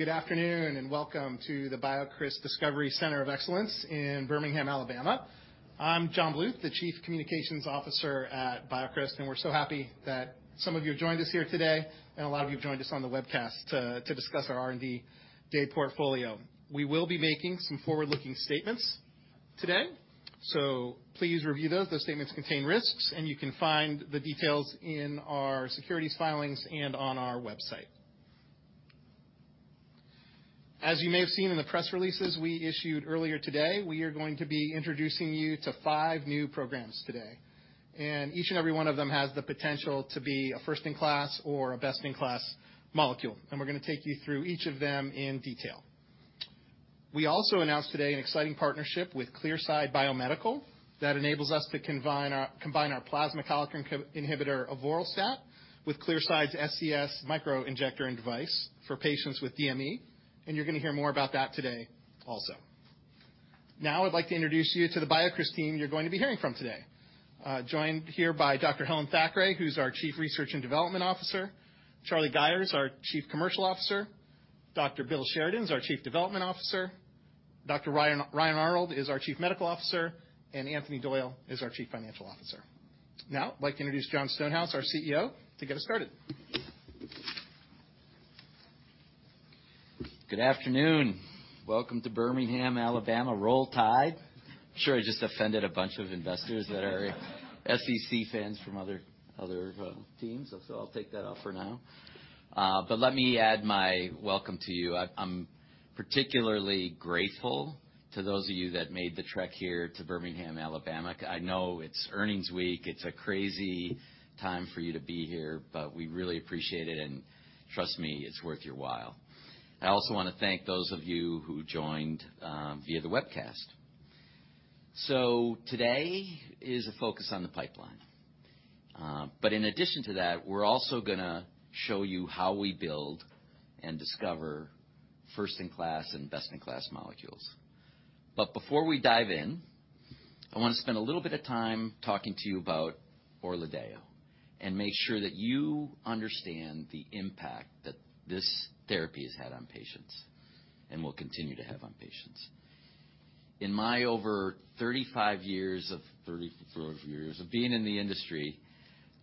Good afternoon, and welcome to the BioCryst Discovery Center of Excellence in Birmingham, Alabama. I'm John Bluth, the Chief Communications Officer at BioCryst, and we're so happy that some of you have joined us here today, and a lot of you have joined us on the webcast to discuss our R&D Day portfolio. We will be making some forward-looking statements today, so please review those. Those statements contain risks, and you can find the details in our securities filings and on our website. As you may have seen in the press releases we issued earlier today, we are going to be introducing you to five new programs today, and each and every one of them has the potential to be a first-in-class or a best-in-class molecule. We're gonna take you through each of them in detail. We also announced today an exciting partnership with Clearside Biomedical that enables us to combine our plasma kallikrein inhibitor avoralstat, with Clearside's SCS Microinjector device for patients with DME, and you're gonna hear more about that today also. Now, I'd like to introduce you to the BioCryst team you're going to be hearing from today. Joined here by Dr. Helen Thackray, who's our Chief Research and Development Officer. Charlie Gayer, our Chief Commercial Officer. Dr. Bill Sheridan is our Chief Development Officer. Dr. Ryan Arnold is our Chief Medical Officer, and Anthony Doyle is our Chief Financial Officer. Now, I'd like to introduce Jon Stonehouse, our CEO, to get us started. Good afternoon. Welcome to Birmingham, Alabama. Roll Tide! I'm sure I just offended a bunch of investors that are SEC fans from other teams, so I'll take that off for now. But let me add my welcome to you. I'm particularly grateful to those of you that made the trek here to Birmingham, Alabama. I know it's earnings week. It's a crazy time for you to be here, but we really appreciate it, and trust me, it's worth your while. I also want to thank those of you who joined via the webcast. So today is a focus on the pipeline. But in addition to that, we're also gonna show you how we build and discover first-in-class and best-in-class molecules. But before we dive in, I want to spend a little bit of time talking to you about ORLADEYO, and make sure that you understand the impact that this therapy has had on patients and will continue to have on patients. In my over 35 years of, 34 years of being in the industry,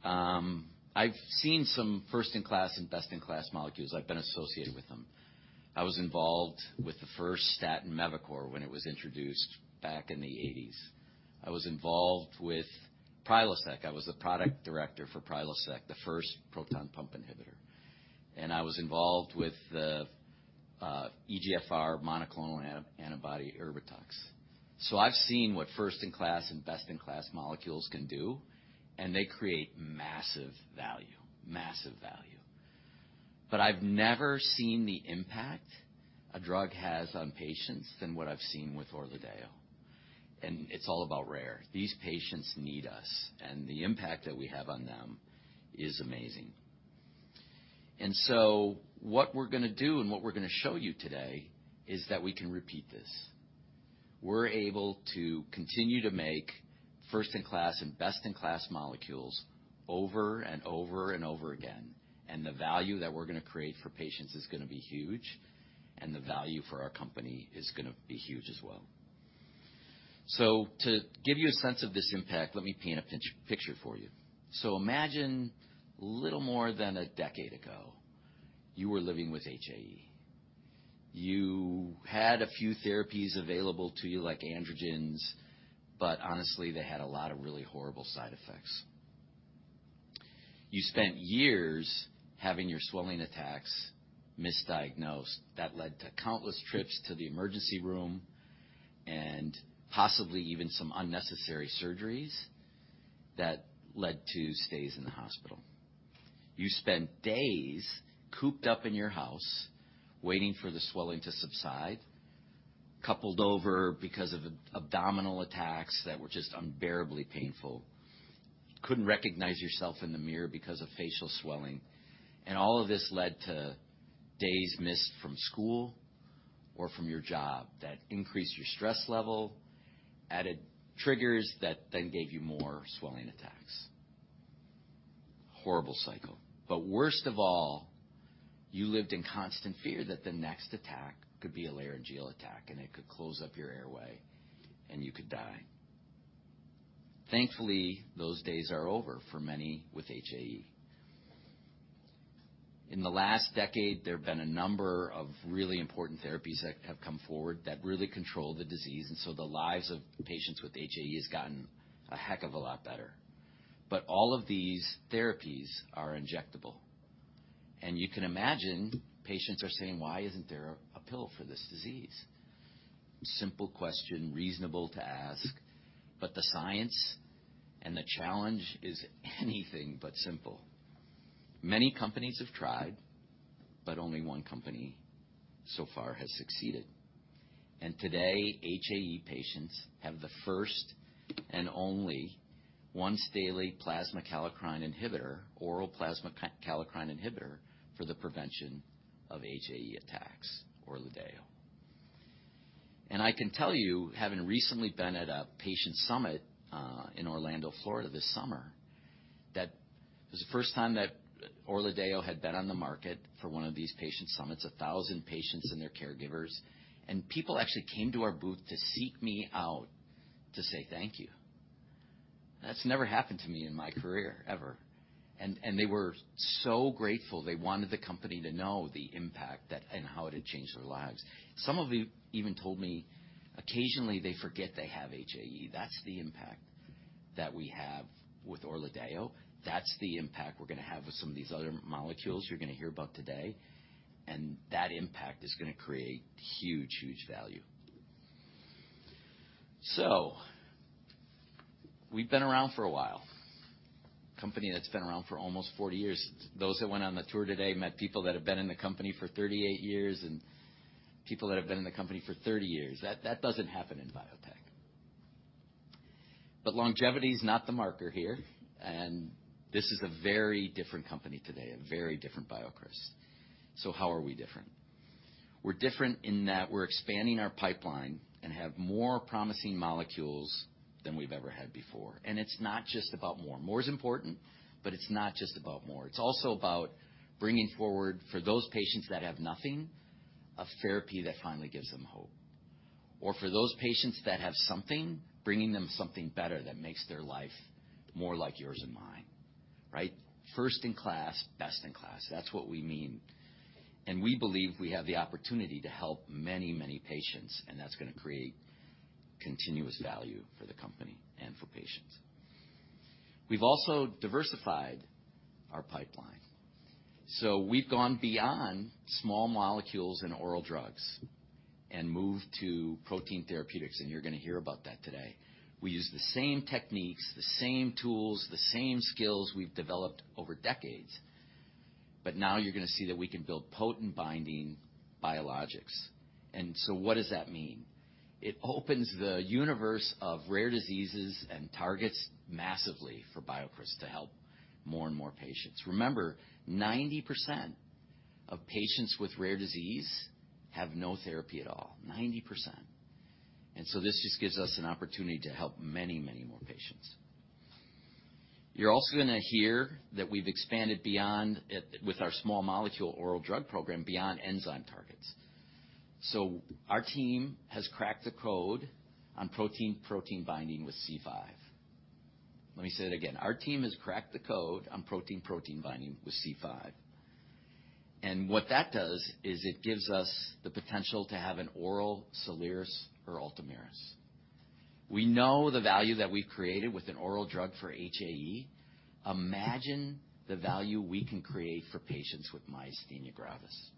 I've seen some first-in-class and best-in-class molecules. I've been associated with them. I was involved with the first statin, Mevacor, when it was introduced back in the 1980s. I was involved with Prilosec. I was the product director for Prilosec, the first proton pump inhibitor, and I was involved with the EGFR monoclonal antibody Erbitux. So I've seen what first-in-class and best-in-class molecules can do, and they create massive value. Massive value. But I've never seen the impact a drug has on patients than what I've seen with ORLADEYO, and it's all about rare. These patients need us, and the impact that we have on them is amazing. And so what we're gonna do and what we're gonna show you today is that we can repeat this. We're able to continue to make first-in-class and best-in-class molecules over and over and over again, and the value that we're gonna create for patients is gonna be huge, and the value for our company is gonna be huge as well. So to give you a sense of this impact, let me paint a picture for you. So imagine a little more than a decade ago, you were living with HAE. You had a few therapies available to you, like androgens, but honestly, they had a lot of really horrible side effects. You spent years having your swelling attacks misdiagnosed. That led to countless trips to the emergency room and possibly even some unnecessary surgeries that led to stays in the hospital. You spent days cooped up in your house, waiting for the swelling to subside, doubled over because of abdominal attacks that were just unbearably painful. Couldn't recognize yourself in the mirror because of facial swelling, and all of this led to days missed from school or from your job that increased your stress level, added triggers that then gave you more swelling attacks. Horrible cycle. But worst of all, you lived in constant fear that the next attack could be a laryngeal attack, and it could close up your airway, and you could die. Thankfully, those days are over for many with HAE. In the last decade, there have been a number of really important therapies that have come forward that really control the disease, and so the lives of patients with HAE has gotten a heck of a lot better. But all of these therapies are injectable, and you can imagine patients are saying: "Why isn't there a pill for this disease?" Simple question, reasonable to ask, but the science and the challenge is anything but simple. Many companies have tried, but only one company so far has succeeded. Today, HAE patients have the first and only once-daily plasma kallikrein inhibitor, oral plasma kallikrein inhibitor for the prevention of HAE attacks, ORLADEYO. And I can tell you, having recently been at a patient summit in Orlando, Florida, this summer, that it was the first time that ORLADEYO had been on the market for one of these patient summits, 1,000 patients and their caregivers, and people actually came to our booth to seek me out to say thank you. That's never happened to me in my career, ever. And they were so grateful. They wanted the company to know the impact that and how it had changed their lives. Some of them even told me, occasionally, they forget they have HAE. That's the impact that we have with ORLADEYO. That's the impact we're gonna have with some of these other molecules you're gonna hear about today, and that impact is gonna create huge, huge value. So we've been around for a while. A company that's been around for almost 40 years. Those that went on the tour today met people that have been in the company for 38 years and people that have been in the company for 30 years. That, that doesn't happen in biotech. But longevity is not the marker here, and this is a very different company today, a very different BioCryst. So how are we different? We're different in that we're expanding our pipeline and have more promising molecules than we've ever had before. And it's not just about more. More is important, but it's not just about more. It's also about bringing forward, for those patients that have nothing, a therapy that finally gives them hope. Or for those patients that have something, bringing them something better that makes their life more like yours and mine, right? First-in-class, best-in-class. That's what we mean. We believe we have the opportunity to help many, many patients, and that's gonna create continuous value for the company and for patients. We've also diversified our pipeline. We've gone beyond small molecules and oral drugs and moved to protein therapeutics, and you're gonna hear about that today. We use the same techniques, the same tools, the same skills we've developed over decades, but now you're gonna see that we can build potent binding biologics. What does that mean? It opens the universe of rare diseases and targets massively for BioCryst to help more and more patients. Remember, 90% of patients with rare disease have no therapy at all. 90%. And so this just gives us an opportunity to help many, many more patients. You're also gonna hear that we've expanded beyond it with our small molecule oral drug program, beyond enzyme targets. So our team has cracked the code on protein-protein binding with C5. Let me say it again. Our team has cracked the code on protein-protein binding with C5, and what that does is it gives us the potential to have an oral Soliris or Ultomiris. We know the value that we've created with an oral drug for HAE. Imagine the value we can create for patients with myasthenia gravis.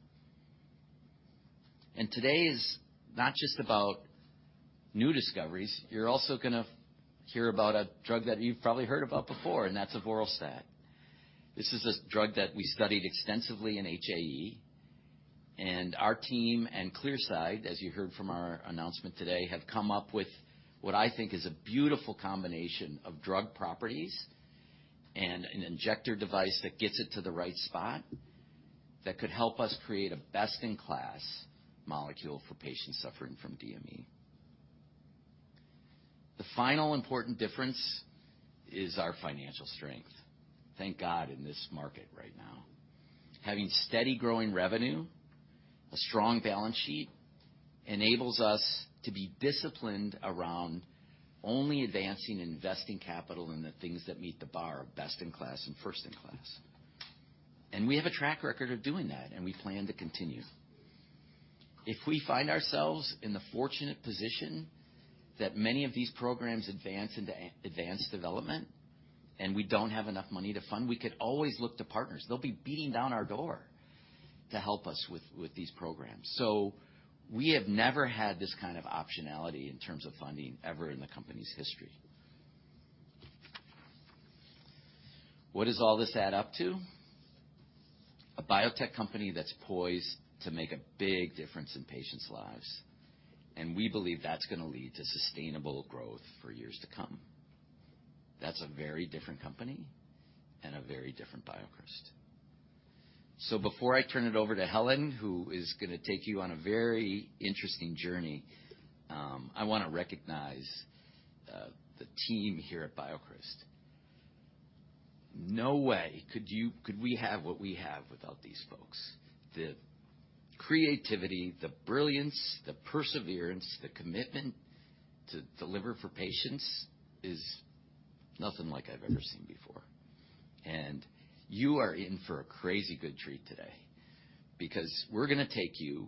And today is not just about new discoveries. You're also gonna hear about a drug that you've probably heard about before, and that's avoralstat. This is a drug that we studied extensively in HAE, and our team and Clearside, as you heard from our announcement today, have come up with what I think is a beautiful combination of drug properties and an injector device that gets it to the right spot, that could help us create a best-in-class molecule for patients suffering from DME. The final important difference is our financial strength. Thank God, in this market right now, having steady, growing revenue, a strong balance sheet, enables us to be disciplined around only advancing and investing capital in the things that meet the bar of best-in-class and first-in-class. We have a track record of doing that, and we plan to continue. If we find ourselves in the fortunate position that many of these programs advance into advanced development and we don't have enough money to fund, we could always look to partners. They'll be beating down our door to help us with these programs. So we have never had this kind of optionality in terms of funding ever in the company's history. What does all this add up to? A biotech company that's poised to make a big difference in patients' lives, and we believe that's gonna lead to sustainable growth for years to come. That's a very different company and a very different BioCryst. So before I turn it over to Helen, who is gonna take you on a very interesting journey, I wanna recognize the team here at BioCryst. No way could we have what we have without these folks. The creativity, the brilliance, the perseverance, the commitment to deliver for patients is nothing like I've ever seen before. And you are in for a crazy good treat today, because we're gonna take you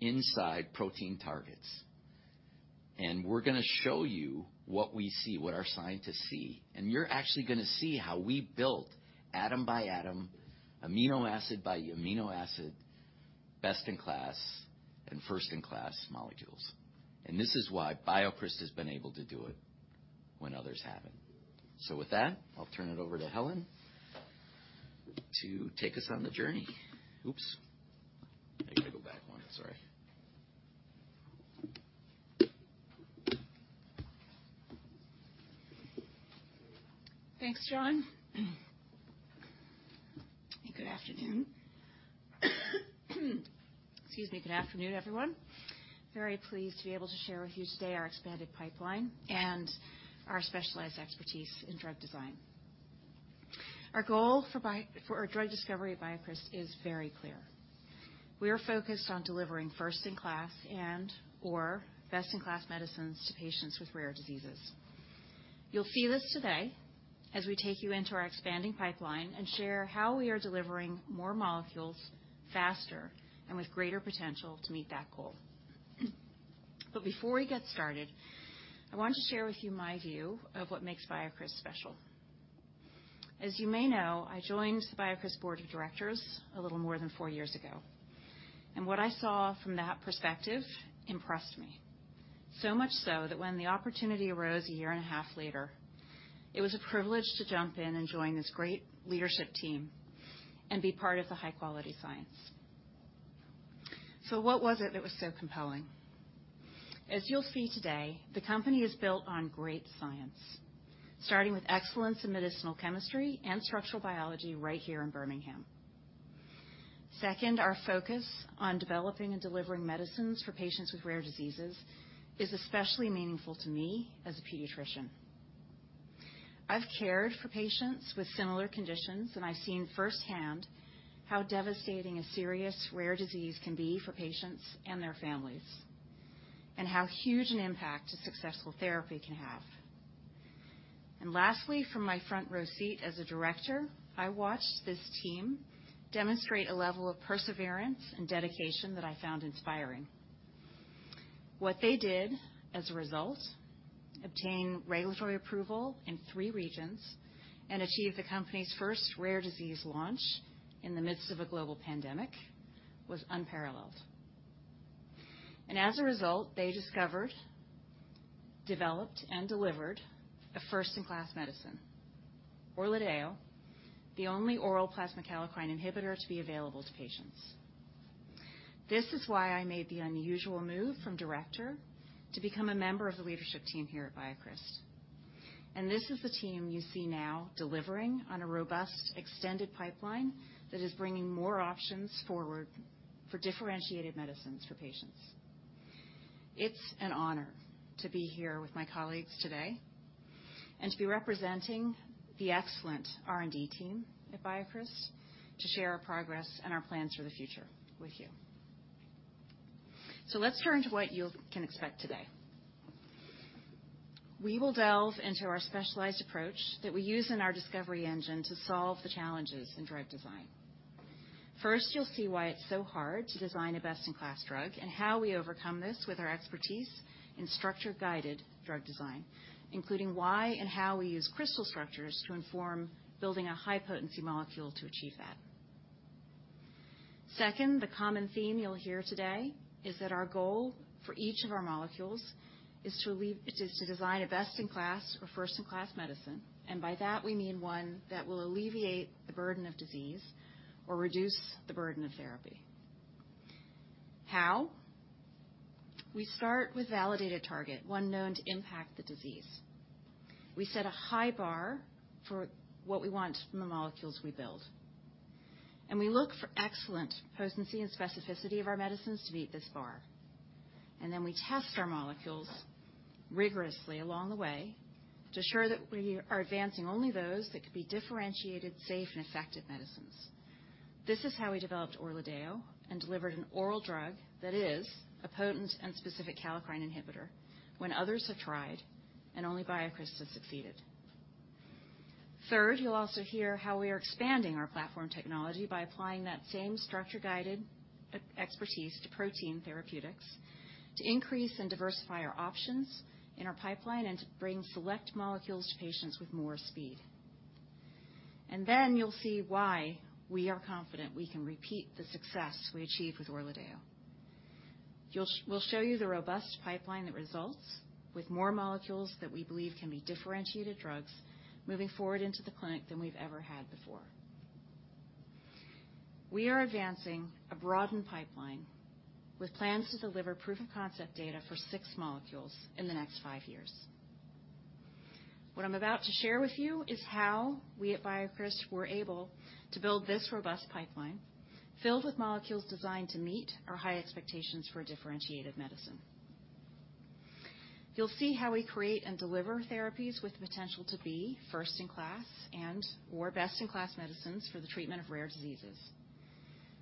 inside protein targets, and we're gonna show you what we see, what our scientists see. And you're actually gonna see how we built, atom by atom, amino acid by amino acid, best-in-class and first-in-class molecules. And this is why BioCryst has been able to do it when others haven't. So with that, I'll turn it over to Helen to take us on the journey. Oops. I gotta go back one. Sorry.... Thanks, Jon. And good afternoon. Excuse me. Good afternoon, everyone. Very pleased to be able to share with you today our expanded pipeline and our specialized expertise in drug design. Our goal for our drug discovery at BioCryst is very clear. We are focused on delivering first-in-class and/or best-in-class medicines to patients with rare diseases. You'll see this today as we take you into our expanding pipeline and share how we are delivering more molecules faster and with greater potential to meet that goal. But before we get started, I want to share with you my view of what makes BioCryst special. As you may know, I joined the BioCryst Board of Directors a little more than four years ago, and what I saw from that perspective impressed me. So much so that when the opportunity arose a year and a half later, it was a privilege to jump in and join this great leadership team and be part of the high-quality science. So what was it that was so compelling? As you'll see today, the company is built on great science, starting with excellence in medicinal chemistry and structural biology right here in Birmingham. Second, our focus on developing and delivering medicines for patients with rare diseases is especially meaningful to me as a pediatrician. I've cared for patients with similar conditions, and I've seen firsthand how devastating a serious, rare disease can be for patients and their families, and how huge an impact a successful therapy can have. And lastly, from my front row seat as a director, I watched this team demonstrate a level of perseverance and dedication that I found inspiring. What they did as a result, obtain regulatory approval in three regions and achieve the company's first rare disease launch in the midst of a global pandemic, was unparalleled. As a result, they discovered, developed, and delivered a first-in-class medicine, ORLADEYO, the only oral plasma kallikrein inhibitor to be available to patients. This is why I made the unusual move from director to become a member of the leadership team here at BioCryst. This is the team you see now delivering on a robust, extended pipeline that is bringing more options forward for differentiated medicines for patients. It's an honor to be here with my colleagues today and to be representing the excellent R&D team at BioCryst, to share our progress and our plans for the future with you. Let's turn to what you can expect today. We will delve into our specialized approach that we use in our discovery engine to solve the challenges in drug design. First, you'll see why it's so hard to design a best-in-class drug, and how we overcome this with our expertise in structure-guided drug design, including why and how we use crystal structures to inform building a high-potency molecule to achieve that. Second, the common theme you'll hear today is that our goal for each of our molecules is to design a best-in-class or first-in-class medicine, and by that, we mean one that will alleviate the burden of disease or reduce the burden of therapy. How? We start with validated target, one known to impact the disease. We set a high bar for what we want from the molecules we build, and we look for excellent potency and specificity of our medicines to meet this bar. Then we test our molecules rigorously along the way to ensure that we are advancing only those that could be differentiated, safe, and effective medicines. This is how we developed ORLADEYO and delivered an oral drug that is a potent and specific kallikrein inhibitor when others have tried and only BioCryst has succeeded. Third, you'll also hear how we are expanding our platform technology by applying that same structure-guided expertise to protein therapeutics, to increase and diversify our options in our pipeline, and to bring select molecules to patients with more speed. And then you'll see why we are confident we can repeat the success we achieved with ORLADEYO. We'll show you the robust pipeline that results with more molecules that we believe can be differentiated drugs moving forward into the clinic than we've ever had before. We are advancing a broadened pipeline with plans to deliver proof-of-concept data for six molecules in the next five years. What I'm about to share with you is how we at BioCryst were able to build this robust pipeline, filled with molecules designed to meet our high expectations for differentiated medicine. You'll see how we create and deliver therapies with the potential to be first-in-class and/or best-in-class medicines for the treatment of rare diseases.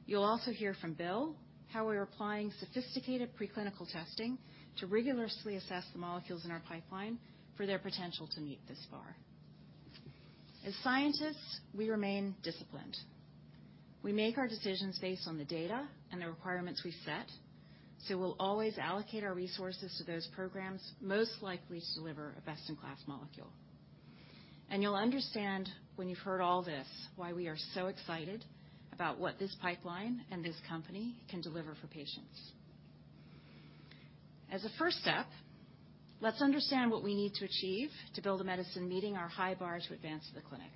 You'll also hear from Bill, how we're applying sophisticated preclinical testing to rigorously assess the molecules in our pipeline for their potential to meet this bar. As scientists, we remain disciplined. We make our decisions based on the data and the requirements we set, so we'll always allocate our resources to those programs most likely to deliver a best-in-class molecule. You'll understand, when you've heard all this, why we are so excited about what this pipeline and this company can deliver for patients. As a first step, let's understand what we need to achieve to build a medicine, meeting our high bar to advance to the clinic....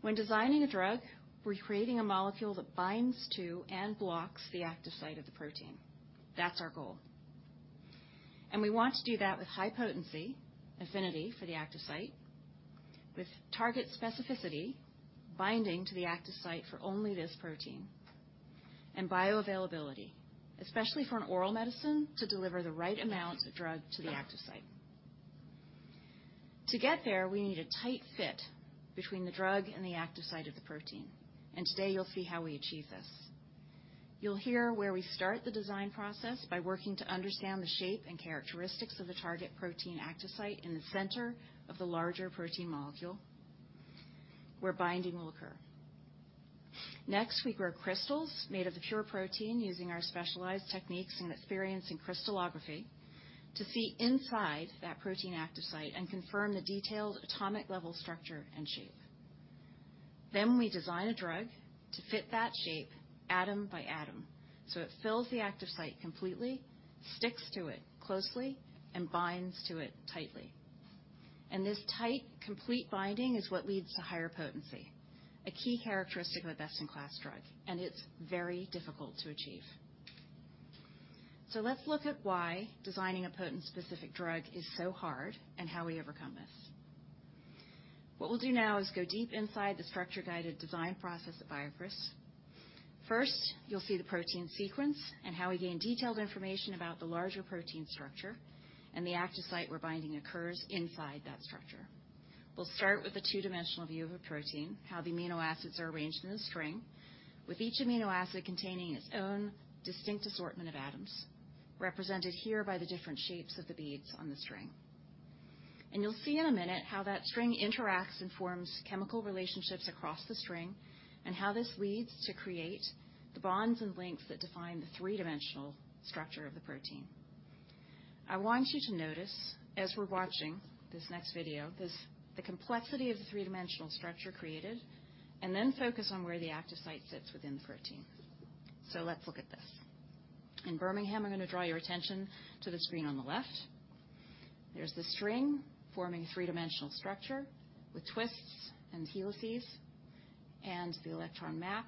When designing a drug, we're creating a molecule that binds to and blocks the active site of the protein. That's our goal. We want to do that with high potency, affinity for the active site, with target specificity, binding to the active site for only this protein, and bioavailability, especially for an oral medicine to deliver the right amount of drug to the active site. To get there, we need a tight fit between the drug and the active site of the protein, and today you'll see how we achieve this. You'll hear where we start the design process by working to understand the shape and characteristics of the target protein active site in the center of the larger protein molecule, where binding will occur. Next, we grow crystals made of the pure protein, using our specialized techniques and experience in crystallography, to see inside that protein active site and confirm the detailed atomic-level structure and shape. Then we design a drug to fit that shape, atom by atom, so it fills the active site completely, sticks to it closely, and binds to it tightly. And this tight, complete binding is what leads to higher potency, a key characteristic of a best-in-class drug, and it's very difficult to achieve. Let's look at why designing a potent, specific drug is so hard and how we overcome this. What we'll do now is go deep inside the structure-guided design process at BioCryst. First, you'll see the protein sequence and how we gain detailed information about the larger protein structure and the active site where binding occurs inside that structure. We'll start with a two-dimensional view of a protein, how the amino acids are arranged in a string, with each amino acid containing its own distinct assortment of atoms, represented here by the different shapes of the beads on the string. You'll see in a minute how that string interacts and forms chemical relationships across the string, and how this leads to create the bonds and links that define the three-dimensional structure of the protein. I want you to notice, as we're watching this next video, this, the complexity of the three-dimensional structure created, and then focus on where the active site sits within the protein. Let's look at this. In Birmingham, I'm going to draw your attention to the screen on the left. There's the string forming a three-dimensional structure with twists and helices, and the electron map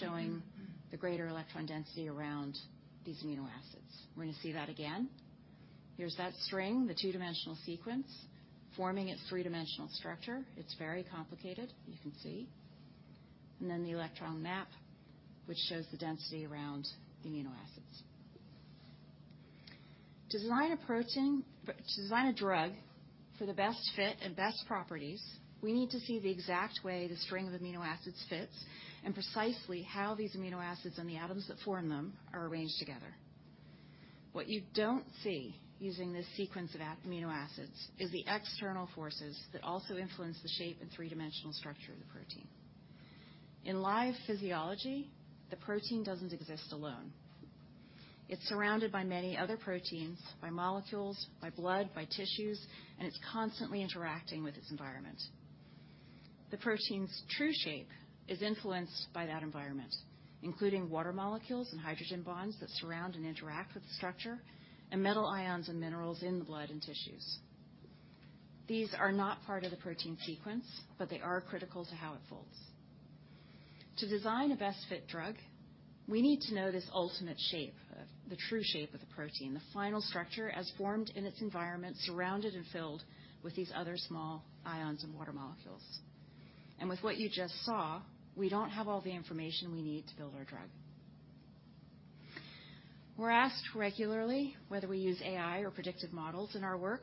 showing the greater electron density around these amino acids. We're going to see that again. Here's that string, the two-dimensional sequence, forming its three-dimensional structure. It's very complicated, you can see. And then the electron map, which shows the density around the amino acids. To design a drug for the best fit and best properties, we need to see the exact way the string of amino acids fits, and precisely how these amino acids and the atoms that form them are arranged together. What you don't see using this sequence of amino acids is the external forces that also influence the shape and three-dimensional structure of the protein. In live physiology, the protein doesn't exist alone. It's surrounded by many other proteins, by molecules, by blood, by tissues, and it's constantly interacting with its environment. The protein's true shape is influenced by that environment, including water molecules and hydrogen bonds that surround and interact with the structure, and metal ions and minerals in the blood and tissues. These are not part of the protein sequence, but they are critical to how it folds. To design a best fit drug, we need to know this ultimate shape, of the true shape of the protein, the final structure as formed in its environment, surrounded and filled with these other small ions and water molecules. With what you just saw, we don't have all the information we need to build our drug. We're asked regularly whether we use AI or predictive models in our work.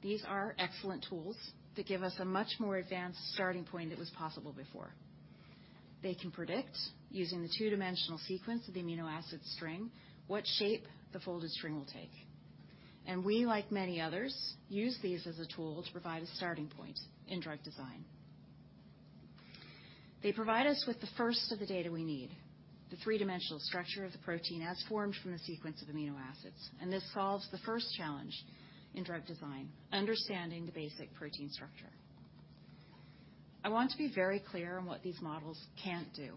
These are excellent tools that give us a much more advanced starting point that was possible before. They can predict, using the two-dimensional sequence of the amino acid string, what shape the folded string will take. We, like many others, use these as a tool to provide a starting point in drug design. They provide us with the first of the data we need, the three-dimensional structure of the protein as formed from the sequence of amino acids, and this solves the first challenge in drug design: understanding the basic protein structure. I want to be very clear on what these models can't do.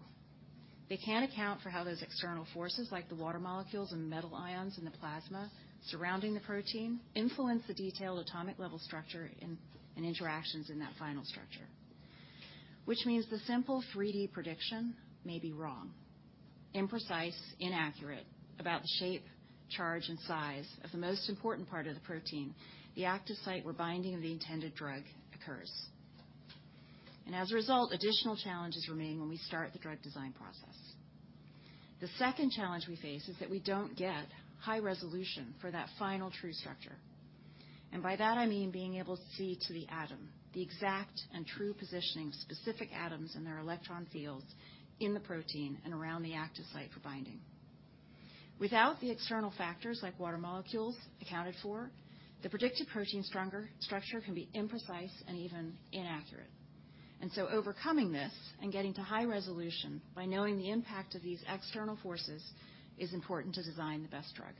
They can't account for how those external forces, like the water molecules and metal ions in the plasma surrounding the protein, influence the detailed atomic level structure and interactions in that final structure. Which means the simple 3D prediction may be wrong, imprecise, inaccurate, about the shape, charge, and size of the most important part of the protein, the active site, where binding of the intended drug occurs. And as a result, additional challenges remain when we start the drug design process. The second challenge we face is that we don't get high resolution for that final true structure. And by that, I mean being able to see to the atom, the exact and true positioning of specific atoms in their electron fields, in the protein and around the active site for binding. Without the external factors, like water molecules, accounted for, the predicted protein structure can be imprecise and even inaccurate. And so overcoming this and getting to high resolution by knowing the impact of these external forces is important to design the best drug.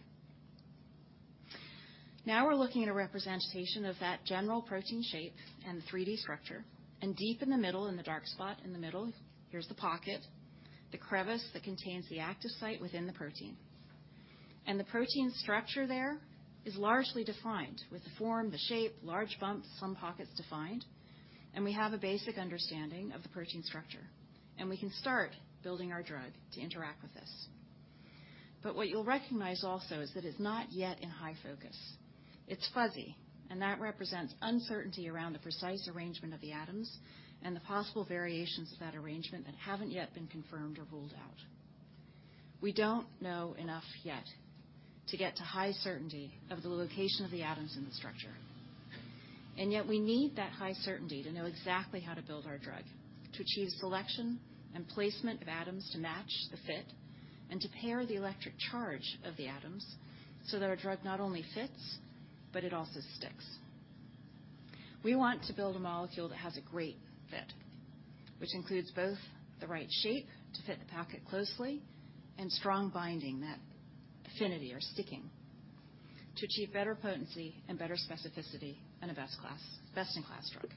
Now, we're looking at a representation of that general protein shape and the 3-D structure, and deep in the middle, in the dark spot, in the middle, here's the pocket, the crevice that contains the active site within the protein. The protein structure there is largely defined with the form, the shape, large bumps, some pockets defined, and we have a basic understanding of the protein structure, and we can start building our drug to interact with this. But what you'll recognize also is that it's not yet in high focus. It's fuzzy, and that represents uncertainty around the precise arrangement of the atoms and the possible variations of that arrangement that haven't yet been confirmed or ruled out. We don't know enough yet to get to high certainty of the location of the atoms in the structure, and yet we need that high certainty to know exactly how to build our drug, to achieve selection and placement of atoms, to match the fit, and to pair the electric charge of the atoms so that our drug not only fits, but it also sticks. We want to build a molecule that has a great fit, which includes both the right shape to fit the pocket closely and strong binding, that affinity or sticking, to achieve better potency and better specificity and a best-in-class drug.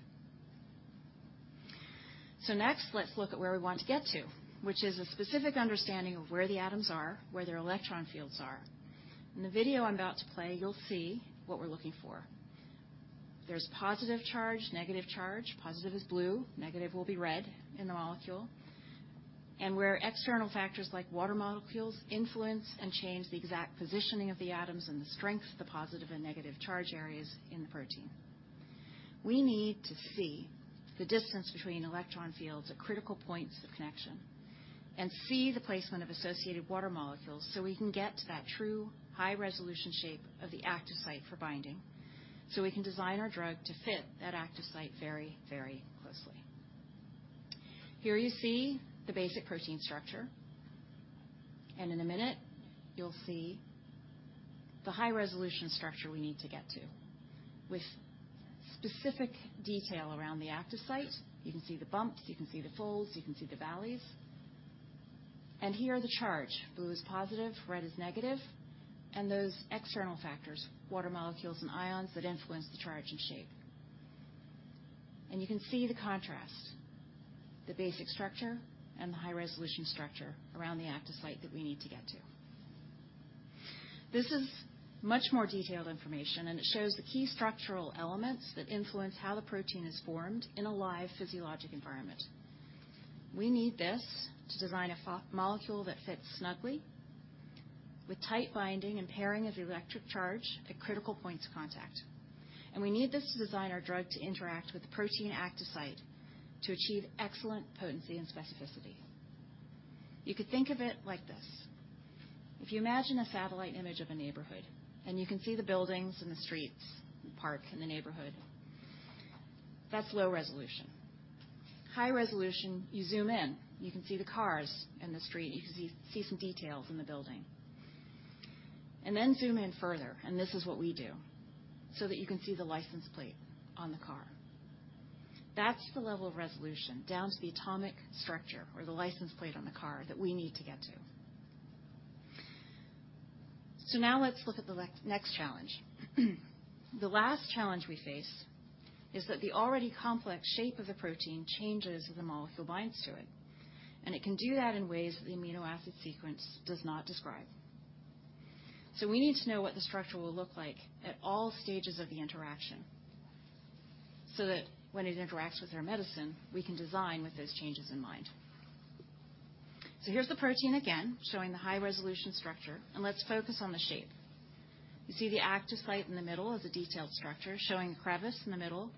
Next, let's look at where we want to get to, which is a specific understanding of where the atoms are, where their electron fields are. In the video I'm about to play, you'll see what we're looking for. There's positive charge, negative charge. Positive is blue, negative will be red in the molecule. And where external factors, like water molecules, influence and change the exact positioning of the atoms and the strength of the positive and negative charge areas in the protein. We need to see the distance between electron fields at critical points of connection and see the placement of associated water molecules so we can get to that true high-resolution shape of the active site for binding, so we can design our drug to fit that active site very, very closely. Here you see the basic protein structure, and in a minute, you'll see the high-resolution structure we need to get to. With specific detail around the active site, you can see the bumps, you can see the folds, you can see the valleys. And here are the charges. Blue is positive, red is negative. Those external factors, water molecules and ions, that influence the charge and shape. You can see the contrast, the basic structure and the high-resolution structure around the active site that we need to get to. This is much more detailed information, and it shows the key structural elements that influence how the protein is formed in a live physiologic environment. We need this to design a molecule that fits snugly with tight binding and pairing of the electric charge at critical points of contact. We need this to design our drug to interact with the protein active site to achieve excellent potency and specificity. You could think of it like this. If you imagine a satellite image of a neighborhood, and you can see the buildings and the streets and parks in the neighborhood, that's low resolution. High resolution, you zoom in, you can see the cars in the street, you can see some details in the building. And then zoom in further, and this is what we do, so that you can see the license plate on the car. That's the level of resolution, down to the atomic structure or the license plate on the car that we need to get to. So now let's look at the next challenge. The last challenge we face is that the already complex shape of the protein changes as the molecule binds to it, and it can do that in ways that the amino acid sequence does not describe. So we need to know what the structure will look like at all stages of the interaction, so that when it interacts with our medicine, we can design with those changes in mind. Here's the protein again, showing the high-resolution structure, and let's focus on the shape. You see the active site in the middle as a detailed structure, showing a crevice in the middle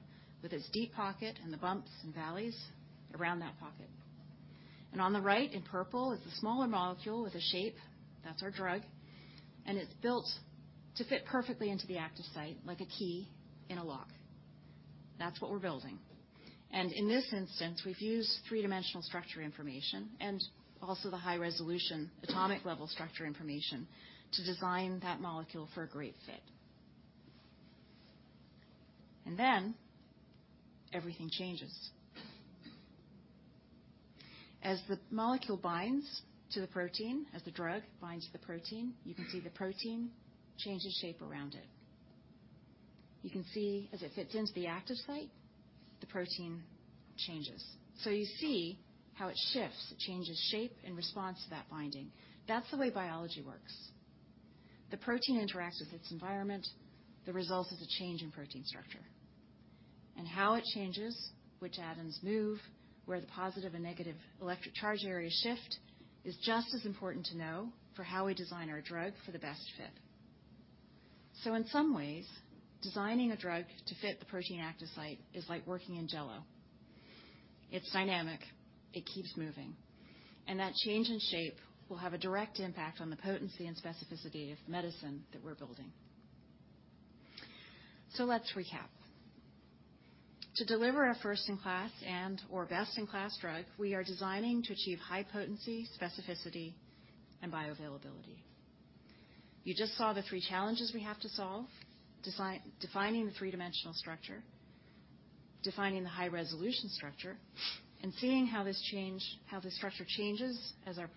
with its deep pocket and the bumps and valleys around that pocket. On the right, in purple, is a smaller molecule with a shape, that's our drug, and it's built to fit perfectly into the active site, like a key in a lock. That's what we're building. In this instance, we've used three-dimensional structure information and also the high-resolution, atomic-level structure information to design that molecule for a great fit. Then everything changes. As the molecule binds to the protein, as the drug binds to the protein, you can see the protein changes shape around it. You can see as it fits into the active site, the protein changes. You see how it shifts. It changes shape in response to that binding. That's the way biology works. The protein interacts with its environment. The result is a change in protein structure. How it changes, which atoms move, where the positive and negative electric charge areas shift, is just as important to know for how we design our drug for the best fit. In some ways, designing a drug to fit the protein active site is like working in Jell-O. It's dynamic, it keeps moving, and that change in shape will have a direct impact on the potency and specificity of the medicine that we're building. Let's recap. To deliver a first-in-class and/or best-in-class drug, we are designing to achieve high potency, specificity, and bioavailability. You just saw the three challenges we have to solve, defining the three-dimensional structure, defining the high-resolution structure, and seeing how this change, how the structure changes as our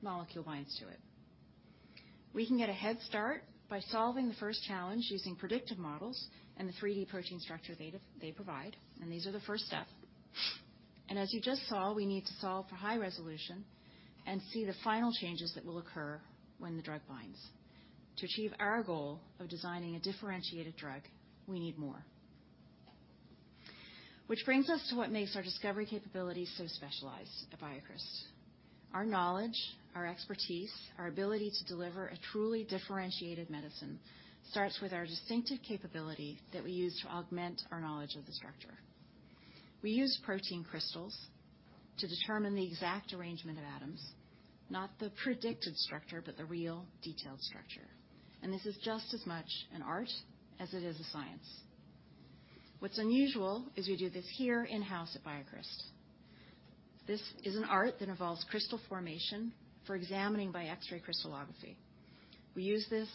molecule binds to it. We can get a head start by solving the first challenge using predictive models and the 3-D protein structure data they provide, and these are the first step. As you just saw, we need to solve for high resolution and see the final changes that will occur when the drug binds. To achieve our goal of designing a differentiated drug, we need more. Which brings us to what makes our discovery capabilities so specialized at BioCryst. Our knowledge, our expertise, our ability to deliver a truly differentiated medicine starts with our distinctive capability that we use to augment our knowledge of the structure. We use protein crystals to determine the exact arrangement of atoms, not the predicted structure, but the real detailed structure. This is just as much an art as it is a science. What's unusual is we do this here in-house at BioCryst. This is an art that involves crystal formation for examining by X-ray crystallography. We use this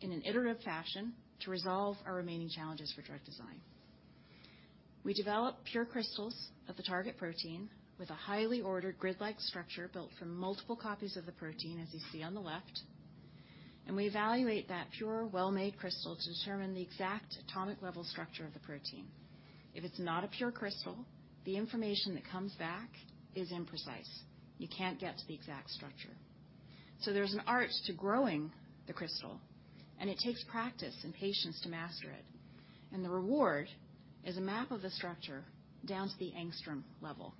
in an iterative fashion to resolve our remaining challenges for drug design. We develop pure crystals of the target protein with a highly ordered grid-like structure built from multiple copies of the protein, as you see on the left, and we evaluate that pure, well-made crystal to determine the exact atomic level structure of the protein. If it's not a pure crystal, the information that comes back is imprecise. You can't get to the exact structure. There's an art to growing the crystal, and it takes practice and patience to master it. The reward is a map of the structure down to the Angstrom level.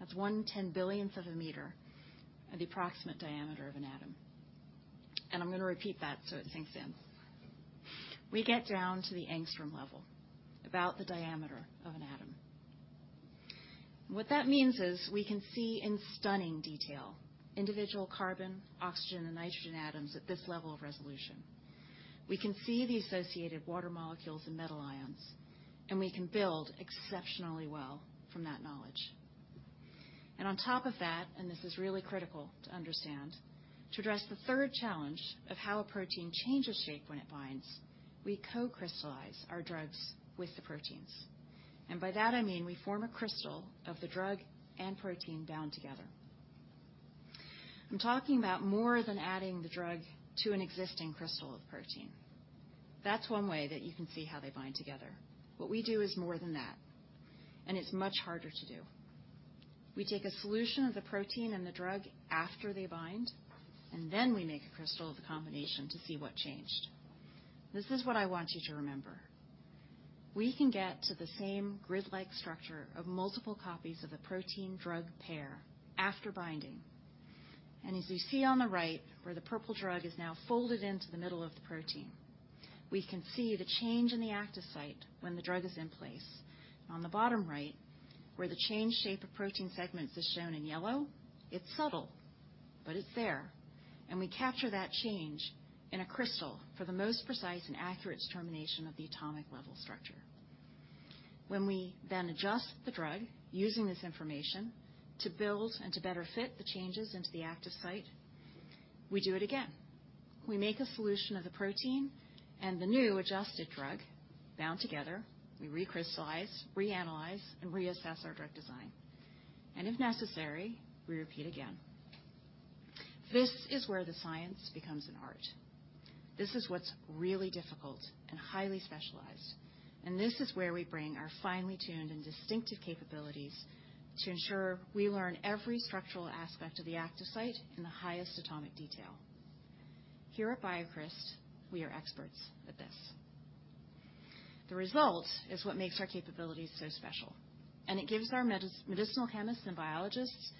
That's 1/10,000,000,000 of a meter and the approximate diameter of an atom. I'm going to repeat that so it sinks in. We get down to the Angstrom level, about the diameter of an atom. What that means is we can see in stunning detail, individual carbon, oxygen, and nitrogen atoms at this level of resolution. We can see the associated water molecules and metal ions, and we can build exceptionally well from that knowledge. On top of that, and this is really critical to understand, to address the third challenge of how a protein changes shape when it binds, we co-crystallize our drugs with the proteins, and by that I mean we form a crystal of the drug and protein bound together. I'm talking about more than adding the drug to an existing crystal of protein. That's one way that you can see how they bind together. What we do is more than that, and it's much harder to do. We take a solution of the protein and the drug after they bind, and then we make a crystal of the combination to see what changed. This is what I want you to remember. We can get to the same grid-like structure of multiple copies of the protein-drug pair after binding. As you see on the right, where the purple drug is now folded into the middle of the protein, we can see the change in the active site when the drug is in place. On the bottom right, where the changed shape of protein segments is shown in yellow, it's subtle, but it's there, and we capture that change in a crystal for the most precise and accurate determination of the atomic level structure. When we then adjust the drug, using this information to build and to better fit the changes into the active site, we do it again. We make a solution of the protein and the new adjusted drug bound together. We recrystallize, reanalyze, and reassess our drug design, and if necessary, we repeat again. This is where the science becomes an art. This is what's really difficult and highly specialized, and this is where we bring our finely tuned and distinctive capabilities to ensure we learn every structural aspect of the active site in the highest atomic detail. Here at BioCryst, we are experts at this. The result is what makes our capabilities so special, and it gives our medicinal chemists and biologists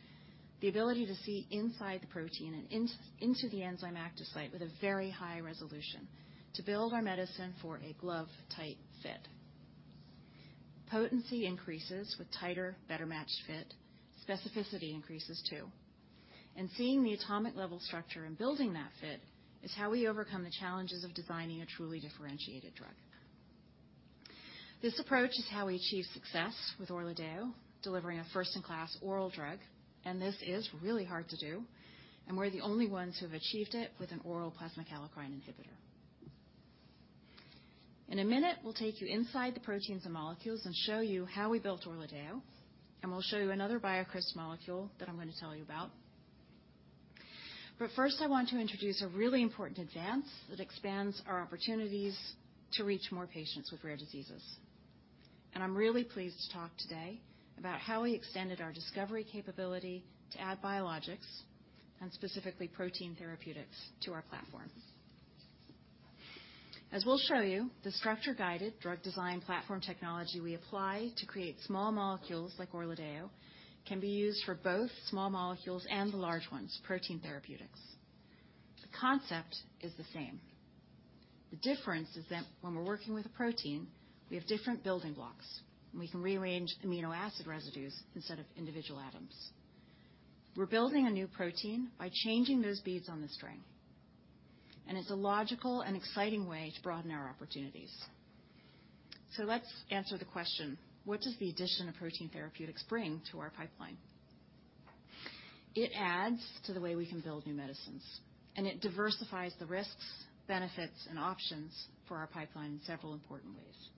the ability to see inside the protein and into the enzyme active site with a very high resolution to build our medicine for a glove-tight fit. Potency increases with tighter, better matched fit. Specificity increases, too, and seeing the atomic level structure and building that fit is how we overcome the challenges of designing a truly differentiated drug. This approach is how we achieve success with ORLADEYO, delivering a first-in-class oral drug, and this is really hard to do, and we're the only ones who have achieved it with an oral plasma kallikrein inhibitor. In a minute, we'll take you inside the proteins and molecules and show you how we built ORLADEYO, and we'll show you another BioCryst molecule that I'm going to tell you about. But first, I want to introduce a really important advance that expands our opportunities to reach more patients with rare diseases. I'm really pleased to talk today about how we extended our discovery capability to add biologics and specifically protein therapeutics to our platform. As we'll show you, the structure-guided drug design platform technology we apply to create small molecules like ORLADEYO can be used for both small molecules and the large ones, protein therapeutics. The concept is the same. The difference is that when we're working with a protein, we have different building blocks, and we can rearrange amino acid residues instead of individual atoms. We're building a new protein by changing those beads on the string, and it's a logical and exciting way to broaden our opportunities. So let's answer the question: What does the addition of protein therapeutics bring to our pipeline? It adds to the way we can build new medicines, and it diversifies the risks, benefits, and options for our pipeline in several important ways.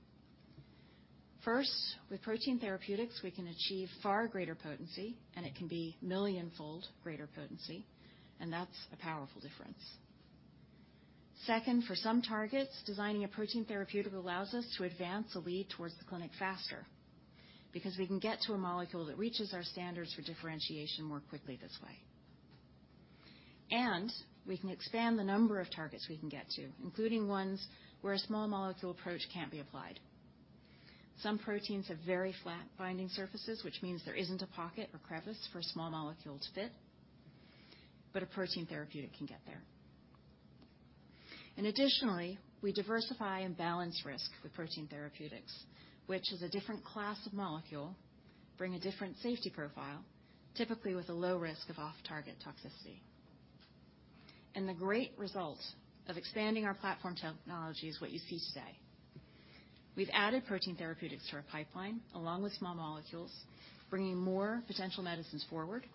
First, with protein therapeutics, we can achieve far greater potency, and it can be million-fold greater potency, and that's a powerful difference. Second, for some targets, designing a protein therapeutic allows us to advance a lead towards the clinic faster, because we can get to a molecule that reaches our standards for differentiation more quickly this way. We can expand the number of targets we can get to, including ones where a small molecule approach can't be applied. Some proteins have very flat binding surfaces, which means there isn't a pocket or crevice for a small molecule to fit, but a protein therapeutic can get there. And additionally, we diversify and balance risk with protein therapeutics, which is a different class of molecule, bring a different safety profile, typically with a low risk of off-target toxicity. And the great result of expanding our platform technology is what you see today. We've added protein therapeutics to our pipeline, along with small molecules, bringing more potential medicines forward,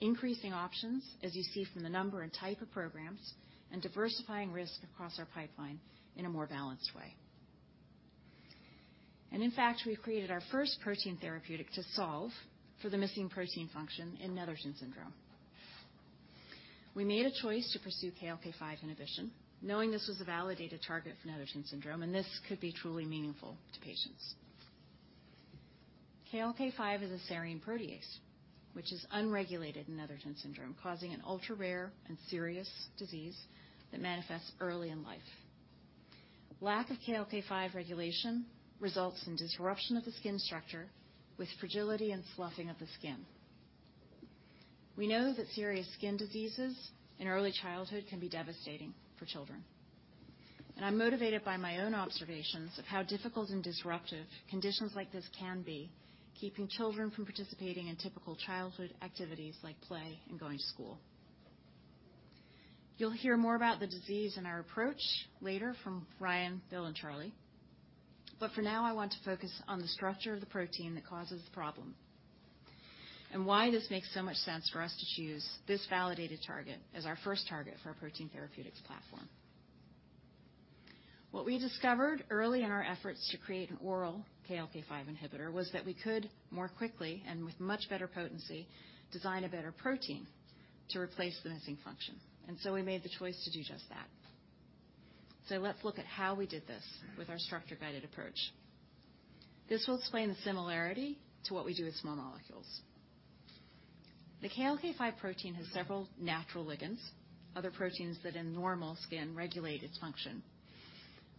increasing options, as you see from the number and type of programs, and diversifying risk across our pipeline in a more balanced way. In fact, we've created our first protein therapeutic to solve for the missing protein function in Netherton syndrome. We made a choice to pursue KLK5 inhibition, knowing this was a validated target for Netherton syndrome, and this could be truly meaningful to patients. KLK5 is a serine protease, which is unregulated in Netherton syndrome, causing an ultra-rare and serious disease that manifests early in life. Lack of KLK5 regulation results in disruption of the skin structure with fragility and sloughing of the skin. We know that serious skin diseases in early childhood can be devastating for children, and I'm motivated by my own observations of how difficult and disruptive conditions like this can be, keeping children from participating in typical childhood activities like play and going to school. You'll hear more about the disease and our approach later from Ryan, Bill, and Charlie. But for now, I want to focus on the structure of the protein that causes the problem and why this makes so much sense for us to choose this validated target as our first target for our protein therapeutics platform. What we discovered early in our efforts to create an oral KLK5 inhibitor was that we could more quickly and with much better potency, design a better protein to replace the missing function, and so we made the choice to do just that. So let's look at how we did this with our structure-guided approach. This will explain the similarity to what we do with small molecules. The KLK5 protein has several natural ligands, other proteins that in normal skin regulate its function.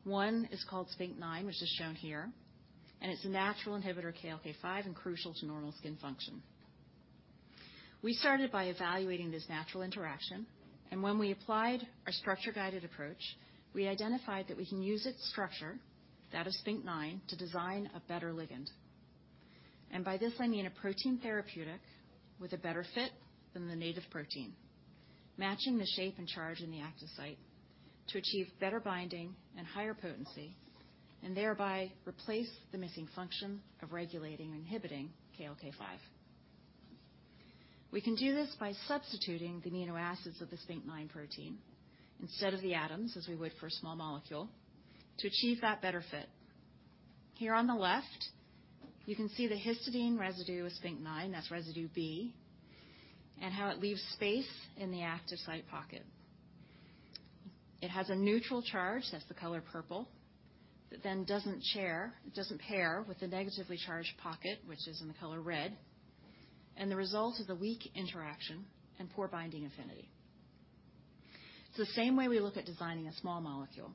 One is called SPINK5, which is shown here, and it's a natural inhibitor of KLK5 and crucial to normal skin function. We started by evaluating this natural interaction, and when we applied our structure-guided approach, we identified that we can use its structure, that is SPINK5, to design a better ligand. By this, I mean a protein therapeutic with a better fit than the native protein, matching the shape and charge in the active site to achieve better binding and higher potency, and thereby replace the missing function of regulating or inhibiting KLK5. We can do this by substituting the amino acids of the SPINK5 protein instead of the atoms, as we would for a small molecule, to achieve that better fit. Here on the left, you can see the histidine residue of SPINK5, that's residue B, and how it leaves space in the active site pocket. It has a neutral charge, that's the color purple, that then doesn't pair with the negatively charged pocket, which is in the color red, and the result is a weak interaction and poor binding affinity. It's the same way we look at designing a small molecule.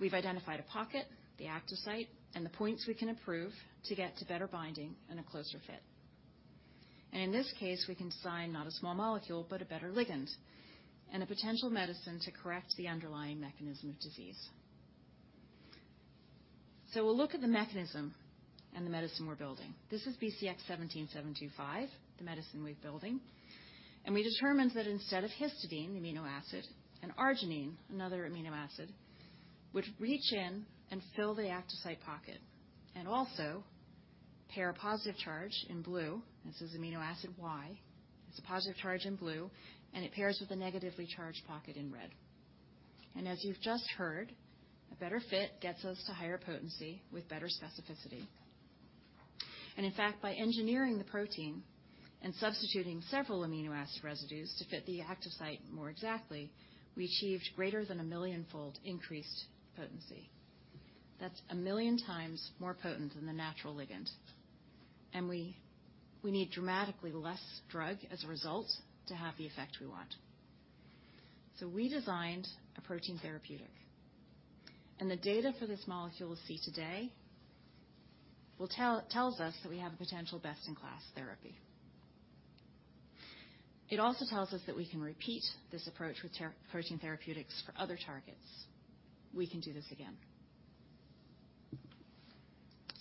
We've identified a pocket, the active site, and the points we can improve to get to better binding and a closer fit. And in this case, we can design not a small molecule, but a better ligand and a potential medicine to correct the underlying mechanism of disease. So we'll look at the mechanism and the medicine we're building. This is BCX17725, the medicine we're building, and we determined that instead of histidine, the amino acid, and arginine, another amino acid, would reach in and fill the active site pocket and also pair a positive charge in blue. This is amino acid Y. It's a positive charge in blue, and it pairs with a negatively charged pocket in red. And as you've just heard, a better fit gets us to higher potency with better specificity. And in fact, by engineering the protein and substituting several amino acid residues to fit the active site more exactly, we achieved greater than a million-fold increased potency. That's a million times more potent than the natural ligand, and we need dramatically less drug as a result to have the effect we want. So we designed a protein therapeutic, and the data for this molecule we'll see today tells us that we have a potential best-in-class therapy. It also tells us that we can repeat this approach with protein therapeutics for other targets. We can do this again.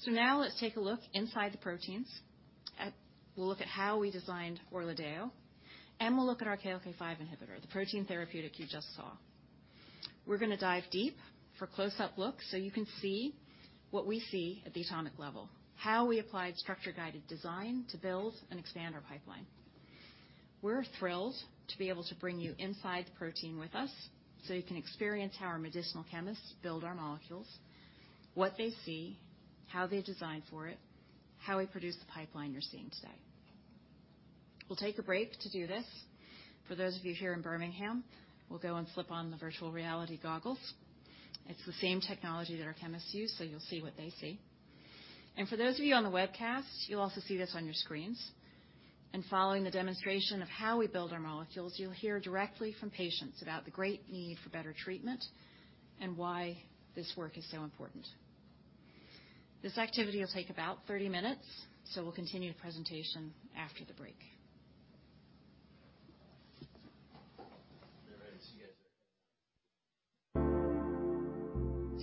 So now let's take a look inside the proteins. We'll look at how we designed ORLADEYO, and we'll look at our KLK5 inhibitor, the protein therapeutic you just saw. We're gonna dive deep for a close-up look so you can see what we see at the atomic level, how we applied structure-guided design to build and expand our pipeline. We're thrilled to be able to bring you inside the protein with us, so you can experience how our medicinal chemists build our molecules, what they see, how they design for it, how we produce the pipeline you're seeing today.... We'll take a break to do this. For those of you here in Birmingham, we'll go and slip on the virtual reality goggles. It's the same technology that our chemists use, so you'll see what they see. And for those of you on the webcast, you'll also see this on your screens. Following the demonstration of how we build our molecules, you'll hear directly from patients about the great need for better treatment and why this work is so important. This activity will take about 30 minutes, so we'll continue the presentation after the break.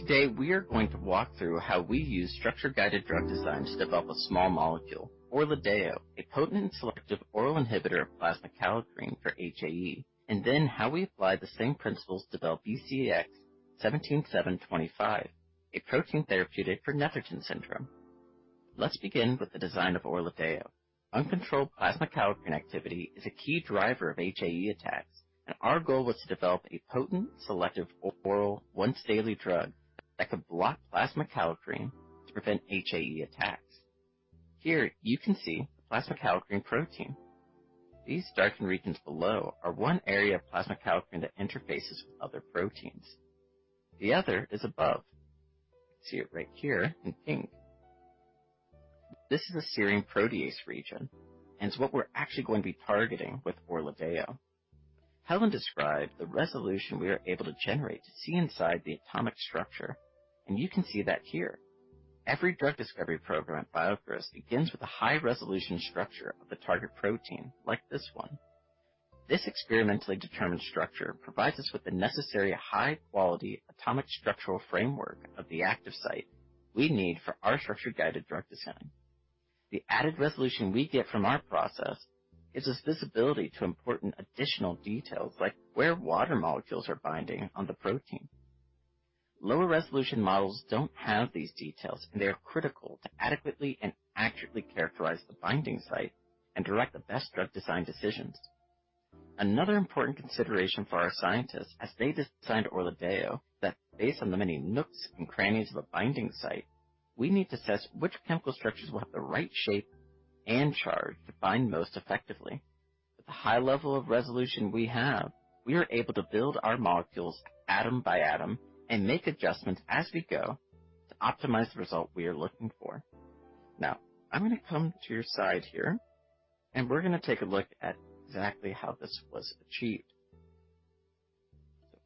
Today, we are going to walk through how we use structure-guided drug design to develop a small molecule, ORLADEYO, a potent selective oral inhibitor of plasma kallikrein for HAE, and then how we apply the same principles to develop BCX17725, a protein therapeutic for Netherton syndrome. Let's begin with the design of ORLADEYO. Uncontrolled plasma kallikrein activity is a key driver of HAE attacks, and our goal was to develop a potent, selective, oral, once-daily drug that could block plasma kallikrein to prevent HAE attacks. Here you can see the plasma kallikrein protein. These darkened regions below are one area of plasma kallikrein that interfaces with other proteins. The other is above. You can see it right here in pink. This is a serine protease region and is what we're actually going to be targeting with ORLADEYO. Helen described the resolution we are able to generate to see inside the atomic structure, and you can see that here. Every drug discovery program at BioCryst begins with a high-resolution structure of the target protein like this one. This experimentally determined structure provides us with the necessary high-quality atomic structural framework of the active site we need for our structure-guided drug design. The added resolution we get from our process gives us visibility to important additional details, like where water molecules are binding on the protein. Lower-resolution models don't have these details, and they are critical to adequately and accurately characterize the binding site and direct the best drug design decisions. Another important consideration for our scientists as they designed ORLADEYO, that based on the many nooks and crannies of a binding site, we need to assess which chemical structures will have the right shape and charge to bind most effectively. With the high level of resolution we have, we are able to build our molecules atom by atom and make adjustments as we go to optimize the result we are looking for. Now, I'm going to come to your side here, and we're going to take a look at exactly how this was achieved.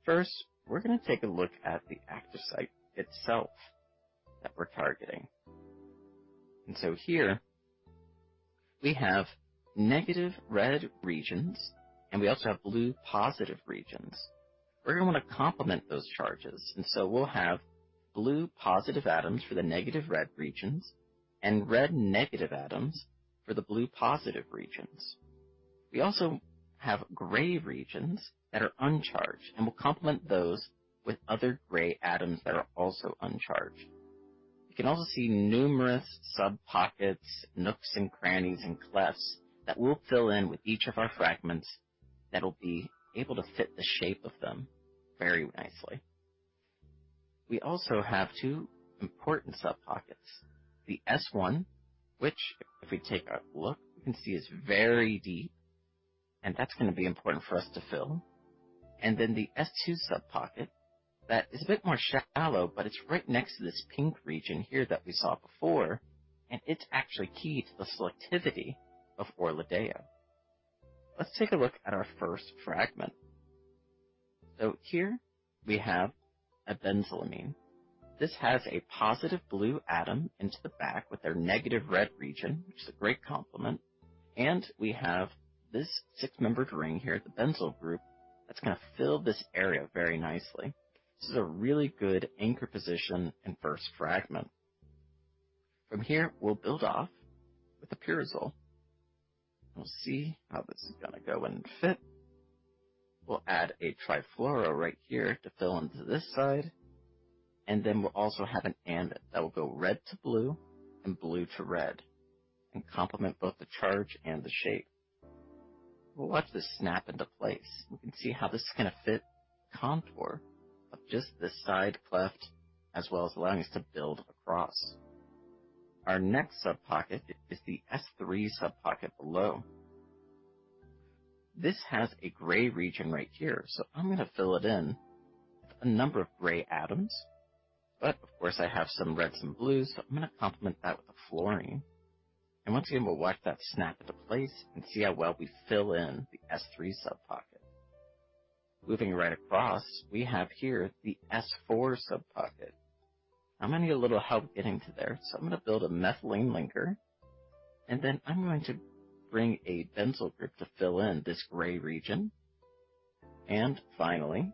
First, we're going to take a look at the active site itself that we're targeting. And so here we have negative red regions, and we also have blue positive regions. We're going to want to complement those charges, and so we'll have blue positive atoms for the negative red regions and red negative atoms for the blue positive regions. We also have gray regions that are uncharged, and we'll complement those with other gray atoms that are also uncharged. You can also see numerous sub-pockets, nooks and crannies, and clefts that we'll fill in with each of our fragments that will be able to fit the shape of them very nicely. We also have two important sub-pockets: the S1, which, if we take a look, we can see is very deep, and that's going to be important for us to fill. And then the S2 sub-pocket, that is a bit more shallow, but it's right next to this pink region here that we saw before, and it's actually key to the selectivity of ORLADEYO. Let's take a look at our first fragment. So here we have a benzylamine. This has a positive blue atom into the back with a negative red region, which is a great complement. We have this six-membered ring here at the benzyl group that's going to fill this area very nicely. This is a really good anchor position and first fragment. From here, we'll build off with the pyrazole. We'll see how this is going to go in and fit. We'll add a trifluoro right here to fill into this side, and then we'll also have an AND that will go red to blue and blue to red and complement both the charge and the shape. We'll watch this snap into place. You can see how this is going to fit the contour of just this side cleft, as well as allowing us to build across. Our next sub-pocket is the S3 sub-pocket below. This has a gray region right here, so I'm going to fill it in with a number of gray atoms. But of course, I have some reds and blues, so I'm going to complement that with a fluorine. And once again, we'll watch that snap into place and see how well we fill in the S3 sub-pocket. Moving right across, we have here the S4 sub-pocket. I'm going to need a little help getting to there, so I'm going to build a methylene linker, and then I'm going to bring a benzyl group to fill in this gray region. And finally,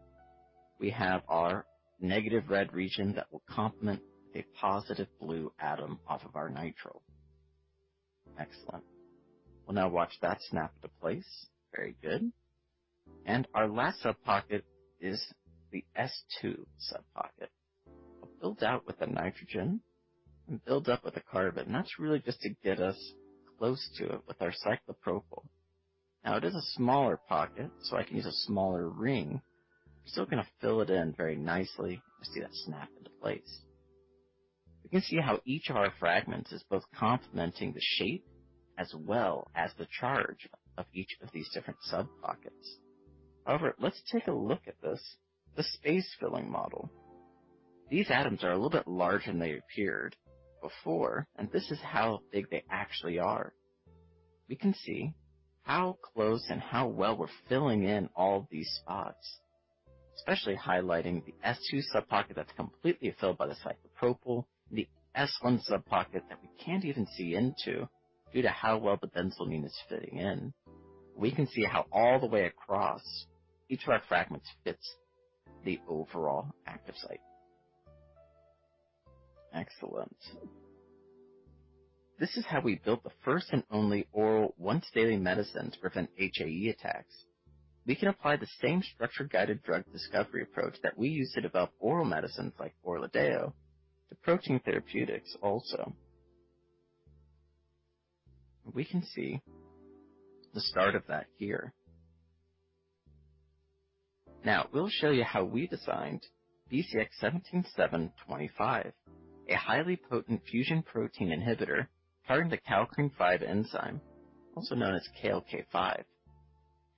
we have our negative red region that will complement a positive blue atom off of our nitro. Excellent. We'll now watch that snap into place. Very good. And our last sub-pocket is the S2 sub-pocket. We'll build out with a nitrogen and build up with a carbon, and that's really just to get us close to it with our cyclopropyl. Now, it is a smaller pocket, so I can use a smaller ring. Still going to fill it in very nicely. You see that snap into place... We can see how each of our fragments is both complementing the shape as well as the charge of each of these different subpockets. However, let's take a look at this, the space-filling model. These atoms are a little bit larger than they appeared before, and this is how big they actually are. We can see how close and how well we're filling in all of these spots, especially highlighting the S2 subpocket that's completely filled by the cyclopropyl, the S1 subpocket that we can't even see into due to how well the benzamidine is fitting in. We can see how all the way across each of our fragments fits the overall active site. Excellent. This is how we built the first and only oral once-daily medicine to prevent HAE attacks. We can apply the same structure-guided drug discovery approach that we use to develop oral medicines like ORLADEYO to protein therapeutics also. We can see the start of that here. Now, we'll show you how we designed BCX17725, a highly potent fusion protein inhibitor targeting the kallikrein-5 enzyme, also known as KLK5.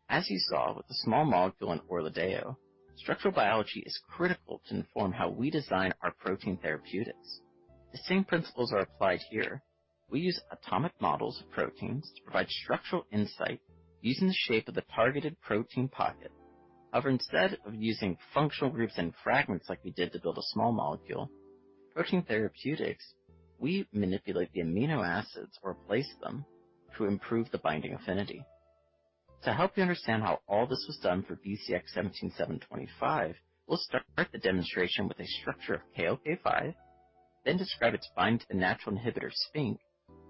As you saw with the small molecule in ORLADEYO, structural biology is critical to inform how we design our protein therapeutics. The same principles are applied here. We use atomic models of proteins to provide structural insight using the shape of the targeted protein pocket. However, instead of using functional groups and fragments like we did to build a small molecule, protein therapeutics, we manipulate the amino acids or replace them to improve the binding affinity. To help you understand how all this was done for BCX17725, we'll start the demonstration with a structure of KLK5, then describe its binding to the natural inhibitor, SPINK5,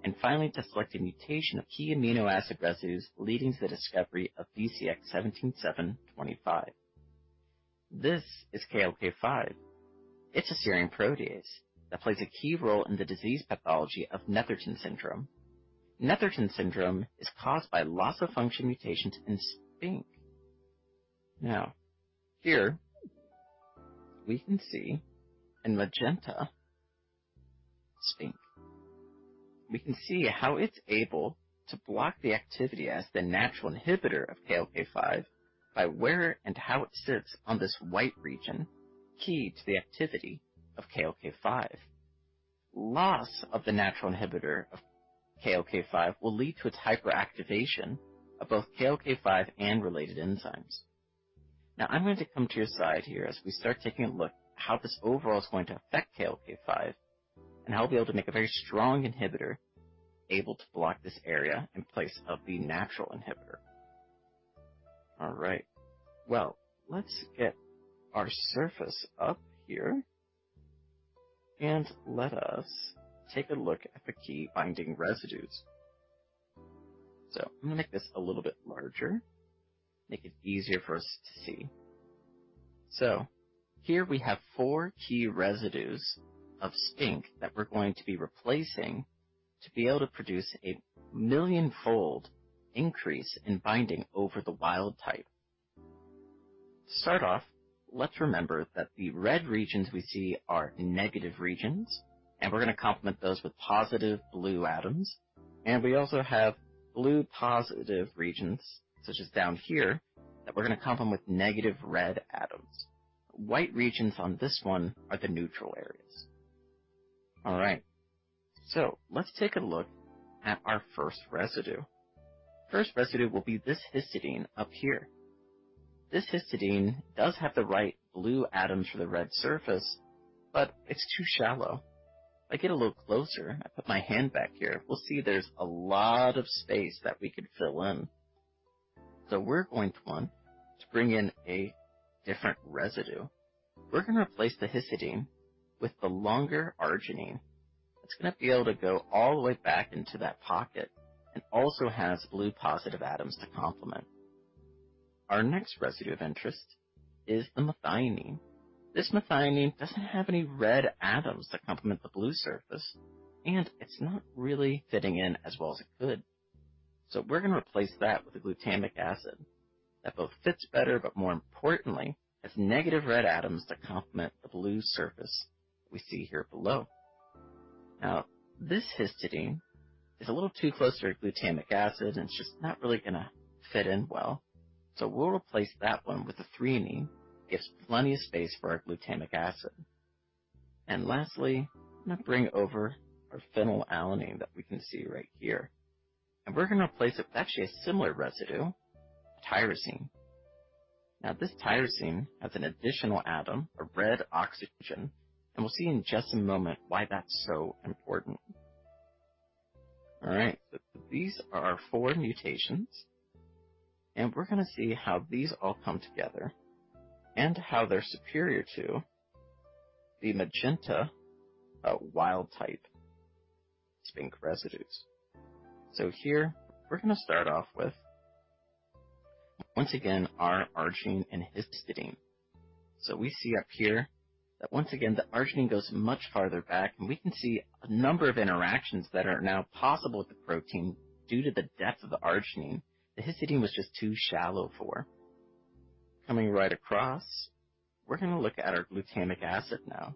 and finally, to select a mutation of key amino acid residues leading to the discovery of BCX17725. This is KLK5. It's a serine protease that plays a key role in the disease pathology of Netherton syndrome. Netherton syndrome is caused by loss of function mutations in SPINK5. Now, here, we can see in magenta, SPINK5. We can see how it's able to block the activity as the natural inhibitor of KLK5 by where and how it sits on this white region, key to the activity of KLK5. Loss of the natural inhibitor of KLK5 will lead to its hyperactivation of both KLK5 and related enzymes. Now, I'm going to come to your side here as we start taking a look at how this overall is going to affect KLK5, and how I'll be able to make a very strong inhibitor able to block this area in place of the natural inhibitor. All right. Well, let's get our surface up here, and let us take a look at the key binding residues. So I'm going to make this a little bit larger, make it easier for us to see. So here we have four key residues of SPINK5 that we're going to be replacing to be able to produce a million-fold increase in binding over the wild type. To start off, let's remember that the red regions we see are negative regions, and we're going to complement those with positive blue atoms. We also have blue positive regions, such as down here, that we're going to complement with negative red atoms. White regions on this one are the neutral areas. All right, so let's take a look at our first residue. First residue will be this histidine up here. This histidine does have the right blue atoms for the red surface, but it's too shallow. If I get a little closer, I put my hand back here, we'll see there's a lot of space that we could fill in. We're going to want to bring in a different residue. We're going to replace the histidine with the longer arginine. It's going to be able to go all the way back into that pocket and also has blue positive atoms to complement. Our next residue of interest is the methionine. This methionine doesn't have any red atoms that complement the blue surface, and it's not really fitting in as well as it could. So we're going to replace that with a glutamic acid that both fits better, but more importantly, has negative red atoms that complement the blue surface we see here below. Now, this histidine is a little too close to our glutamic acid, and it's just not really going to fit in well. So we'll replace that one with a threonine, gives plenty of space for our glutamic acid. And lastly, I'm going to bring over our phenylalanine that we can see right here, and we're going to replace it with actually a similar residue, tyrosine. Now, this tyrosine has an additional atom, a red oxygen, and we'll see in just a moment why that's so important. All right. So these are our four mutations, and we're going to see how these all come together and how they're superior to the magenta wild-type SPINK residues. So here, we're going to start off with, once again, our arginine and histidine. So we see up here that once again, the arginine goes much farther back, and we can see a number of interactions that are now possible with the protein due to the depth of the arginine, the histidine was just too shallow for. Coming right across, we're gonna look at our glutamic acid now.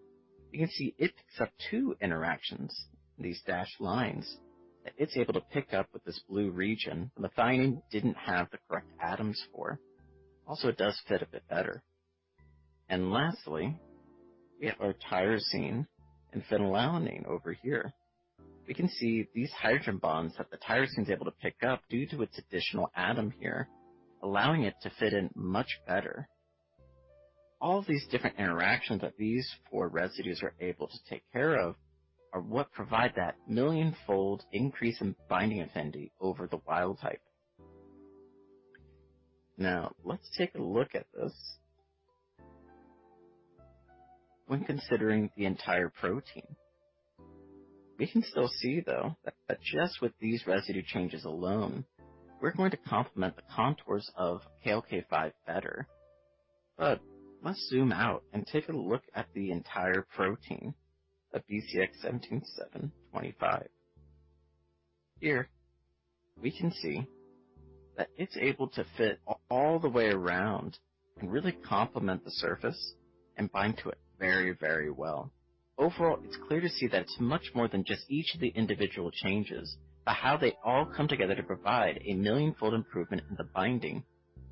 You can see it picks up two interactions, these dashed lines, that it's able to pick up with this blue region, the thiamine didn't have the correct atoms for. Also, it does fit a bit better. And lastly, we have our tyrosine and phenylalanine over here. We can see these hydrogen bonds that the tyrosine is able to pick up due to its additional atom here, allowing it to fit in much better. All of these different interactions that these four residues are able to take care of are what provide that million-fold increase in binding affinity over the wild type. Now, let's take a look at this when considering the entire protein. We can still see, though, that just with these residue changes alone, we're going to complement the contours of KLK5 better. But let's zoom out and take a look at the entire protein of BCX17725. Here, we can see that it's able to fit all the way around and really complement the surface and bind to it very, very well. Overall, it's clear to see that it's much more than just each of the individual changes, but how they all come together to provide a million-fold improvement in the binding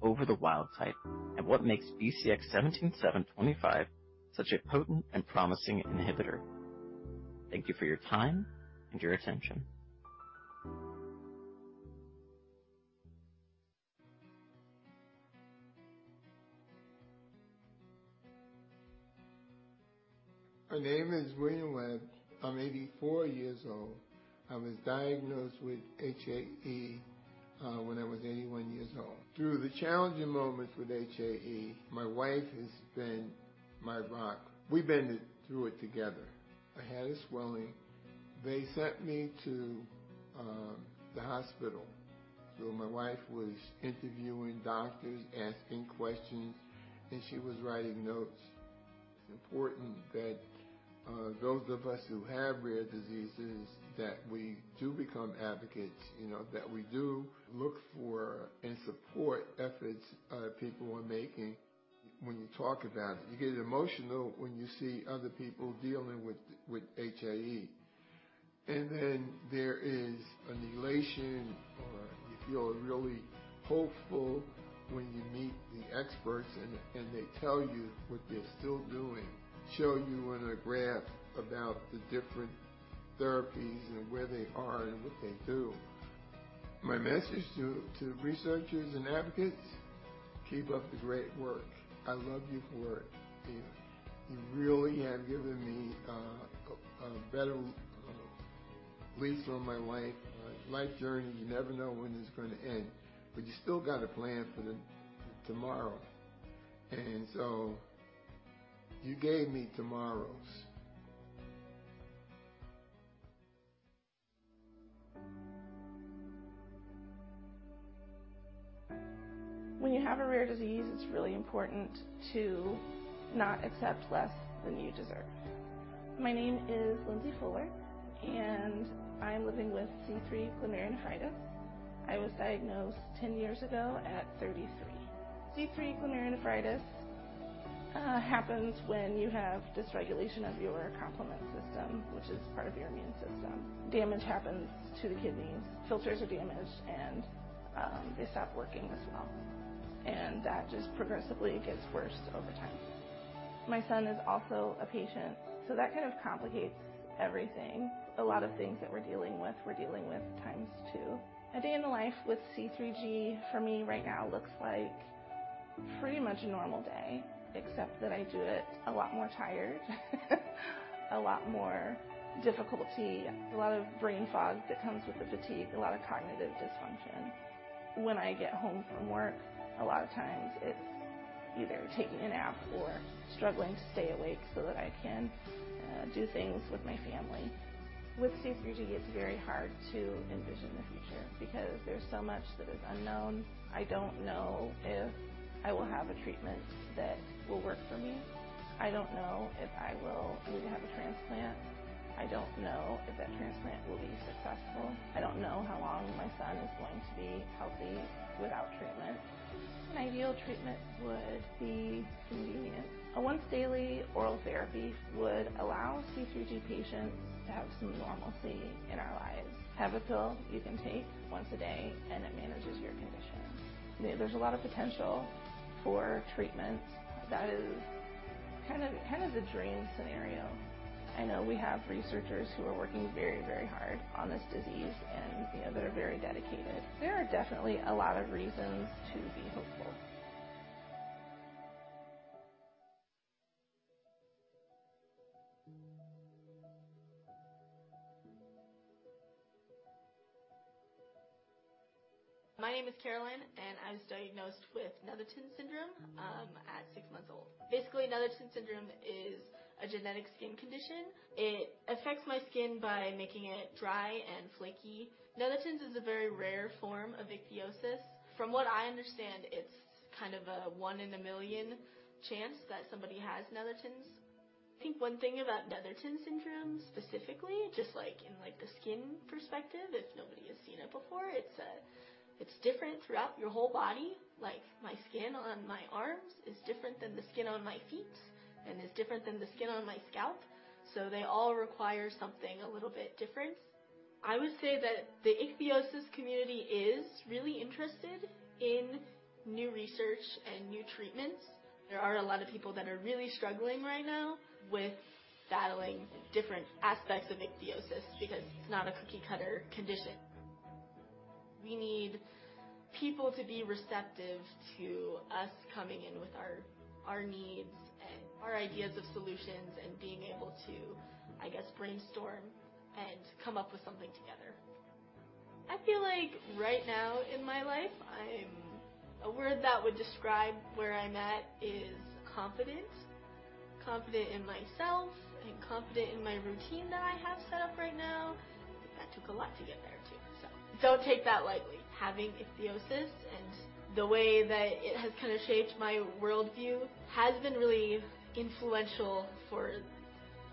over the wild type, and what makes BCX17725 such a potent and promising inhibitor. Thank you for your time and your attention. My name is William Webb. I'm 84 years old. I was diagnosed with HAE when I was 81 years old. Through the challenging moments with HAE, my wife has been my rock. We've been through it together. I had a swelling. They sent me to, the hospital. So my wife was interviewing doctors, asking questions, and she was writing notes. It's important that, those of us who have rare diseases, that we do become advocates, you know, that we do look for and support efforts, people are making. When you talk about it, you get emotional when you see other people dealing with, with HAE. Then there is an elation, or you feel really hopeful when you meet the experts and they tell you what they're still doing, show you on a graph about the different therapies and where they are and what they do. My message to researchers and advocates: keep up the great work. I love you for it. You really have given me a better lease on my life. Life journey, you never know when it's gonna end, but you still got a plan for the tomorrow, and so you gave me tomorrows. When you have a rare disease, it's really important to not accept less than you deserve. My name is Lindsay Fuller, and I'm living with C3 glomerulonephritis. I was diagnosed 10 years ago at 33. C3 glomerulonephritis happens when you have dysregulation of your complement system, which is part of your immune system. Damage happens to the kidneys, filters are damaged, and they stop working as well, and that just progressively gets worse over time. My son is also a patient, so that kind of complicates everything. A lot of things that we're dealing with, we're dealing with times two. A day in the life with C3G for me right now looks like pretty much a normal day, except that I do it a lot more tired, a lot more difficulty, a lot of brain fog that comes with the fatigue, a lot of cognitive dysfunction. When I get home from work, a lot of times it's either taking a nap or struggling to stay awake so that I can do things with my family. With C3G, it's very hard to envision the future because there's so much that is unknown. I don't know if I will have a treatment that will work for me. I don't know if I will need to have a transplant. I don't know if that transplant will be successful. I don't know how long my son is going to be healthy without treatment. An ideal treatment would be convenient. A once-daily oral therapy would allow C3G patients to have some normalcy in our lives. Have a pill you can take once a day, and it manages your condition. There's a lot of potential for treatments. That is kind of, kind of the dream scenario. I know we have researchers who are working very, very hard on this disease, and, you know, they're very dedicated. There are definitely a lot of reasons to be hopeful. My name is Caroline, and I was diagnosed with Netherton syndrome at six months old. Basically, Netherton syndrome is a genetic skin condition. It affects my skin by making it dry and flaky. Netherton is a very rare form of ichthyosis. From what I understand, it's kind of a one in a million chance that somebody has Netherton.... I think one thing about Netherton syndrome specifically, just like in, like, the skin perspective, if nobody has seen it before, it's, it's different throughout your whole body. Like, my skin on my arms is different than the skin on my feet and is different than the skin on my scalp, so they all require something a little bit different. I would say that the ichthyosis community is really interested in new research and new treatments. There are a lot of people that are really struggling right now with battling different aspects of ichthyosis because it's not a cookie-cutter condition. We need people to be receptive to us coming in with our, our needs and our ideas of solutions and being able to, I guess, brainstorm and come up with something together. I feel like right now in my life, I'm... A word that would describe where I'm at is confident. Confident in myself and confident in my routine that I have set up right now. That took a lot to get there, too, so don't take that lightly. Having ichthyosis and the way that it has kinda shaped my worldview has been really influential for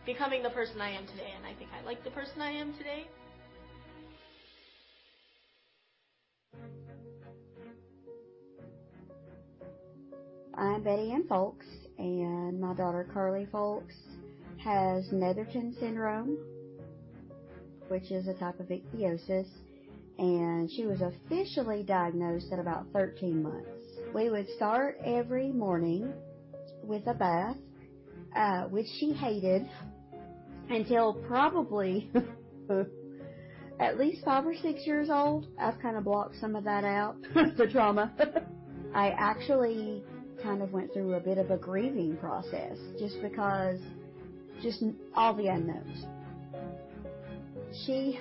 becoming the person I am today, and I think I like the person I am today. I'm Betty Anne Folks, and my daughter, Carly Folks, has Netherton syndrome, which is a type of ichthyosis, and she was officially diagnosed at about 13 months. We would start every morning with a bath, which she hated until probably at least five or six years old. I've kinda blocked some of that out, the trauma. I actually kind of went through a bit of a grieving process just because just all the unknowns. She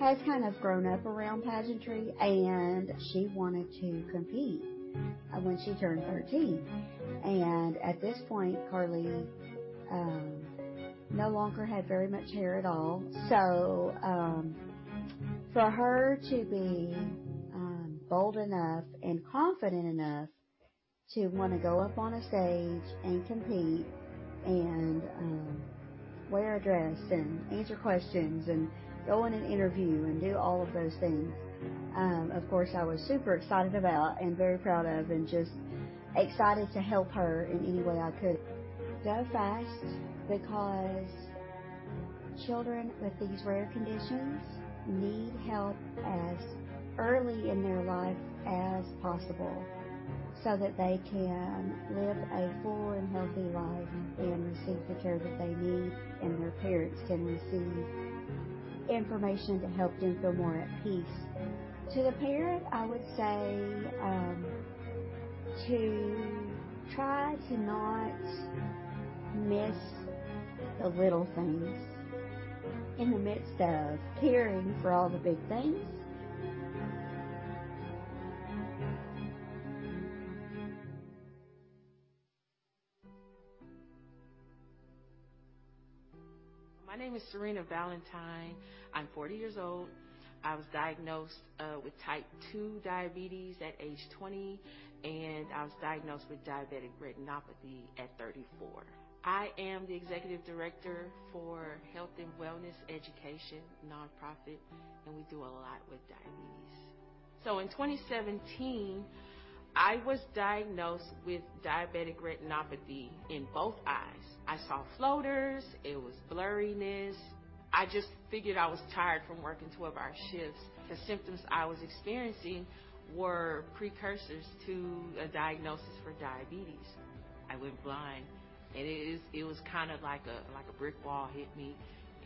has kind of grown up around pageantry, and she wanted to compete, when she turned 13. And at this point, Carly, no longer had very much hair at all. So, for her to be bold enough and confident enough to wanna go up on a stage and compete and wear a dress and answer questions and go in an interview and do all of those things, of course, I was super excited about and very proud of and just excited to help her in any way I could. Go fast because children with these rare conditions need help as early in their life as possible, so that they can live a full and healthy life and receive the care that they need, and their parents can receive information to help them feel more at peace. To the parent, I would say, to try to not miss the little things in the midst of caring for all the big things. My name is Serena Valentine. I'm 40 years old. I was diagnosed with type 2 diabetes at age 20, and I was diagnosed with diabetic retinopathy at 34. I am the executive director for Health and Wellness Education Nonprofit, and we do a lot with diabetes. So in 2017, I was diagnosed with diabetic retinopathy in both eyes. I saw floaters. It was blurriness. I just figured I was tired from working 12-hour shifts. The symptoms I was experiencing were precursors to a diagnosis for diabetes. I went blind, and it is... It was kind of like a, like a brick wall hit me,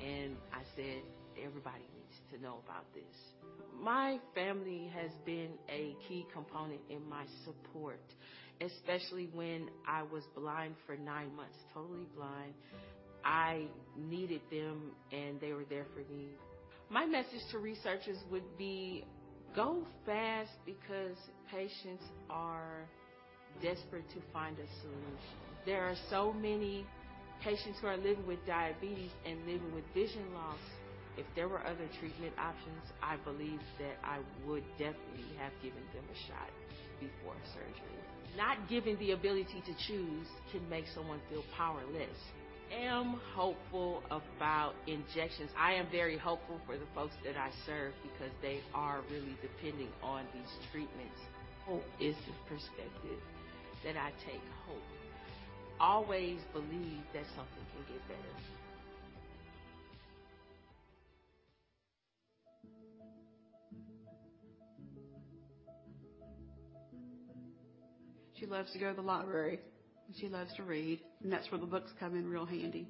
and I said, "Everybody needs to know about this." My family has been a key component in my support, especially when I was blind for nine months, totally blind. I needed them, and they were there for me. My message to researchers would be, Go fast because patients are desperate to find a solution. There are so many patients who are living with diabetes and living with vision loss. If there were other treatment options, I believe that I would definitely have given them a shot before surgery. Not given the ability to choose can make someone feel powerless. I am hopeful about injections. I am very hopeful for the folks that I serve because they are really depending on these treatments. Hope is the perspective that I take. Hope. Always believe that something can get better. She loves to go to the library, and she loves to read, and that's where the books come in real handy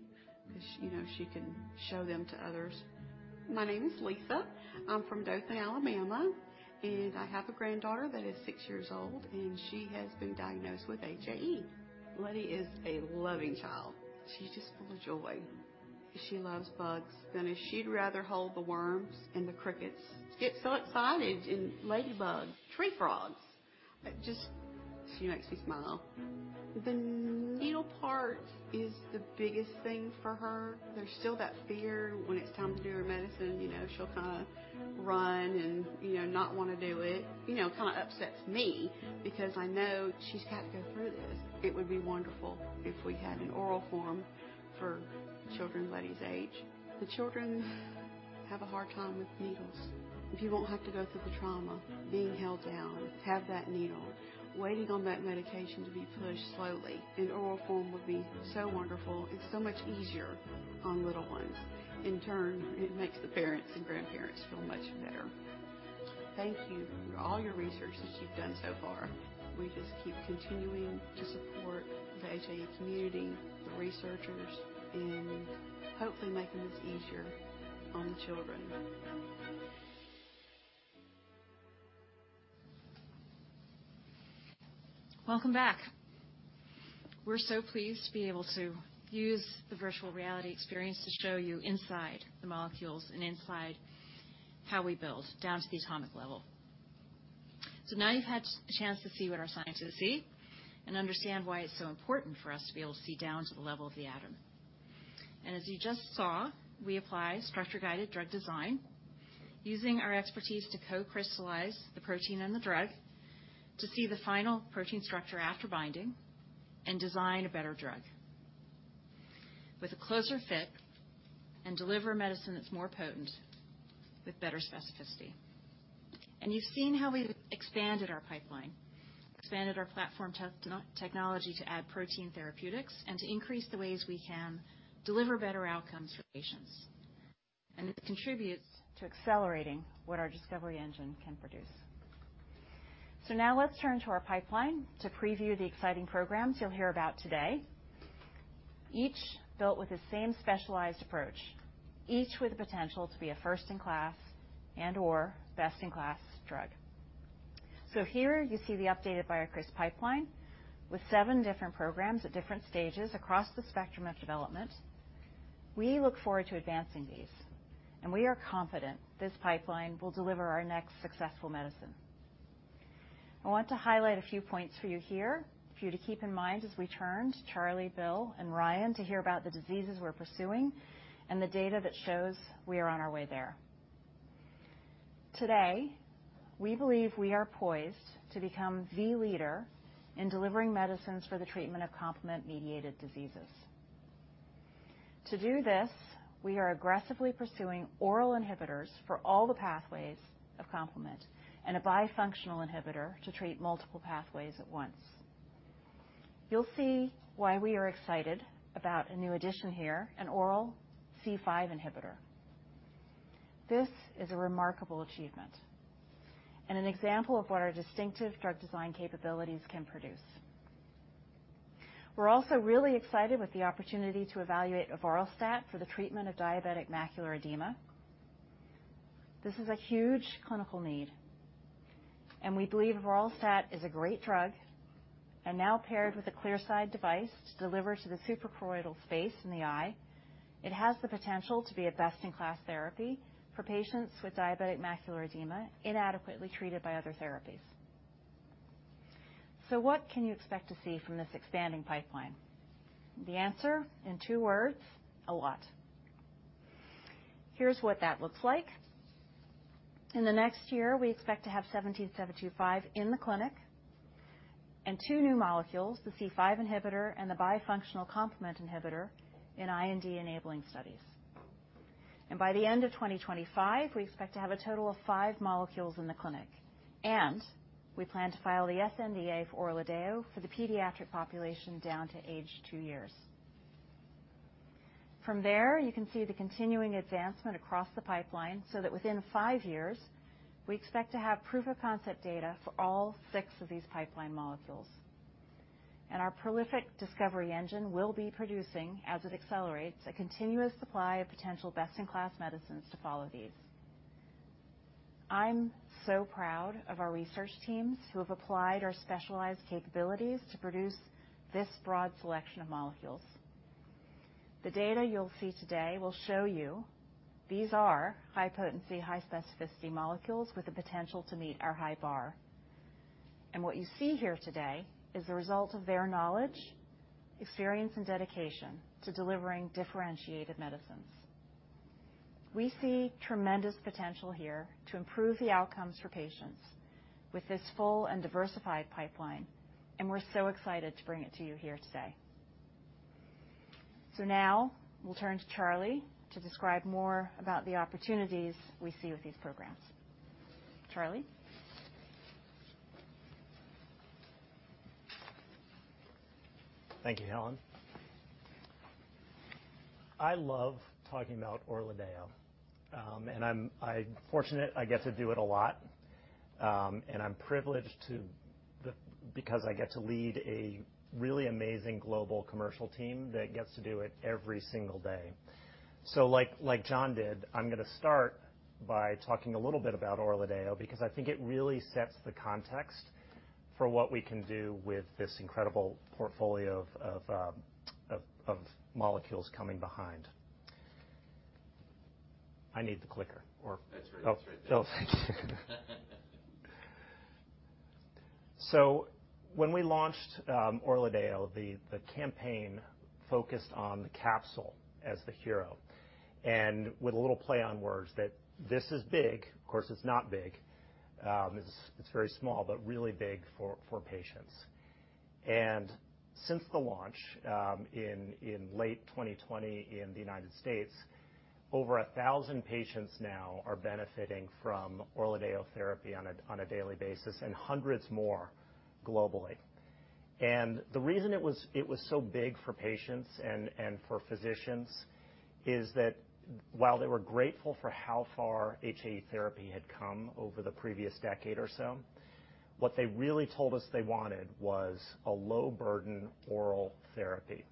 'cause, you know, she can show them to others. My name is Lisa. I'm from Dothan, Alabama, and I have a granddaughter that is six years old, and she has been diagnosed with HAE. Lettie is a loving child. She's just full of joy. She loves bugs, and she'd rather hold the worms and the crickets. She gets so excited, and ladybugs, tree frogs!... Just, she makes me smile. The needle part is the biggest thing for her. There's still that fear when it's time to do her medicine, you know, she'll kind of run and, you know, not want to do it. You know, it kind of upsets me because I know she's got to go through this. It would be wonderful if we had an oral form for children Lettie's age. The children have a hard time with needles. If you won't have to go through the trauma, being held down, have that needle, waiting on that medication to be pushed slowly, an oral form would be so wonderful and so much easier on little ones. In turn, it makes the parents and grandparents feel much better. Thank you for all your research that you've done so far. We just keep continuing to support the HAE community, the researchers, and hopefully making this easier on the children. Welcome back. We're so pleased to be able to use the virtual reality experience to show you inside the molecules and inside how we build down to the atomic level. So now you've had a chance to see what our scientists see and understand why it's so important for us to be able to see down to the level of the atom. And as you just saw, we apply structure-guided drug design, using our expertise to co-crystallize the protein and the drug, to see the final protein structure after binding and design a better drug with a closer fit and deliver a medicine that's more potent with better specificity. And you've seen how we've expanded our pipeline, expanded our platform tech, technology to add protein therapeutics and to increase the ways we can deliver better outcomes for patients. And it contributes to accelerating what our discovery engine can produce. Now let's turn to our pipeline to preview the exciting programs you'll hear about today, each built with the same specialized approach, each with the potential to be a first-in-class and/or best-in-class drug. Here you see the updated BioCryst pipeline with seven different programs at different stages across the spectrum of development. We look forward to advancing these, and we are confident this pipeline will deliver our next successful medicine. I want to highlight a few points for you here, for you to keep in mind as we turn to Charlie, Bill, and Ryan to hear about the diseases we're pursuing and the data that shows we are on our way there. Today, we believe we are poised to become the leader in delivering medicines for the treatment of complement-mediated diseases. To do this, we are aggressively pursuing oral inhibitors for all the pathways of complement and a bifunctional inhibitor to treat multiple pathways at once. You'll see why we are excited about a new addition here, an oral C5 inhibitor. This is a remarkable achievement and an example of what our distinctive drug design capabilities can produce. We're also really excited with the opportunity to evaluate avoralstat for the treatment of diabetic macular edema. This is a huge clinical need, and we believe avoralstat is a great drug and now paired with a Clearside device to deliver to the suprachoroidal space in the eye. It has the potential to be a best-in-class therapy for patients with diabetic macular edema, inadequately treated by other therapies. So what can you expect to see from this expanding pipeline? The answer in two words, a lot. Here's what that looks like. In the next year, we expect to have BCX17725 in the clinic and two new molecules, the C5 inhibitor and the bifunctional complement inhibitor in IND-enabling studies. By the end of 2025, we expect to have a total of five molecules in the clinic, and we plan to file the sNDA for ORLADEYO for the pediatric population down to age two years. From there, you can see the continuing advancement across the pipeline so that within five years, we expect to have proof-of-concept data for all six of these pipeline molecules. Our prolific discovery engine will be producing, as it accelerates, a continuous supply of potential best-in-class medicines to follow these. I'm so proud of our research teams who have applied our specialized capabilities to produce this broad selection of molecules. The data you'll see today will show you these are high-potency, high-specificity molecules with the potential to meet our high bar. What you see here today is the result of their knowledge, experience, and dedication to delivering differentiated medicines. We see tremendous potential here to improve the outcomes for patients with this full and diversified pipeline, and we're so excited to bring it to you here today. Now we'll turn to Charlie to describe more about the opportunities we see with these programs. Charlie? Thank you, Helen. I love talking about ORLADEYO, and I'm fortunate I get to do it a lot, and I'm privileged to the—because I get to lead a really amazing global commercial team that gets to do it every single day. So like, like Jon did, I'm going to start by talking a little bit about ORLADEYO, because I think it really sets the context for what we can do with this incredible portfolio of, of, of molecules coming behind.... I need the clicker or- That's right. It's right there. Oh, thank you. So when we launched ORLADEYO, the campaign focused on the capsule as the hero, and with a little play on words, that this is big. Of course, it's not big. It's very small, but really big for patients. And since the launch in late 2020 in the United States, over 1,000 patients now are benefiting from ORLADEYO therapy on a daily basis, and hundreds more globally. And the reason it was so big for patients and for physicians is that while they were grateful for how far HAE therapy had come over the previous decade or so, what they really told us they wanted was a low-burden oral therapy.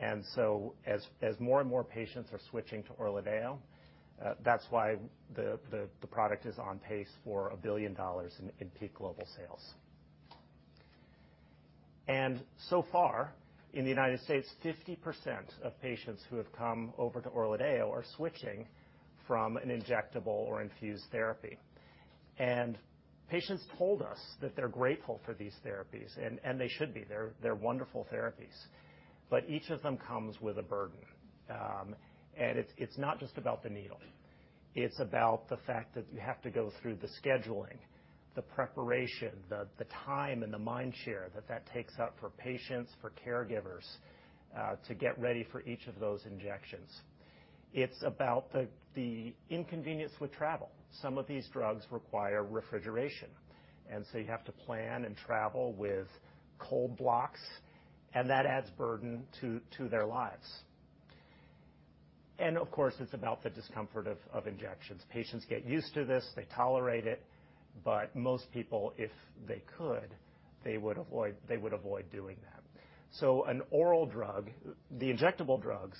And so as more and more patients are switching to ORLADEYO, that's why the product is on pace for $1 billion in peak global sales. And so far, in the United States, 50% of patients who have come over to ORLADEYO are switching from an injectable or infused therapy. And patients told us that they're grateful for these therapies, and they should be. They're wonderful therapies. But each of them comes with a burden. And it's not just about the needle. It's about the fact that you have to go through the scheduling, the preparation, the time, and the mind share that takes up for patients, for caregivers, to get ready for each of those injections. It's about the inconvenience with travel. Some of these drugs require refrigeration, and so you have to plan and travel with cold blocks, and that adds burden to their lives. And of course, it's about the discomfort of injections. Patients get used to this, they tolerate it, but most people, if they could, they would avoid, they would avoid doing that. So an oral drug... The injectable drugs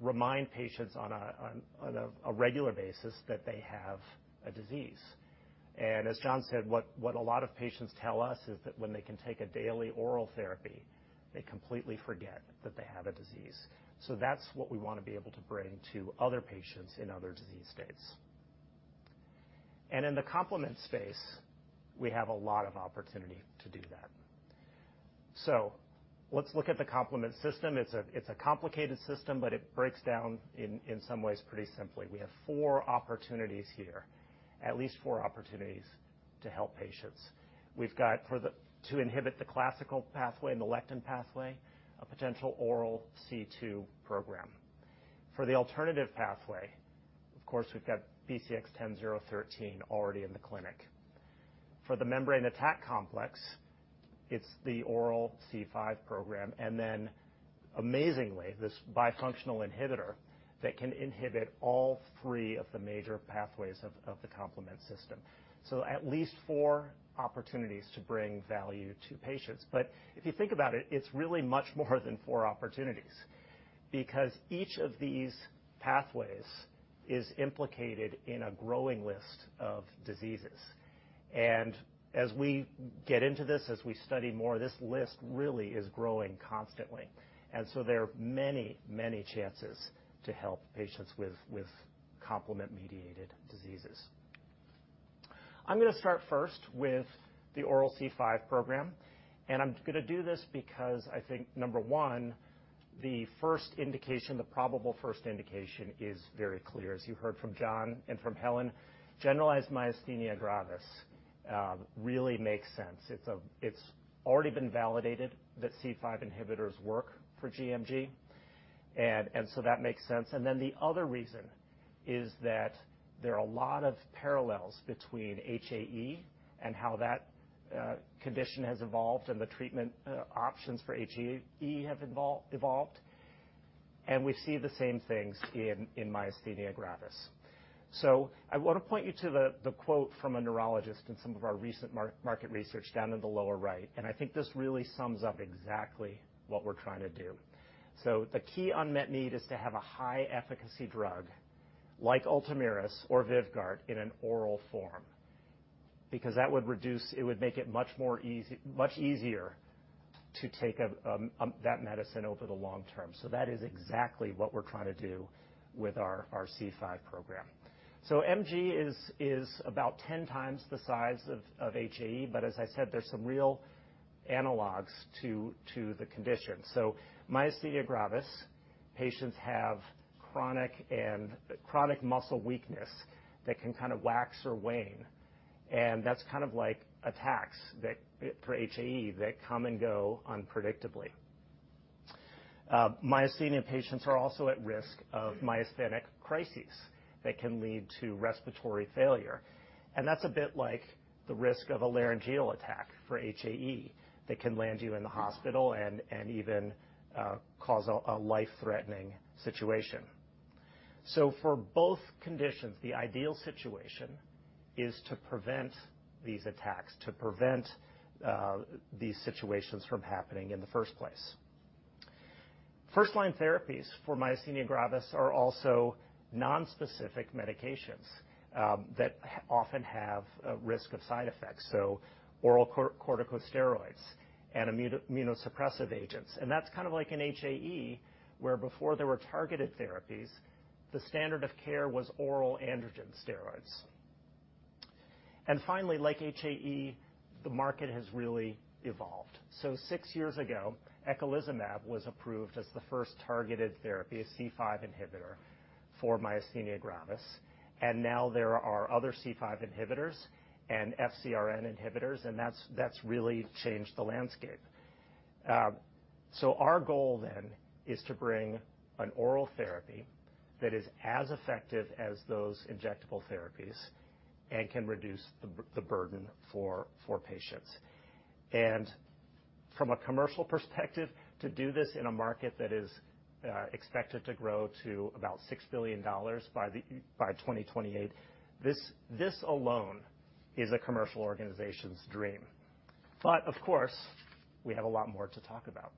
remind patients on a regular basis that they have a disease. And as Jon said, what a lot of patients tell us is that when they can take a daily oral therapy, they completely forget that they have a disease. So that's what we want to be able to bring to other patients in other disease states. And in the complement space, we have a lot of opportunity to do that. So let's look at the complement system. It's a complicated system, but it breaks down in some ways pretty simply. We have four opportunities here, at least four opportunities to help patients. We've got for the—to inhibit the classical pathway and the lectin pathway, a potential oral C2 program. For the alternative pathway, of course, we've got BCX10013 already in the clinic. For the membrane attack complex, it's the oral C5 program, and then amazingly, this bifunctional inhibitor that can inhibit all three of the major pathways of the complement system. So at least four opportunities to bring value to patients. But if you think about it, it's really much more than four opportunities because each of these pathways is implicated in a growing list of diseases. As we get into this, as we study more, this list really is growing constantly, and so there are many, many chances to help patients with complement-mediated diseases. I'm gonna start first with the oral C5 program, and I'm gonna do this because I think, number one, the first indication, the probable first indication is very clear. As you heard from Jon and from Helen, generalized myasthenia gravis really makes sense. It's already been validated that C5 inhibitors work for gMG, and so that makes sense. Then the other reason is that there are a lot of parallels between HAE and how that condition has evolved and the treatment options for HAE have evolved, and we see the same things in myasthenia gravis. I want to point you to the quote from a neurologist in some of our recent market research down in the lower right, and I think this really sums up exactly what we're trying to do. The key unmet need is to have a high-efficacy drug like Ultomiris or Vyvgart in an oral form, because that would reduce, it would make it much easier to take that medicine over the long term. That is exactly what we're trying to do with our C5 program. MG is about 10x the size of HAE, but as I said, there's some real analogs to the condition. So myasthenia gravis patients have chronic muscle weakness that can kind of wax or wane, and that's kind of like attacks that, for HAE, that come and go unpredictably. Myasthenia patients are also at risk of myasthenic crises that can lead to respiratory failure, and that's a bit like the risk of a laryngeal attack for HAE that can land you in the hospital and even cause a life-threatening situation. So for both conditions, the ideal situation is to prevent these attacks, to prevent these situations from happening in the first place. First-line therapies for myasthenia gravis are also nonspecific medications that often have a risk of side effects, so oral corticosteroids and immunosuppressive agents. And that's kind of like an HAE, where before there were targeted therapies, the standard of care was oral androgen steroids. Finally, like HAE, the market has really evolved. Six years ago, eculizumab was approved as the first targeted therapy, a C5 inhibitor for myasthenia gravis, and now there are other C5 inhibitors and FcRn inhibitors, and that's really changed the landscape. So our goal then is to bring an oral therapy that is as effective as those injectable therapies and can reduce the burden for patients. And from a commercial perspective, to do this in a market that is expected to grow to about $6 billion by 2028, this alone is a commercial organization's dream. But, of course, we have a lot more to talk about.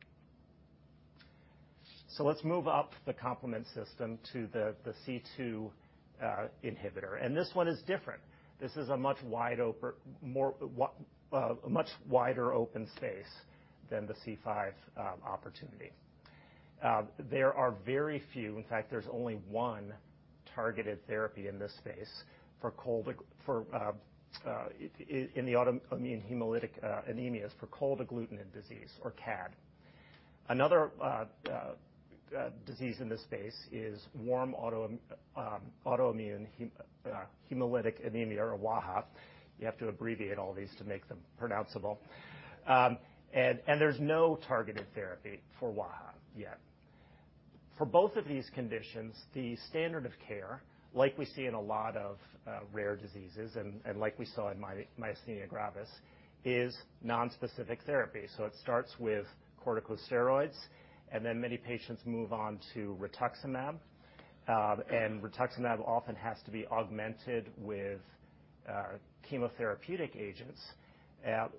Let's move up the complement system to the C2 inhibitor, and this one is different. This is a much wider open space than the C5 opportunity. There are very few, in fact, there's only one targeted therapy in this space in the autoimmune hemolytic anemias, for cold agglutinin disease or CAD. Another disease in this space is warm autoimmune hemolytic anemia or WAHA. You have to abbreviate all these to make them pronounceable. And there's no targeted therapy for WAHA yet. For both of these conditions, the standard of care, like we see in a lot of rare diseases, and like we saw in myasthenia gravis, is nonspecific therapy. So it starts with corticosteroids, and then many patients move on to rituximab. And rituximab often has to be augmented with chemotherapeutic agents,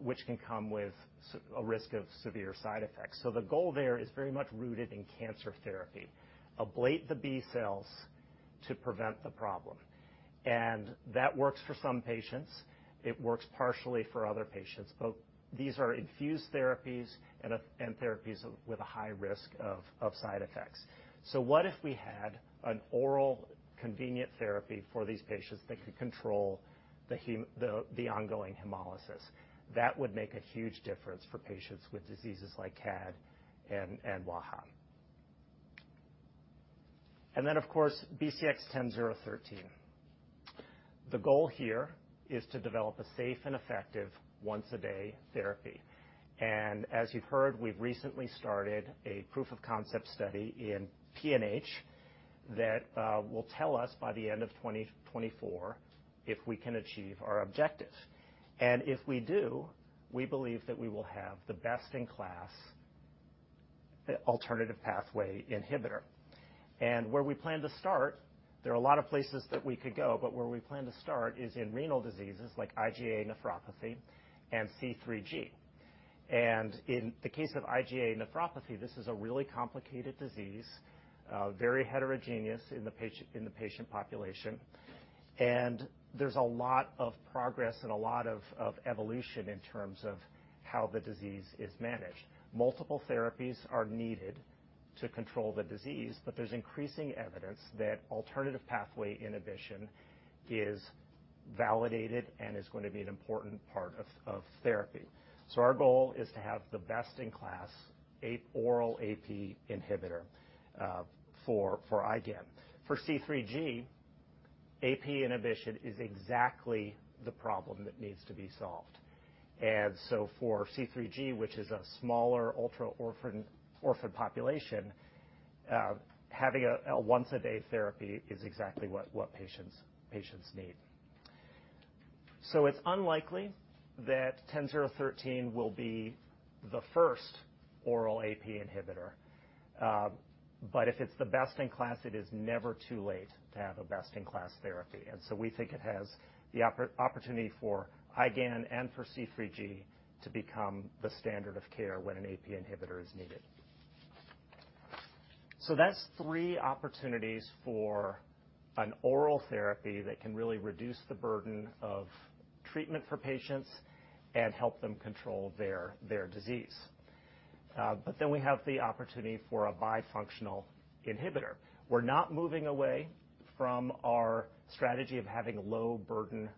which can come with a risk of severe side effects. So the goal there is very much rooted in cancer therapy, ablate the B cells to prevent the problem. That works for some patients, it works partially for other patients, but these are infused therapies and therapies with a high risk of side effects. So what if we had an oral convenient therapy for these patients that could control the ongoing hemolysis? That would make a huge difference for patients with diseases like CAD and WAHA. Then, of course, BCX10013. The goal here is to develop a safe and effective once-a-day therapy. As you've heard, we've recently started a proof of concept study in PNH that will tell us by the end of 2024 if we can achieve our objectives. If we do, we believe that we will have the best-in-class alternative pathway inhibitor. Where we plan to start, there are a lot of places that we could go, but where we plan to start is in renal diseases like IgA nephropathy and C3G. In the case of IgA nephropathy, this is a really complicated disease, very heterogeneous in the patient, in the patient population. There's a lot of progress and a lot of evolution in terms of how the disease is managed. Multiple therapies are needed to control the disease, but there's increasing evidence that alternative pathway inhibition is validated and is going to be an important part of therapy. So our goal is to have the best-in-class, an oral AP inhibitor, for IgAN. For C3G, AP inhibition is exactly the problem that needs to be solved. And so for C3G, which is a smaller ultra orphan, orphan population, having a once-a-day therapy is exactly what patients need. So it's unlikely that BCX10013 will be the first oral AP inhibitor, but if it's the best in class, it is never too late to have a best-in-class therapy. And so we think it has the opportunity for IgAN and for C3G to become the standard of care when an AP inhibitor is needed. So that's three opportunities for an oral therapy that can really reduce the burden of treatment for patients and help them control their disease. But then we have the opportunity for a bifunctional inhibitor. We're not moving away from our strategy of having low-burden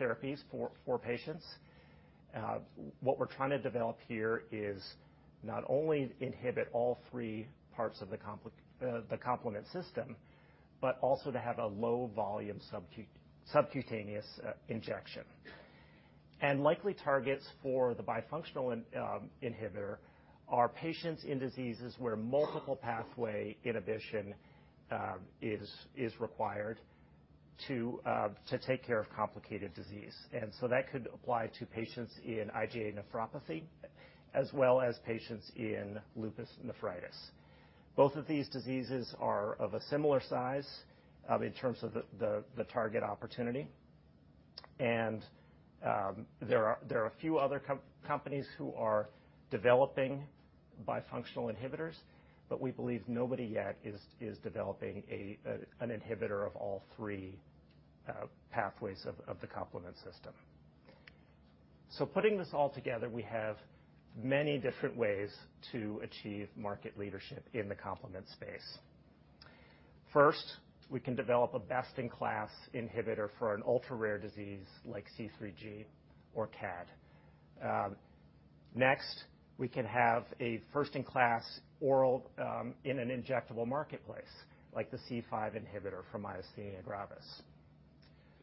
therapies for patients. What we're trying to develop here is not only inhibit all three parts of the complement system, but also to have a low-volume subcutaneous injection. And likely targets for the bifunctional inhibitor are patients in diseases where multiple pathway inhibition is required to take care of complicated disease. And so that could apply to patients in IgA nephropathy, as well as patients in lupus nephritis. Both of these diseases are of a similar size in terms of the target opportunity. And there are a few other companies who are developing bifunctional inhibitors, but we believe nobody yet is developing an inhibitor of all three pathways of the complement system. So putting this all together, we have many different ways to achieve market leadership in the complement space. First, we can develop a best-in-class inhibitor for an ultra-rare disease like C3G or CAD. Next, we can have a first-in-class oral, in an injectable marketplace, like the C5 inhibitor for myasthenia gravis.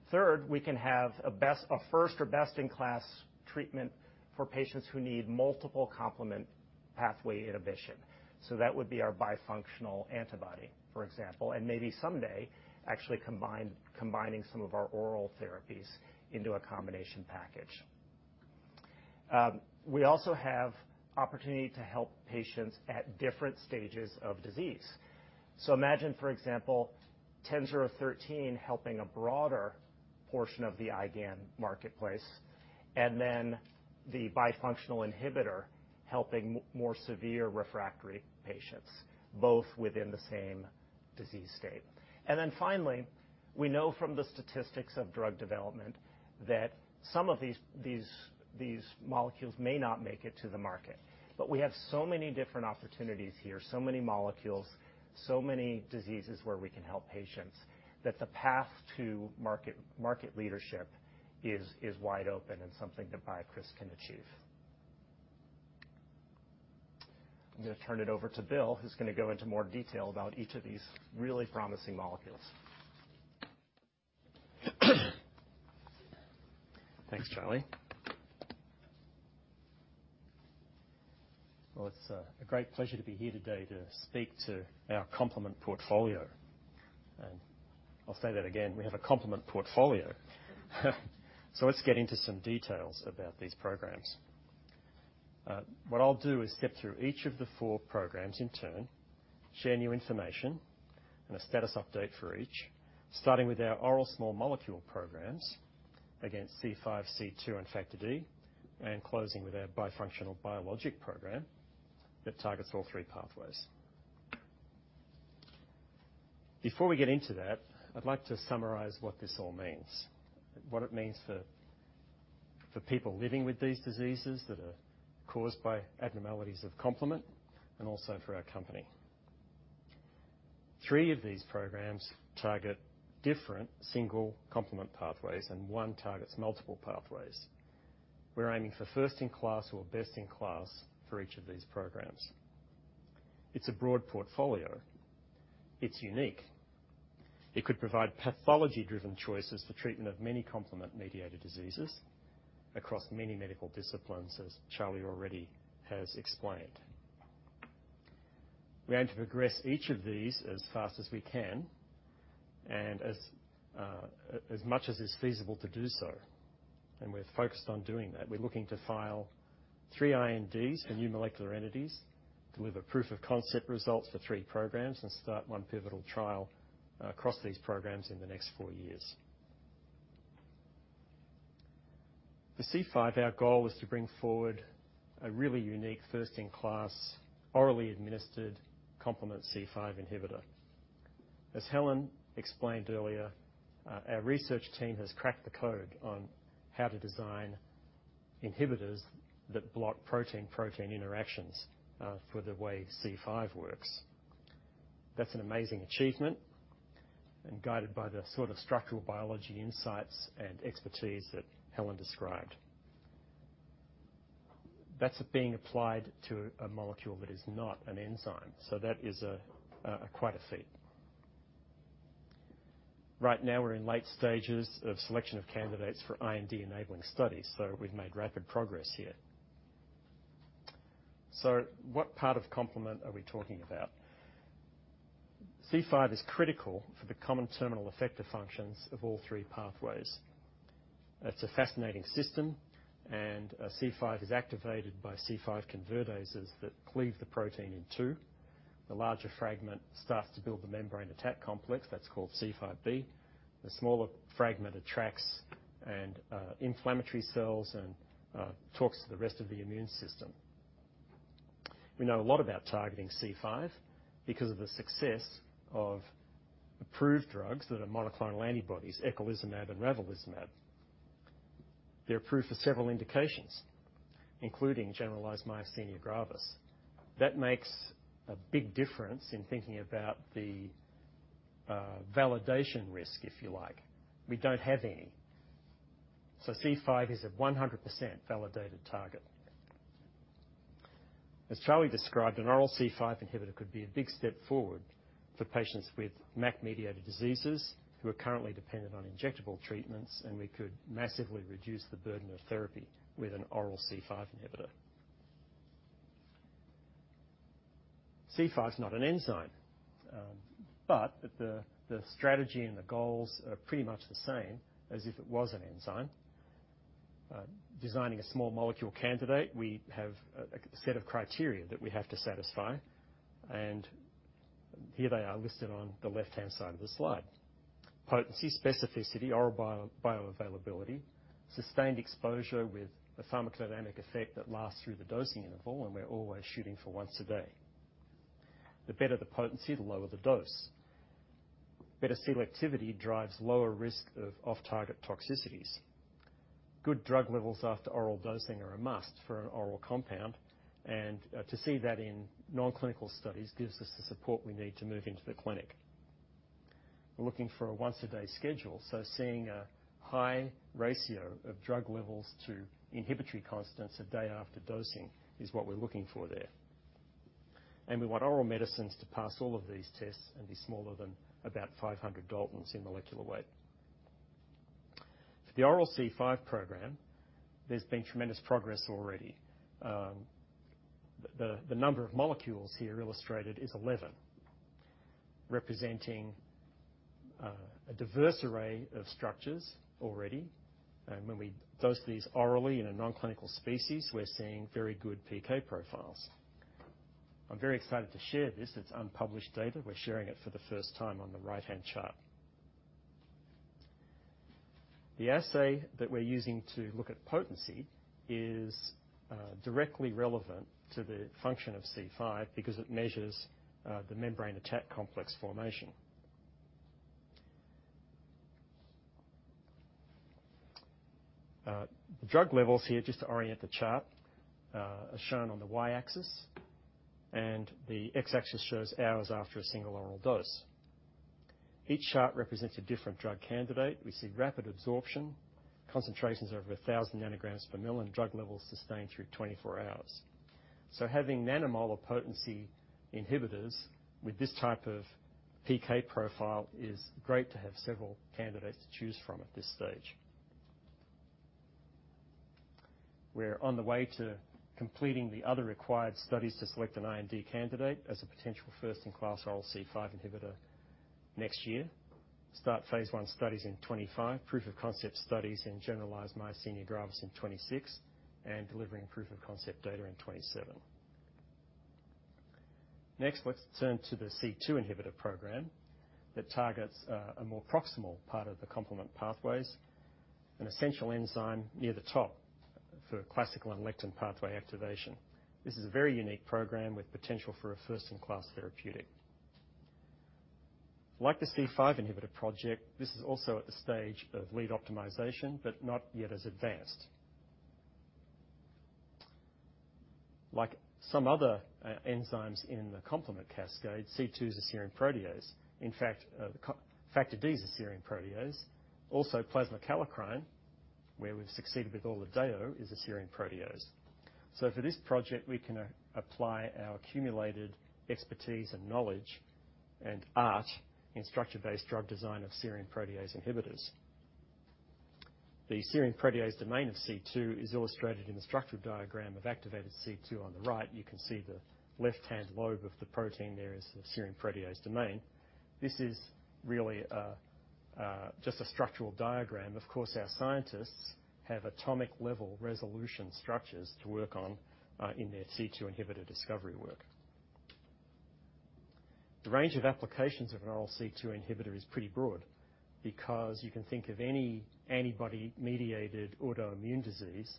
Third, we can have a first or best-in-class treatment for patients who need multiple complement pathway inhibition, so that would be our bifunctional antibody, for example, and maybe someday, actually combining some of our oral therapies into a combination package. We also have opportunity to help patients at different stages of disease. So imagine, for example, BCX10013 helping a broader portion of the IgAN marketplace, and then the bifunctional inhibitor helping more severe refractory patients, both within the same disease state. Then finally, we know from the statistics of drug development that some of these molecules may not make it to the market, but we have so many different opportunities here, so many molecules, so many diseases where we can help patients, that the path to market, market leadership is wide open and something that BioCryst can achieve. I'm going to turn it over to Bill, who's going to go into more detail about each of these really promising molecules. Thanks, Charlie. Well, it's a great pleasure to be here today to speak to our complement portfolio. I'll say that again, we have a complement portfolio. Let's get into some details about these programs. What I'll do is step through each of the four programs in turn, share new information and a status update for each, starting with our oral small molecule programs against C5, C2, and Factor D, and closing with our bifunctional biologic program that targets all three pathways. Before we get into that, I'd like to summarize what this all means, what it means for people living with these diseases that are caused by abnormalities of complement, and also for our company. Three of these programs target different single complement pathways, and one targets multiple pathways. We're aiming for first-in-class or best-in-class for each of these programs. It's a broad portfolio. It's unique. It could provide pathology-driven choices for treatment of many complement-mediated diseases across many medical disciplines, as Charlie already has explained. We aim to progress each of these as fast as we can and as much as is feasible to do so, and we're focused on doing that. We're looking to file three INDs for new molecular entities, deliver proof of concept results for three programs, and start one pivotal trial across these programs in the next four years. For C5, our goal is to bring forward a really unique, first-in-class, orally administered complement C5 inhibitor. As Helen explained earlier, our research team has cracked the code on how to design inhibitors that block protein-protein interactions for the way C5 works. That's an amazing achievement, and guided by the sort of structural biology insights and expertise that Helen described. That's being applied to a molecule that is not an enzyme, so that is a quite a feat. Right now, we're in late stages of selection of candidates for IND-enabling studies, so we've made rapid progress here. So what part of complement are we talking about? C5 is critical for the common terminal effective functions of all three pathways. It's a fascinating system, and C5 is activated by C5 convertases that cleave the protein in two. The larger fragment starts to build the membrane attack complex. That's called C5b. The smaller fragment attracts and inflammatory cells and talks to the rest of the immune system. We know a lot about targeting C5 because of the success of approved drugs that are monoclonal antibodies, eculizumab and ravulizumab. They're approved for several indications, including generalized myasthenia gravis. That makes a big difference in thinking about the validation risk, if you like. We don't have any, so C5 is a 100% validated target. As Charlie described, an oral C5 inhibitor could be a big step forward for patients with MAC-mediated diseases who are currently dependent on injectable treatments, and we could massively reduce the burden of therapy with an oral C5 inhibitor. C5 is not an enzyme, but the strategy and the goals are pretty much the same as if it was an enzyme. Designing a small molecule candidate, we have a set of criteria that we have to satisfy, and here they are listed on the left-hand side of the slide. Potency, specificity, oral bio, bioavailability, sustained exposure with a pharmacodynamic effect that lasts through the dosing interval, and we're always shooting for once a day. The better the potency, the lower the dose. Better selectivity drives lower risk of off-target toxicities. Good drug levels after oral dosing are a must for an oral compound, and to see that in non-clinical studies gives us the support we need to move into the clinic. We're looking for a once-a-day schedule, so seeing a high ratio of drug levels to inhibitory constants a day after dosing is what we're looking for there. And we want oral medicines to pass all of these tests and be smaller than about 500 daltons in molecular weight. For the oral C5 program, there's been tremendous progress already. The number of molecules here illustrated is 11, representing a diverse array of structures already. And when we dose these orally in a non-clinical species, we're seeing very good PK profiles. I'm very excited to share this. It's unpublished data. We're sharing it for the first time on the right-hand chart. The assay that we're using to look at potency is directly relevant to the function of C5 because it measures the membrane attack complex formation. The drug levels here, just to orient the chart, are shown on the Y-axis, and the X-axis shows hours after a single oral dose. Each chart represents a different drug candidate. We see rapid absorption, concentrations of over 1,000 ng per mL, and drug levels sustained through 24 hours. So having nanomolar potency inhibitors with this type of PK profile is great to have several candidates to choose from at this stage. We're on the way to completing the other required studies to select an IND candidate as a potential first-in-class oral C5 inhibitor next year. Start phase I studies in 2025, proof of concept studies in generalized myasthenia gravis in 2026, and delivering proof of concept data in 2027. Next, let's turn to the C2 inhibitor program that targets a more proximal part of the complement pathways, an essential enzyme near the top for classical and lectin pathway activation. This is a very unique program with potential for a first-in-class therapeutic. Like the C5 inhibitor project, this is also at the stage of lead optimization, but not yet as advanced. Like some other enzymes in the complement cascade, C2 is a serine protease. In fact, the Factor D is a serine protease. Also, plasma kallikrein, where we've succeeded with ORLADEYO, is a serine protease. So for this project, we can apply our accumulated expertise and knowledge and art in structure-based drug design of serine protease inhibitors. The serine protease domain of C2 is illustrated in the structural diagram of activated C2 on the right. You can see the left-hand lobe of the protein. There is the serine protease domain. This is really just a structural diagram. Of course, our scientists have atomic-level resolution structures to work on in their C2 inhibitor discovery work. The range of applications of an oral C2 inhibitor is pretty broad because you can think of any antibody-mediated autoimmune disease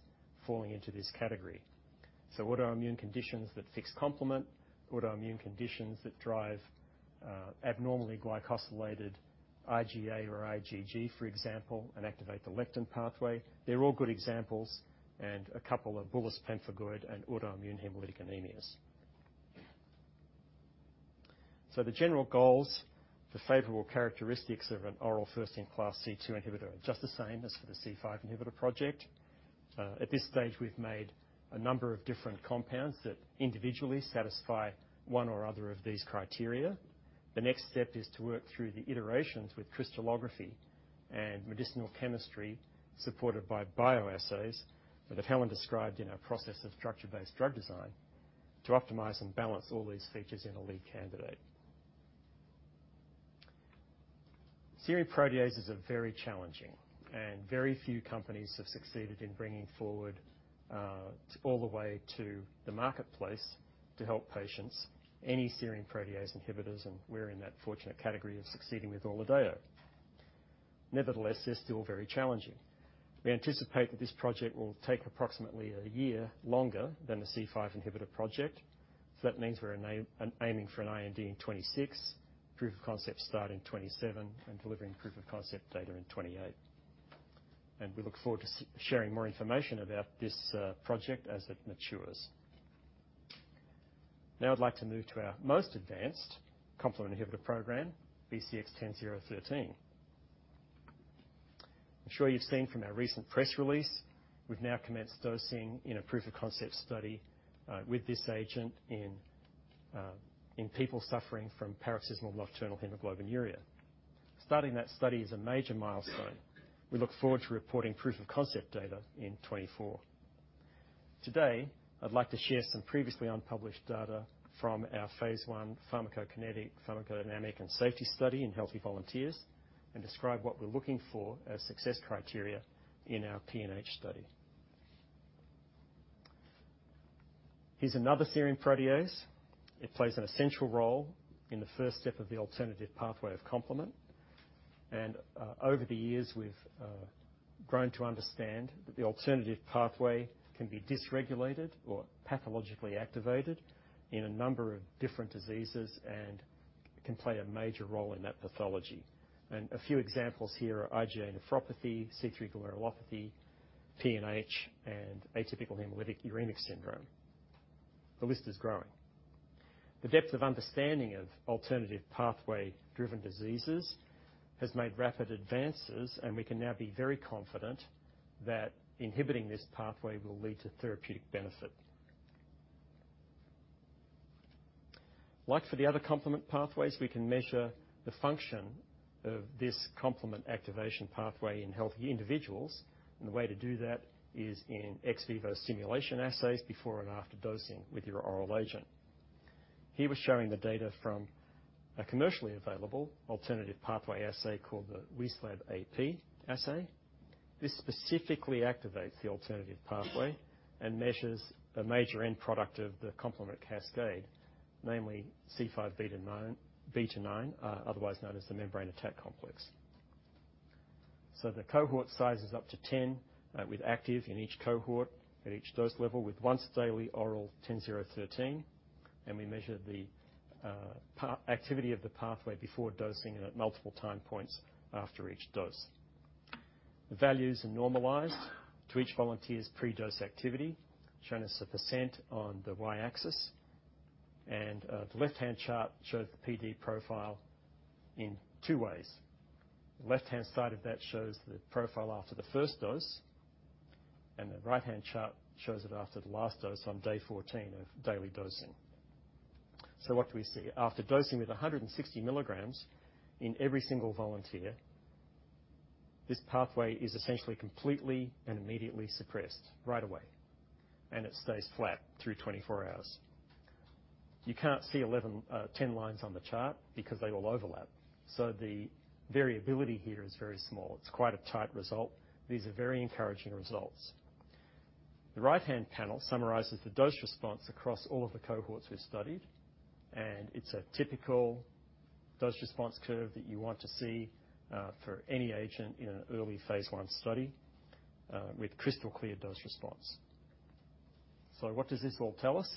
falling into this category. So autoimmune conditions that fix complement, autoimmune conditions that drive abnormally glycosylated IgA or IgG, for example, and activate the lectin pathway. They're all good examples, and a couple are bullous pemphigoid and autoimmune hemolytic anemias. So the general goals for favorable characteristics of an oral first-in-class C2 inhibitor are just the same as for the C5 inhibitor project. At this stage, we've made a number of different compounds that individually satisfy one or other of these criteria. The next step is to work through the iterations with crystallography and medicinal chemistry, supported by bioassays that Helen described in our process of structure-based drug design, to optimize and balance all these features in a lead candidate. Serine proteases are very challenging, and very few companies have succeeded in bringing forward all the way to the marketplace to help patients any serine protease inhibitors, and we're in that fortunate category of succeeding with ORLADEYO. Nevertheless, they're still very challenging. We anticipate that this project will take approximately a year longer than the C5 inhibitor project, so that means we're aiming for an IND in 2026, proof of concept start in 2027, and delivering proof of concept data in 2028. We look forward to sharing more information about this project as it matures. Now I'd like to move to our most advanced complement inhibitor program, BCX10013. I'm sure you've seen from our recent press release, we've now commenced dosing in a proof of concept study with this agent in in people suffering from paroxysmal nocturnal hemoglobinuria. Starting that study is a major milestone. We look forward to reporting proof of concept data in 2024. Today, I'd like to share some previously unpublished data from our phase I pharmacokinetic, pharmacodynamic, and safety study in healthy volunteers and describe what we're looking for as success criteria in our PNH study. Here's another serine protease. It plays an essential role in the first step of the alternative pathway of complement... Over the years, we've grown to understand that the alternative pathway can be dysregulated or pathologically activated in a number of different diseases and can play a major role in that pathology. A few examples here are IgA nephropathy, C3 glomerulopathy, PNH, and atypical hemolytic uremic syndrome. The list is growing. The depth of understanding of alternative pathway-driven diseases has made rapid advances, and we can now be very confident that inhibiting this pathway will lead to therapeutic benefit. Like for the other complement pathways, we can measure the function of this complement activation pathway in healthy individuals, and the way to do that is in ex vivo simulation assays before and after dosing with your oral agent. Here, we're showing the data from a commercially available alternative pathway assay called the Wieslab AP assay. This specifically activates the alternative pathway and measures the major end product of the complement cascade, namely C5b-9, otherwise known as the membrane attack complex. So the cohort size is up to 10, with active in each cohort at each dose level, with once-daily oral BCX10013, and we measure the pathway activity of the pathway before dosing and at multiple time points after each dose. The values are normalized to each volunteer's pre-dose activity, shown as a % on the Y-axis, and the left-hand chart shows the PD profile in two ways. The left-hand side of that shows the profile after the first dose, and the right-hand chart shows it after the last dose on day 14 of daily dosing. So what do we see? After dosing with 160 mg in every single volunteer, this pathway is essentially completely and immediately suppressed right away, and it stays flat through 24 hours. You can't see 11, 10 lines on the chart because they all overlap, so the variability here is very small. It's quite a tight result. These are very encouraging results. The right-hand panel summarizes the dose response across all of the cohorts we studied, and it's a typical dose response curve that you want to see, for any agent in an early phase I study, with crystal-clear dose response. So what does this all tell us?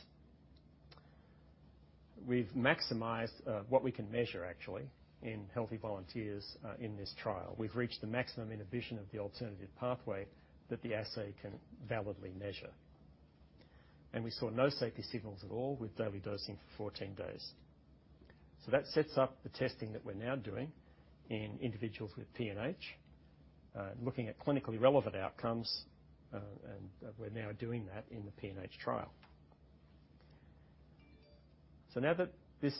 We've maximized, what we can measure actually in healthy volunteers, in this trial. We've reached the maximum inhibition of the alternative pathway that the assay can validly measure. We saw no safety signals at all with daily dosing for 14 days. That sets up the testing that we're now doing in individuals with PNH, looking at clinically relevant outcomes, and we're now doing that in the PNH trial. Now that this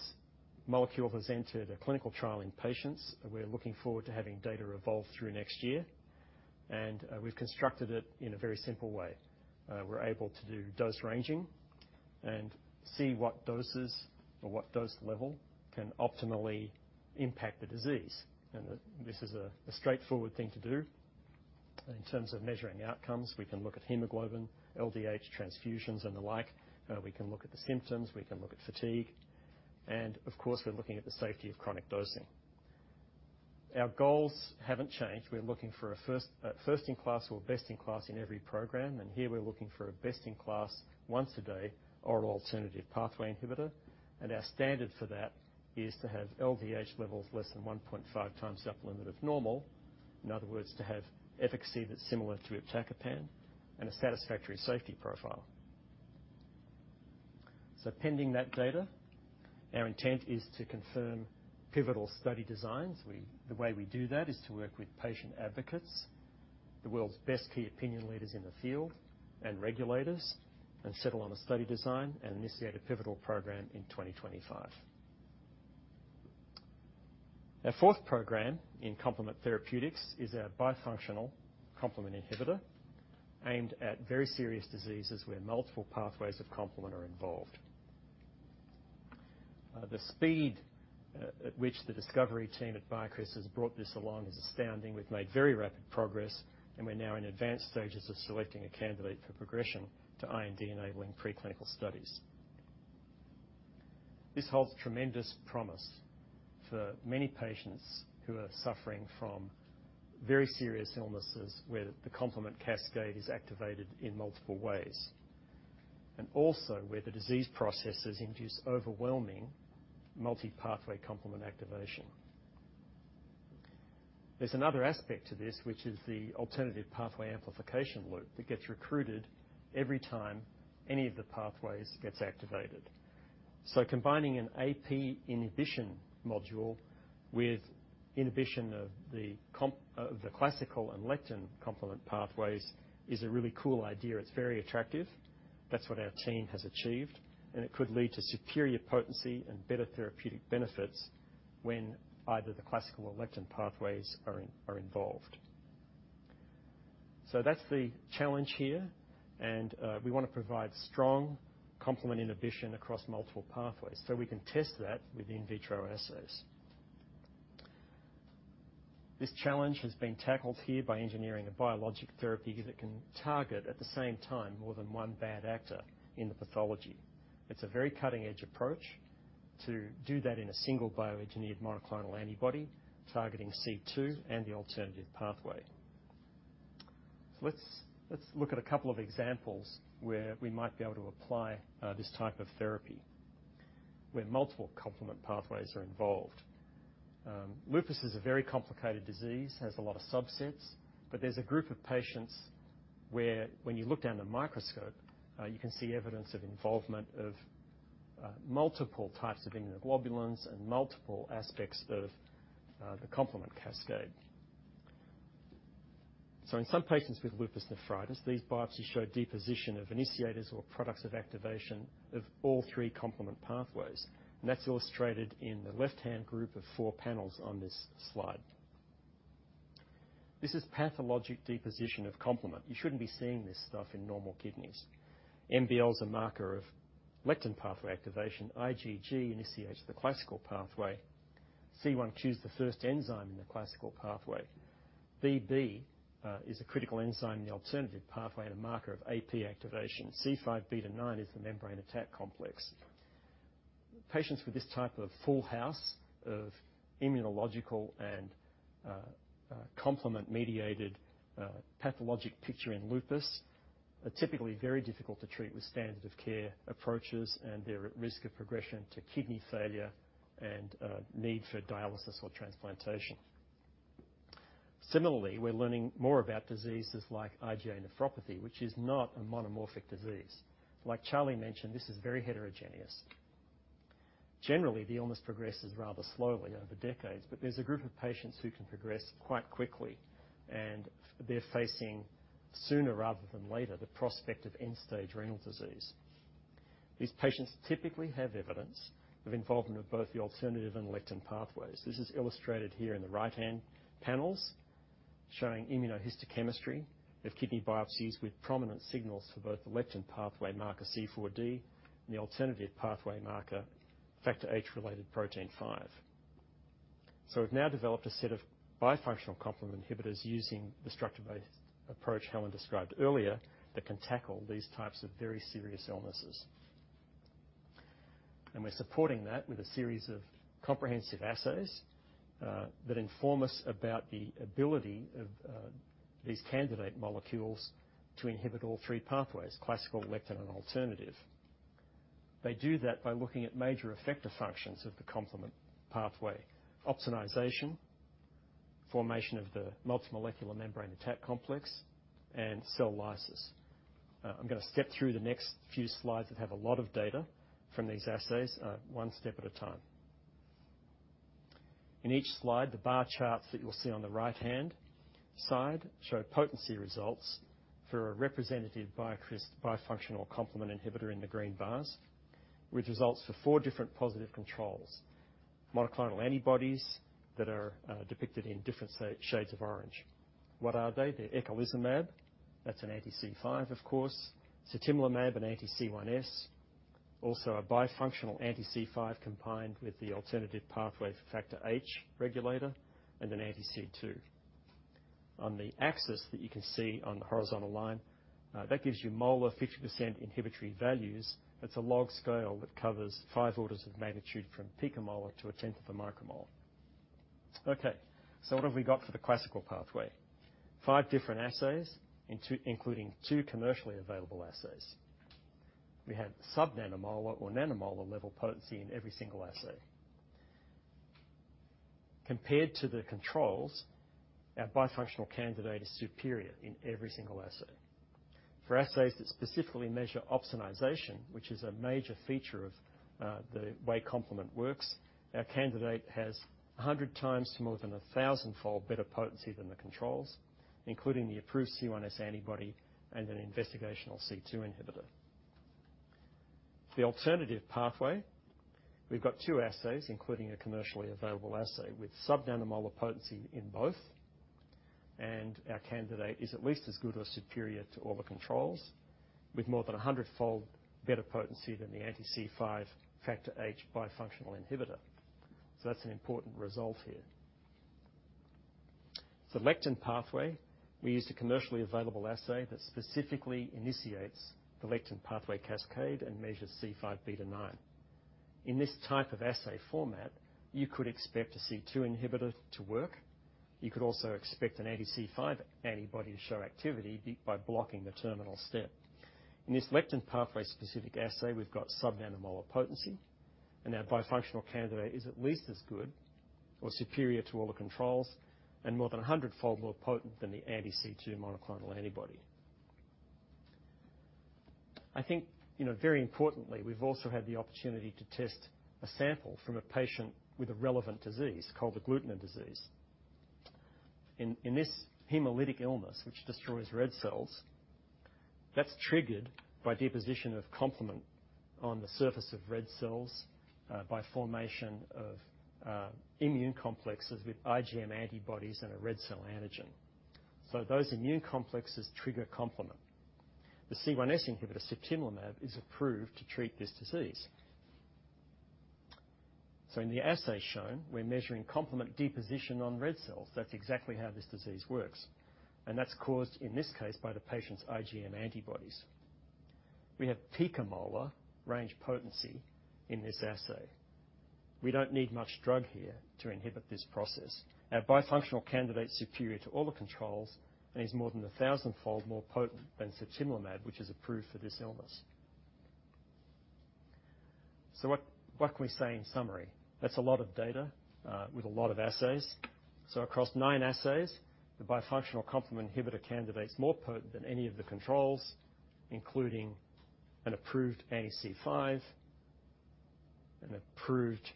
molecule has entered a clinical trial in patients, we're looking forward to having data evolve through next year, and, we've constructed it in a very simple way. We're able to do dose ranging and see what doses or what dose level can optimally impact the disease, and this is a straightforward thing to do. In terms of measuring outcomes, we can look at hemoglobin, LDH, transfusions, and the like. We can look at the symptoms, we can look at fatigue, and of course, we're looking at the safety of chronic dosing. Our goals haven't changed. We're looking for a first, first in class or best in class in every program, and here we're looking for a best-in-class, once-a-day, oral alternative pathway inhibitor. And our standard for that is to have LDH levels less than 1.5x the upper limit of normal, in other words, to have efficacy that's similar to iptacopan and a satisfactory safety profile. So pending that data, our intent is to confirm pivotal study designs. We. The way we do that is to work with patient advocates, the world's best key opinion leaders in the field, and regulators, and settle on a study design, and initiate a pivotal program in 2025. Our fourth program in complement therapeutics is our bifunctional complement inhibitor, aimed at very serious diseases where multiple pathways of complement are involved. The speed at which the discovery team at BioCryst has brought this along is astounding. We've made very rapid progress, and we're now in advanced stages of selecting a candidate for progression to IND-enabling preclinical studies. This holds tremendous promise for many patients who are suffering from very serious illnesses, where the complement cascade is activated in multiple ways, and also where the disease processes induce overwhelming multipathway complement activation. There's another aspect to this, which is the alternative pathway amplification loop that gets recruited every time any of the pathways gets activated. So combining an AP inhibition module with inhibition of the classical and lectin complement pathways is a really cool idea. It's very attractive. That's what our team has achieved, and it could lead to superior potency and better therapeutic benefits when either the classical or lectin pathways are involved. So that's the challenge here, and we want to provide strong complement inhibition across multiple pathways, so we can test that with in vitro assays. This challenge has been tackled here by engineering a biologic therapy that can target, at the same time, more than one bad actor in the pathology. It's a very cutting-edge approach to do that in a single bioengineered monoclonal antibody targeting C2 and the alternative pathway. So let's look at a couple of examples where we might be able to apply this type of therapy, where multiple complement pathways are involved. Lupus is a very complicated disease, has a lot of subsets, but there's a group of patients where when you look down the microscope, you can see evidence of involvement of multiple types of immunoglobulins and multiple aspects of the complement cascade. So in some patients with lupus nephritis, these biopsies show deposition of initiators or products of activation of all three complement pathways, and that's illustrated in the left-hand group of four panels on this slide. This is pathologic deposition of complement. You shouldn't be seeing this stuff in normal kidneys. MBL is a marker of lectin pathway activation. IgG initiates the classical pathway. C1q is the first enzyme in the classical pathway. Bb is a critical enzyme in the alternative pathway and a marker of AP activation. C5b-9 is the membrane attack complex. Patients with this type of full house of immunological and complement-mediated pathologic picture in lupus are typically very difficult to treat with standard-of-care approaches, and they're at risk of progression to kidney failure and need for dialysis or transplantation. Similarly, we're learning more about diseases like IgA nephropathy, which is not a monomorphic disease. Like Charlie mentioned, this is very heterogeneous. Generally, the illness progresses rather slowly over decades, but there's a group of patients who can progress quite quickly, and they're facing sooner rather than later the prospect of end-stage renal disease. These patients typically have evidence of involvement of both the alternative and lectin pathways. This is illustrated here in the right-hand panels, showing immunohistochemistry of kidney biopsies with prominent signals for both the lectin pathway marker C4d and the alternative pathway marker, Factor H-related protein 5. So we've now developed a set of bifunctional complement inhibitors using the structure-based approach Helen described earlier, that can tackle these types of very serious illnesses. We're supporting that with a series of comprehensive assays that inform us about the ability of these candidate molecules to inhibit all three pathways, classical, lectin, and alternative. They do that by looking at major effector functions of the complement pathway, opsonization, formation of the multimolecular membrane attack complex, and cell lysis. I'm gonna step through the next few slides that have a lot of data from these assays, one step at a time. In each slide, the bar charts that you'll see on the right-hand side show potency results for a representative bifunctional complement inhibitor in the green bars, which results for four different positive controls. Monoclonal antibodies that are depicted in different shades of orange. What are they? They're eculizumab. That's an anti-C5, of course. Satalimab, an anti-C1s, also a bifunctional anti-C5, combined with the alternative pathway for Factor H regulator and an anti-C2. On the axis that you can see on the horizontal line, that gives you molar 50% inhibitory values. It's a log scale that covers five orders of magnitude from picomolar to 0.1 μmol. Okay, so what have we got for the classical pathway? Five different assays, including two commercially available assays. We have subnanomolar or nanomolar-level potency in every single assay. Compared to the controls, our bifunctional candidate is superior in every single assay. For assays that specifically measure opsonization, which is a major feature of the way complement works, our candidate has 100 times more than a 1,000-fold better potency than the controls, including the approved C1s antibody and an investigational C2 inhibitor. The alternative pathway, we've got two assays, including a commercially available assay, with subnanomolar potency in both, and our candidate is at least as good or superior to all the controls, with more than a 100-fold better potency than the anti-C5 Factor H bifunctional inhibitor. So that's an important result here. For lectin pathway, we used a commercially available assay that specifically initiates the lectin pathway cascade and measures C5b-9. In this type of assay format, you could expect a C2 inhibitor to work. You could also expect an anti-C5 antibody to show activity by blocking the terminal step. In this lectin pathway-specific assay, we've got subnanomolar potency, and our bifunctional candidate is at least as good or superior to all the controls and more than a 100-fold more potent than the anti-C2 monoclonal antibody. I think, you know, very importantly, we've also had the opportunity to test a sample from a patient with a relevant disease called the cold agglutinin disease. In this hemolytic illness, which destroys red cells, that's triggered by deposition of complement on the surface of red cells, by formation of immune complexes with IgM antibodies and a red cell antigen. So those immune complexes trigger a complement. The C1s inhibitor, sutimlimab, is approved to treat this disease. So in the assay shown, we're measuring complement deposition on red cells. That's exactly how this disease works, and that's caused, in this case, by the patient's IgM antibodies. We have picomolar range potency in this assay. We don't need much drug here to inhibit this process. Our bifunctional candidate's superior to all the controls, and is more than 1,000-fold more potent than sutimlimab, which is approved for this illness. So what, what can we say in summary? That's a lot of data with a lot of assays. So across nine assays, the bifunctional complement inhibitor candidate's more potent than any of the controls, including an approved anti-C5, an approved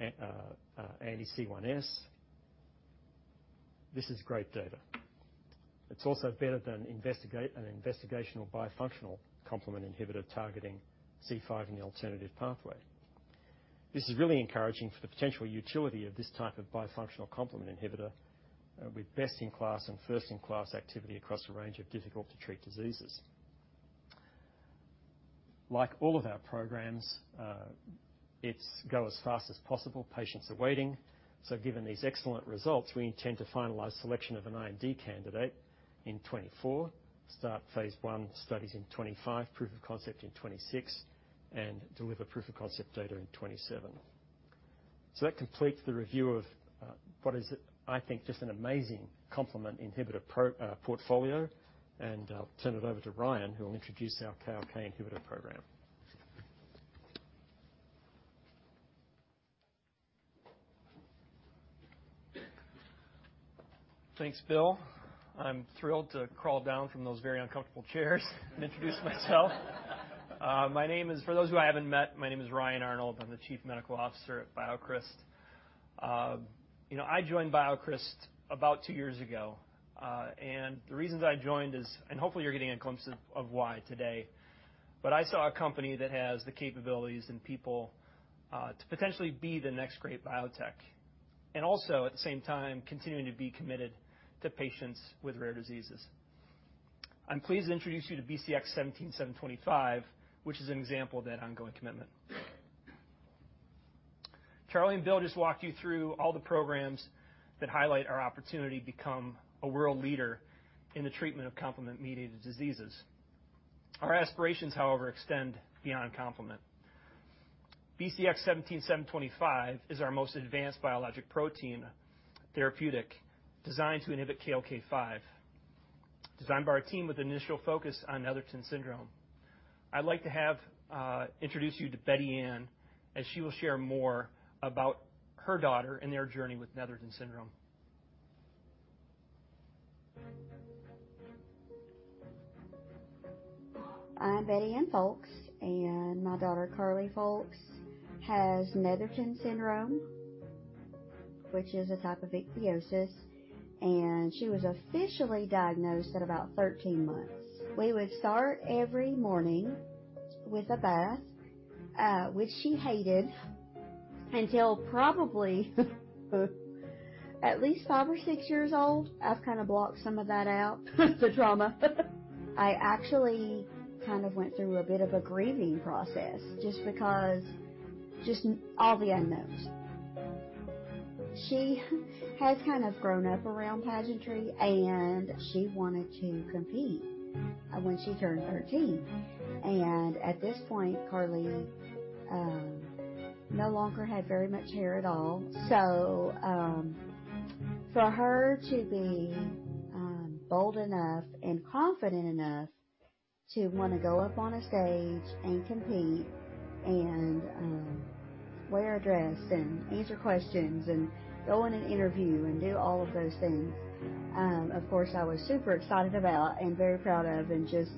anti-C1s. This is great data. It's also better than an investigational bifunctional complement inhibitor targeting C5 in the alternative pathway. This is really encouraging for the potential utility of this type of bifunctional complement inhibitor with best-in-class and first-in-class activity across a range of difficult-to-treat diseases. Like all of our programs, it's go as fast as possible, patients are waiting. So given these excellent results, we intend to finalize selection of an IND candidate in 2024, start phase I studies in 2025, proof of concept in 2026, and deliver proof of concept data in 2027. So that completes the review of, what is, I think, just an amazing complement inhibitor portfolio. And I'll turn it over to Ryan, who will introduce our KLK inhibitor program. Thanks, Bill. I'm thrilled to crawl down from those very uncomfortable chairs and introduce myself. My name is... For those who I haven't met, my name is Ryan Arnold. I'm the Chief Medical Officer at BioCryst. You know, I joined BioCryst about two years ago, and the reason I joined is, and hopefully, you're getting a glimpse of, of why today. But I saw a company that has the capabilities and people to potentially be the next great biotech, and also, at the same time, continuing to be committed to patients with rare diseases. I'm pleased to introduce you to BCX17725, which is an example of that ongoing commitment. Charlie and Bill just walked you through all the programs that highlight our opportunity to become a world leader in the treatment of complement-mediated diseases. Our aspirations, however, extend beyond complement. BCX17725 is our most advanced biologic protein therapeutic, designed to inhibit KLK5, designed by our team with an initial focus on Netherton syndrome. I'd like to have, introduce you to Betty Ann, as she will share more about her daughter and their journey with Netherton syndrome. I'm Betty Ann Folks, and my daughter, Carli Folks, has Netherton syndrome, which is a type of ichthyosis, and she was officially diagnosed at about 13 months. We would start every morning with a bath, which she hated until probably at least five or six years old. I've kind of blocked some of that out, the trauma. I actually kind of went through a bit of a grieving process just because... just all the unknowns. She had kind of grown up around pageantry, and she wanted to compete when she turned 13. And at this point, Carli no longer had very much hair at all. So, for her to be bold enough and confident enough to want to go up on a stage and compete, and wear a dress, and answer questions, and go in an interview, and do all of those things, of course, I was super excited about and very proud of, and just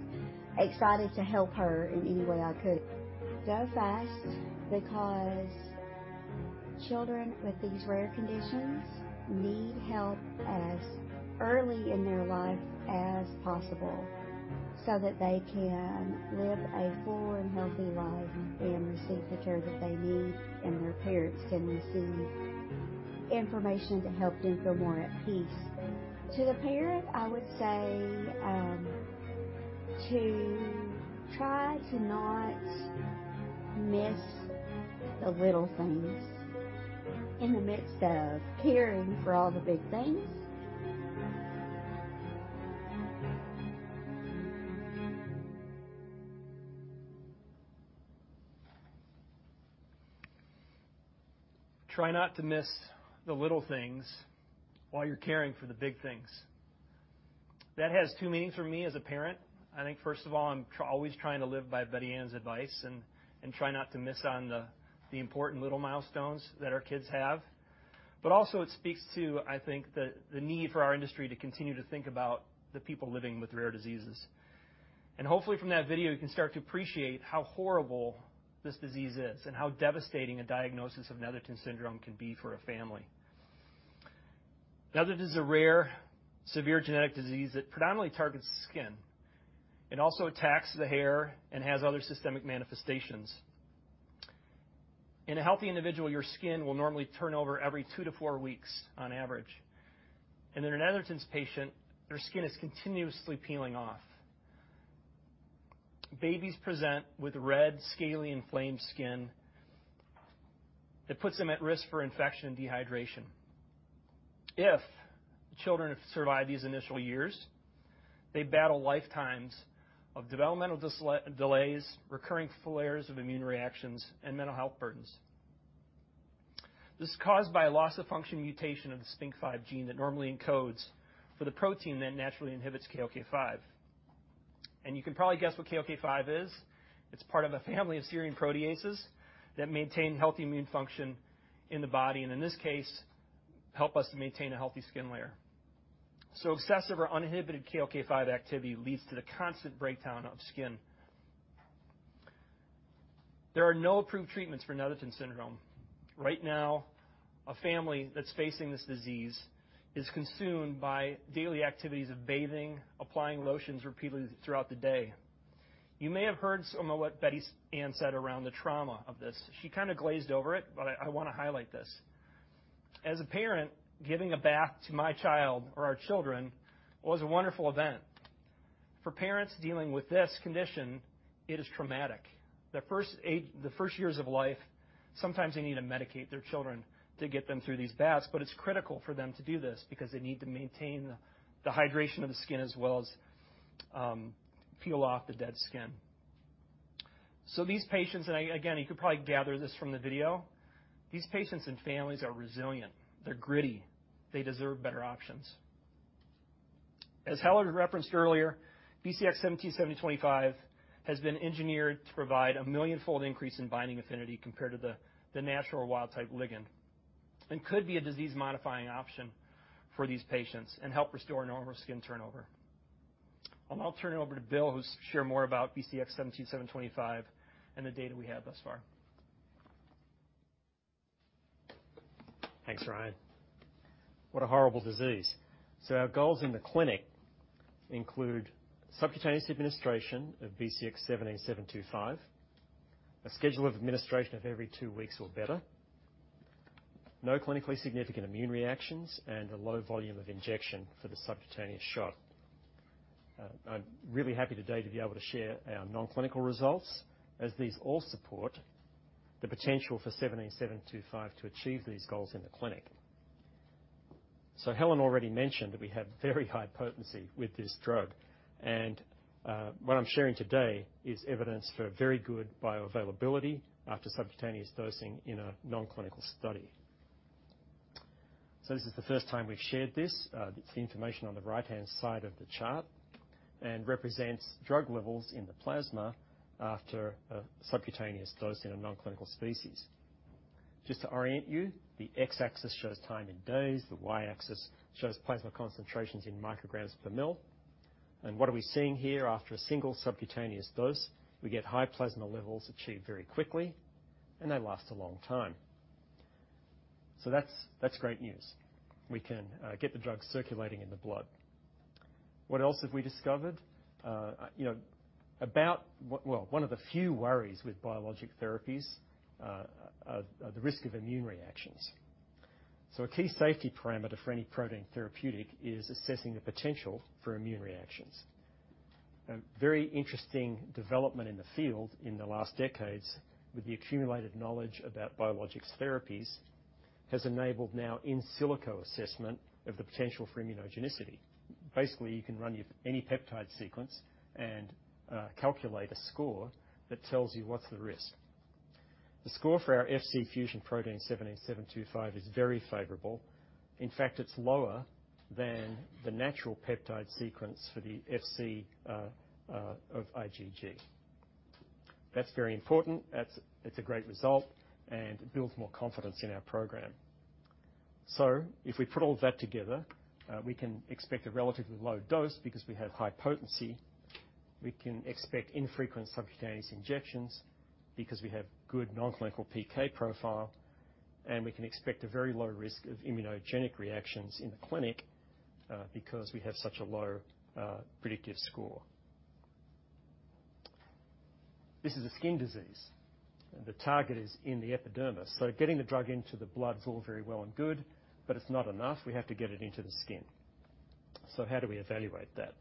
excited to help her in any way I could. Go fast because children with these rare conditions need help as early in their life as possible, so that they can live a full and healthy life and receive the care that they need, and their parents can receive information to help them feel more at peace. To the parent, I would say, to try to not miss the little things in the midst of caring for all the big things. Try not to miss the little things while you're caring for the big things. That has two meanings for me as a parent. I think, first of all, I'm always trying to live by Betty Ann's advice and try not to miss on the important little milestones that our kids have. But also, it speaks to, I think, the need for our industry to continue to think about the people living with rare diseases. And hopefully, from that video, you can start to appreciate how horrible this disease is, and how devastating a diagnosis of Netherton syndrome can be for a family. Netherton is a rare, severe genetic disease that predominantly targets the skin. It also attacks the hair and has other systemic manifestations. In a healthy individual, your skin will normally turn over every two to four weeks on average. And in a Netherton’s patient, their skin is continuously peeling off.... Babies present with red, scaly, inflamed skin that puts them at risk for infection and dehydration. If children survive these initial years, they battle lifetimes of developmental delays, recurring flares of immune reactions, and mental health burdens. This is caused by a loss-of-function mutation of the SPINK5 gene that normally encodes for the protein that naturally inhibits KLK5. And you can probably guess what KLK5 is. It’s part of a family of serine proteases that maintain healthy immune function in the body, and in this case, help us maintain a healthy skin layer. So excessive or uninhibited KLK5 activity leads to the constant breakdown of skin. There are no approved treatments for Netherton syndrome. Right now, a family that’s facing this disease is consumed by daily activities of bathing, applying lotions repeatedly throughout the day. You may have heard some of what Betty Ann said around the trauma of this. She kind of glazed over it, but I, I wanna highlight this. As a parent, giving a bath to my child or our children was a wonderful event. For parents dealing with this condition, it is traumatic. The first years of life, sometimes they need to medicate their children to get them through these baths, but it's critical for them to do this because they need to maintain the hydration of the skin as well as peel off the dead skin. So these patients, and again, you could probably gather this from the video, these patients and families are resilient, they're gritty, they deserve better options. As Helen referenced earlier, BCX17725 has been engineered to provide a million-fold increase in binding affinity compared to the natural wild-type ligand, and could be a disease-modifying option for these patients and help restore normal skin turnover. I'll now turn it over to Bill, who's share more about BCX17725 and the data we have thus far. Thanks, Ryan. What a horrible disease! So our goals in the clinic include subcutaneous administration of BCX17725, a schedule of administration of every two weeks or better, no clinically significant immune reactions, and a low volume of injection for the subcutaneous shot. I'm really happy today to be able to share our non-clinical results, as these all support the potential for BCX17725 to achieve these goals in the clinic. So Helen already mentioned that we have very high potency with this drug, and what I'm sharing today is evidence for very good bioavailability after subcutaneous dosing in a non-clinical study. So this is the first time we've shared this. It's the information on the right-hand side of the chart, and represents drug levels in the plasma after a subcutaneous dose in a non-clinical species. Just to orient you, the X-axis shows time in days, the Y-axis shows plasma concentrations in micrograms per mL. And what are we seeing here? After a single subcutaneous dose, we get high plasma levels achieved very quickly, and they last a long time. So that's great news. We can get the drug circulating in the blood. What else have we discovered? You know, well, one of the few worries with biologic therapies are the risk of immune reactions. So a key safety parameter for any protein therapeutic is assessing the potential for immune reactions. A very interesting development in the field in the last decades, with the accumulated knowledge about biologics therapies, has enabled now in silico assessment of the potential for immunogenicity. Basically, you can run your any peptide sequence and calculate a score that tells you what's the risk. The score for our Fc fusion protein BCX17725 is very favorable. In fact, it's lower than the natural peptide sequence for the Fc of IgG. That's very important. It's a great result, and it builds more confidence in our program. So if we put all that together, we can expect a relatively low dose because we have high potency. We can expect infrequent subcutaneous injections because we have good non-clinical PK profile, and we can expect a very low risk of immunogenic reactions in the clinic because we have such a low predictive score. This is a skin disease, and the target is in the epidermis, so getting the drug into the blood is all very well and good, but it's not enough. We have to get it into the skin. So how do we evaluate that?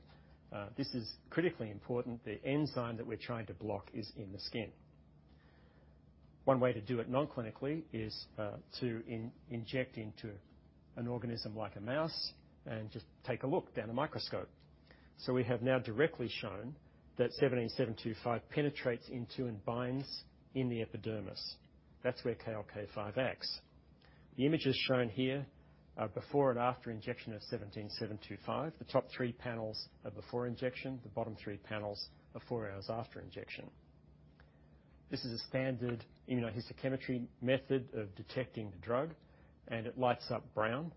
This is critically important. The enzyme that we're trying to block is in the skin. One way to do it non-clinically is to inject into an organism like a mouse and just take a look down a microscope. So we have now directly shown that BCX17725 penetrates into and binds in the epidermis. That's where KLK5 acts. The images shown here are before and after injection of BCX17725. The top three panels are before injection, the bottom three panels are four hours after injection. This is a standard immunohistochemistry method of detecting the drug, and it lights up brown,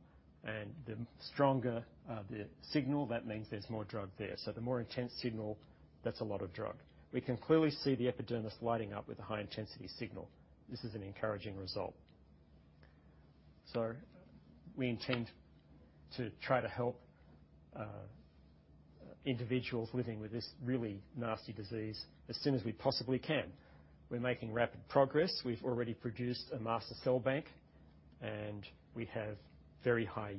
and the stronger the signal, that means there's more drug there. So the more intense signal, that's a lot of drug. We can clearly see the epidermis lighting up with a high-intensity signal. This is an encouraging result. So we intend to try to help individuals living with this really nasty disease as soon as we possibly can. We're making rapid progress. We've already produced a master cell bank. We have very high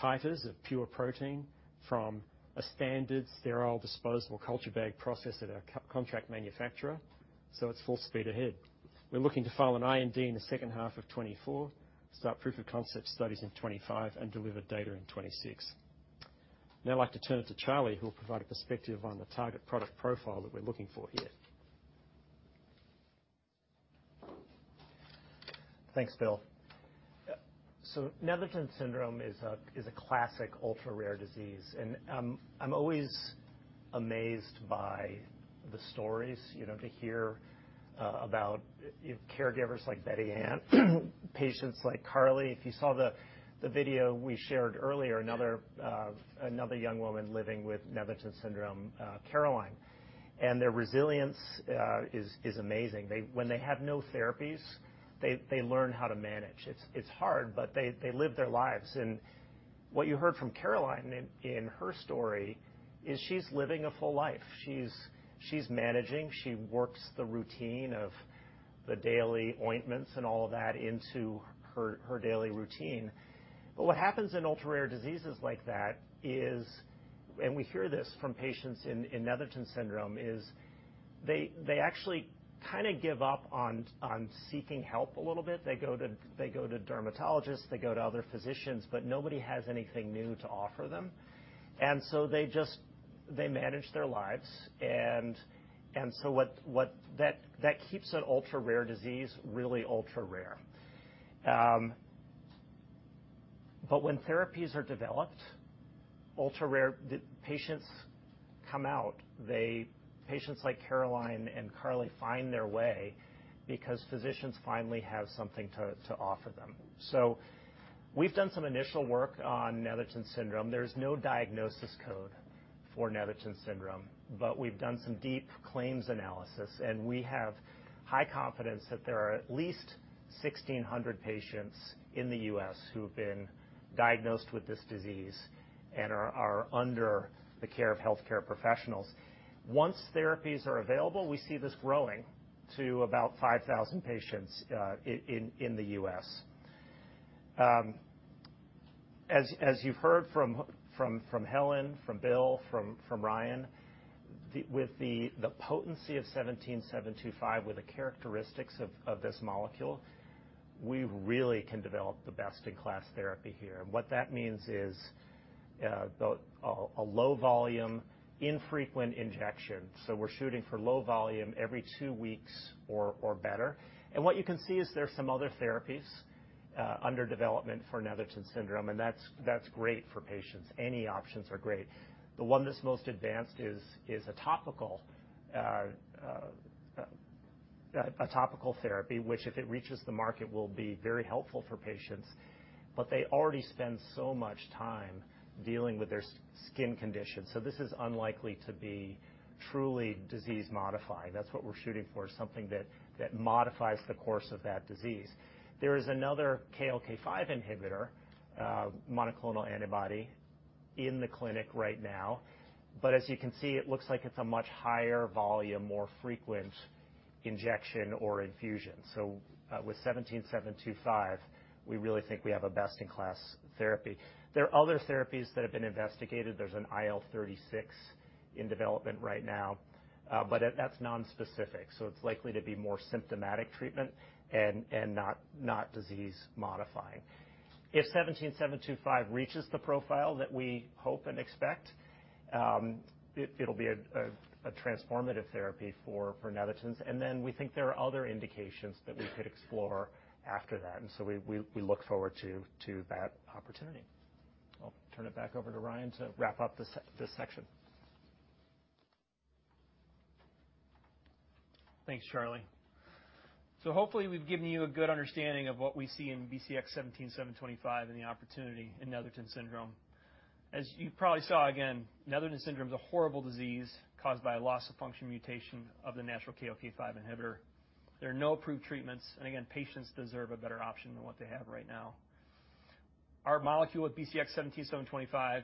titers of pure protein from a standard sterile disposable culture bag process at our contract manufacturer, so it's full speed ahead. We're looking to file an IND in the second half of 2024, start proof of concept studies in 2025, and deliver data in 2026. Now, I'd like to turn it to Charlie, who will provide a perspective on the target product profile that we're looking for here. Thanks, Bill. So Netherton syndrome is a classic ultra-rare disease, and I'm always amazed by the stories, you know, to hear about caregivers like Betty Ann, patients like Carli. If you saw the video we shared earlier, another young woman living with Netherton syndrome, Caroline. And their resilience is amazing. They, when they have no therapies, they learn how to manage. It's hard, but they live their lives. And what you heard from Caroline in her story is she's living a full life. She's managing. She works the routine of the daily ointments and all of that into her daily routine. But what happens in ultra-rare diseases like that is, and we hear this from patients in Netherton syndrome, is they actually kind of give up on seeking help a little bit. They go to dermatologists, they go to other physicians, but nobody has anything new to offer them, and so they just... They manage their lives. And so what that keeps an ultra-rare disease really ultra-rare. But when therapies are developed, ultra-rare, the patients come out. They... Patients like Caroline and Carli find their way because physicians finally have something to offer them. So we've done some initial work on Netherton syndrome. There's no diagnosis code for Netherton syndrome, but we've done some deep claims analysis, and we have high confidence that there are at least 1,600 patients in the U.S. who have been diagnosed with this disease and are under the care of healthcare professionals. Once therapies are available, we see this growing to about 5,000 patients in the U.S. As you've heard from Helen, from Bill, from Ryan, with the potency of BCX17,725, with the characteristics of this molecule, we really can develop the best-in-class therapy here. And what that means is a low volume, infrequent injection. So we're shooting for low volume every two weeks or better. What you can see is there are some other therapies under development for Netherton syndrome, and that's great for patients. Any options are great. The one that's most advanced is a topical therapy, which, if it reaches the market, will be very helpful for patients. But they already spend so much time dealing with their skin condition, so this is unlikely to be truly disease-modifying. That's what we're shooting for, something that modifies the course of that disease. There is another KLK5 inhibitor, monoclonal antibody in the clinic right now, but as you can see, it looks like it's a much higher volume, more frequent injection or infusion. So, with BCX17725, we really think we have a best-in-class therapy. There are other therapies that have been investigated. There's an IL-36 in development right now, but it's nonspecific, so it's likely to be more symptomatic treatment and not disease modifying. If BCX17725 reaches the profile that we hope and expect, it'll be a transformative therapy for Netherton. And then we think there are other indications that we could explore after that, and so we look forward to that opportunity. I'll turn it back over to Ryan to wrap up this section. Thanks, Charlie. So hopefully, we've given you a good understanding of what we see in BCX17725 and the opportunity in Netherton syndrome. As you probably saw, again, Netherton syndrome is a horrible disease caused by a loss-of-function mutation of the natural KLK5 inhibitor. There are no approved treatments, and again, patients deserve a better option than what they have right now. Our molecule with BCX17725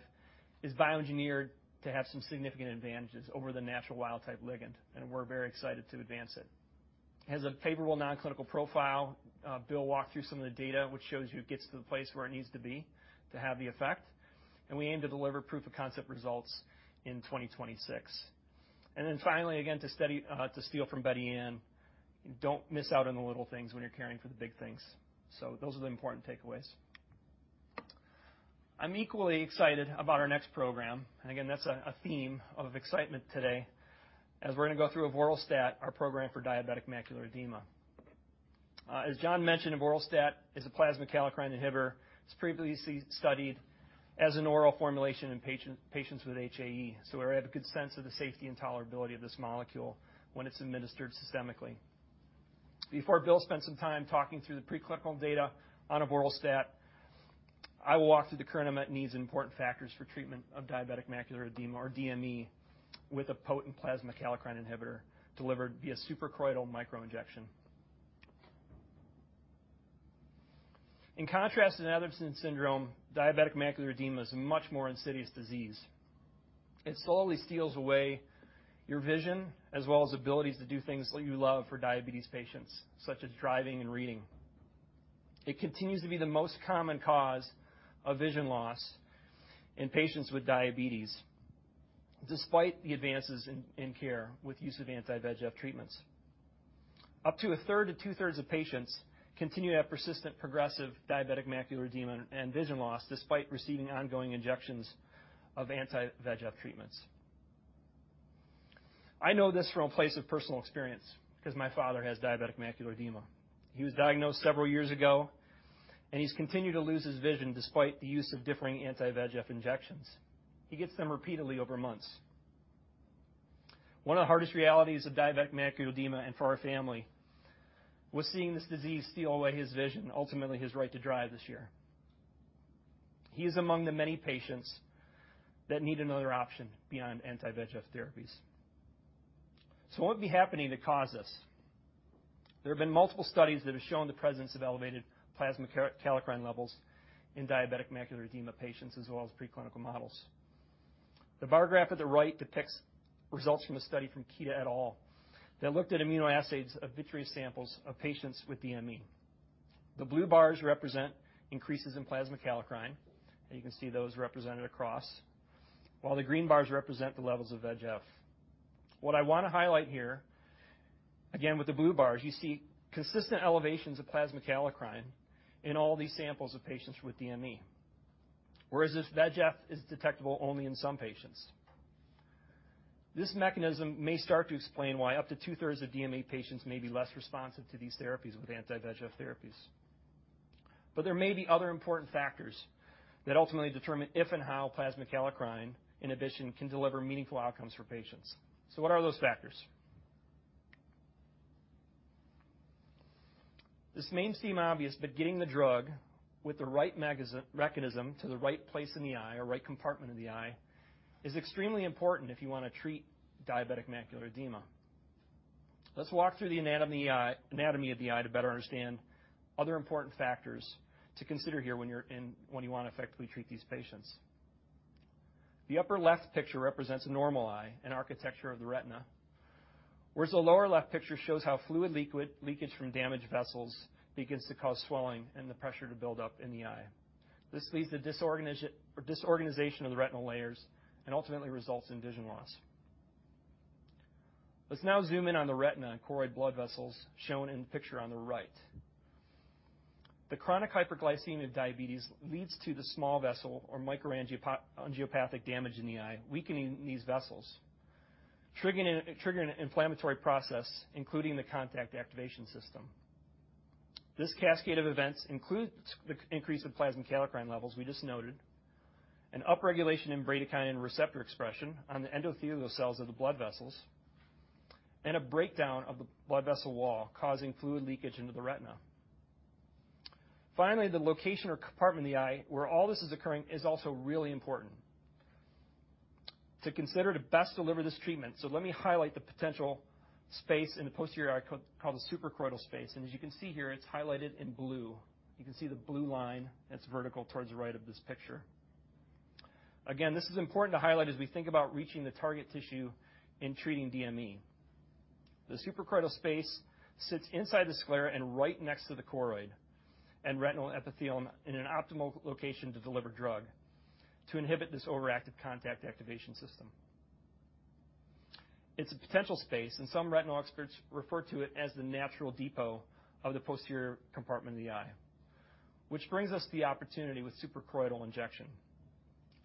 is bioengineered to have some significant advantages over the natural wild-type ligand, and we're very excited to advance it. It has a favorable non-clinical profile. Bill walked through some of the data, which shows you it gets to the place where it needs to be to have the effect. And we aim to deliver proof-of-concept results in 2026. And then finally, again, to steal from Betty Ann, "Don't miss out on the little things when you're caring for the big things." So those are the important takeaways. I'm equally excited about our next program, and again, that's a theme of excitement today as we're gonna go through avoralstat, our program for diabetic macular edema. As Jon mentioned, avoralstat is a plasma kallikrein inhibitor. It's previously studied as an oral formulation in patients with HAE, so we already have a good sense of the safety and tolerability of this molecule when it's administered systemically. Before Bill spends some time talking through the preclinical data on avoralstat, I will walk through the current unmet needs and important factors for treatment of diabetic macular edema or DME with a potent plasma kallikrein inhibitor delivered via suprachoroidal microinjection. In contrast to Netherton syndrome, diabetic macular edema is a much more insidious disease... It slowly steals away your vision, as well as abilities to do things that you love for diabetes patients, such as driving and reading. It continues to be the most common cause of vision loss in patients with diabetes, despite the advances in care with use of anti-VEGF treatments. Up to a third to two-thirds of patients continue to have persistent progressive diabetic macular edema and vision loss despite receiving ongoing injections of anti-VEGF treatments. I know this from a place of personal experience because my father has diabetic macular edema. He was diagnosed several years ago, and he's continued to lose his vision despite the use of differing anti-VEGF injections. He gets them repeatedly over months. One of the hardest realities of diabetic macular edema and for our family was seeing this disease steal away his vision, ultimately his right to drive this year. He is among the many patients that need another option beyond anti-VEGF therapies. So what would be happening to cause this? There have been multiple studies that have shown the presence of elevated plasma kallikrein levels in diabetic macular edema patients, as well as preclinical models. The bar graph at the right depicts results from a study from Kita et al., that looked at immunoassays of vitreous samples of patients with DME. The blue bars represent increases in plasma kallikrein, and you can see those represented across, while the green bars represent the levels of VEGF. What I want to highlight here, again, with the blue bars, you see consistent elevations of plasma kallikrein in all these samples of patients with DME. Whereas this VEGF is detectable only in some patients. This mechanism may start to explain why up to two-thirds of DME patients may be less responsive to these therapies with Anti-VEGF therapies. But there may be other important factors that ultimately determine if and how plasma kallikrein inhibition can deliver meaningful outcomes for patients. So what are those factors? This may seem obvious, but getting the drug with the right mechanism to the right place in the eye or right compartment in the eye is extremely important if you want to treat diabetic macular edema. Let's walk through the anatomy of the eye to better understand other important factors to consider here when you want to effectively treat these patients. The upper left picture represents a normal eye and architecture of the retina, whereas the lower left picture shows how fluid leakage from damaged vessels begins to cause swelling and the pressure to build up in the eye. This leads to disorganization of the retinal layers and ultimately results in vision loss. Let's now zoom in on the retina and choroid blood vessels shown in the picture on the right. The chronic hyperglycemia of diabetes leads to the small vessel or microangiopathic damage in the eye, weakening these vessels, triggering an inflammatory process, including the contact activation system. This cascade of events includes the increase in plasma kallikrein levels we just noted, an upregulation in bradykinin receptor expression on the endothelial cells of the blood vessels, and a breakdown of the blood vessel wall, causing fluid leakage into the retina. Finally, the location or compartment of the eye where all this is occurring is also really important to consider to best deliver this treatment. So let me highlight the potential space in the posterior eye called the suprachoroidal space, and as you can see here, it's highlighted in blue. You can see the blue line that's vertical towards the right of this picture. Again, this is important to highlight as we think about reaching the target tissue in treating DME. The suprachoroidal space sits inside the sclera and right next to the choroid and retinal epithelium in an optimal location to deliver drug to inhibit this overactive contact activation system. It's a potential space, and some retinal experts refer to it as the natural depot of the posterior compartment of the eye, which brings us the opportunity with suprachoroidal injection.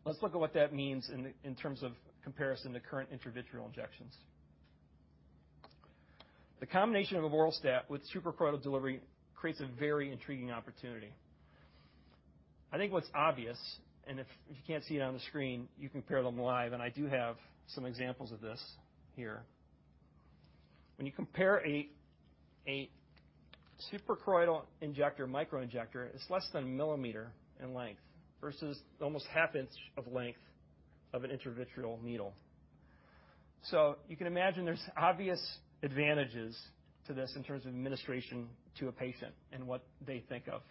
Let's look at what that means in terms of comparison to current intravitreal injections. The combination of avoralstat with suprachoroidal delivery creates a very intriguing opportunity. I think what's obvious, and if you can't see it on the screen, you compare them live, and I do have some examples of this here. When you compare a suprachoroidal injector, Microinjector, it's less than 1 mm in length versus almost half inch of length of an intravitreal needle. So you can imagine there's obvious advantages to this in terms of administration to a patient and what they think of.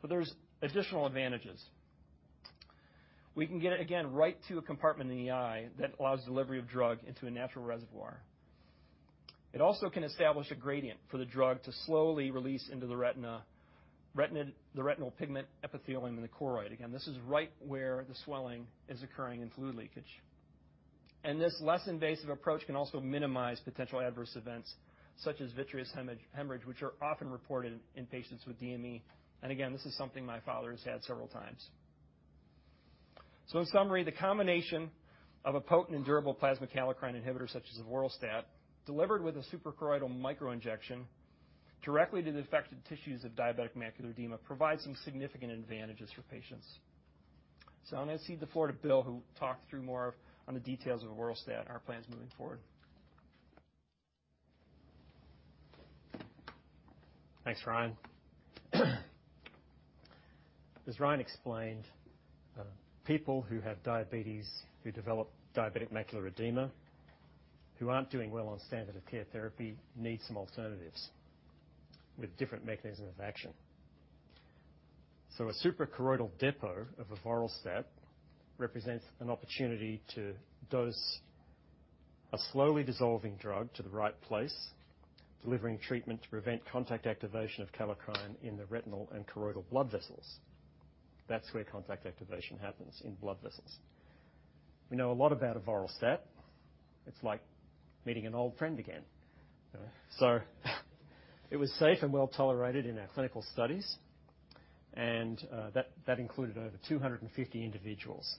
But there's additional advantages. We can get it again, right to a compartment in the eye that allows delivery of drug into a natural reservoir. It also can establish a gradient for the drug to slowly release into the retina, the retinal pigment epithelium in the choroid. Again, this is right where the swelling is occurring in fluid leakage. And this less invasive approach can also minimize potential adverse events such as vitreous hemorrhage, hemorrhage, which are often reported in patients with DME. And again, this is something my father has had several times. So in summary, the combination of a potent and durable plasma kallikrein inhibitor, such as avoralstat, delivered with a suprachoroidal microinjection directly to the affected tissues of diabetic macular edema, provides some significant advantages for patients. So I'm going to cede the floor to Bill, who will talk through more on the details of avoralstat and our plans moving forward. Thanks, Ryan. As Ryan explained, people who have diabetes, who develop diabetic macular edema, who aren't doing well on standard of care therapy, need some alternatives with different mechanism of action. So a suprachoroidal depot of avoralstat represents an opportunity to dose a slowly dissolving drug to the right place, delivering treatment to prevent contact activation of kallikrein in the retinal and choroidal blood vessels. That's where contact activation happens, in blood vessels. We know a lot about avoralstat. It's like meeting an old friend again. So it was safe and well-tolerated in our clinical studies, and that included over 250 individuals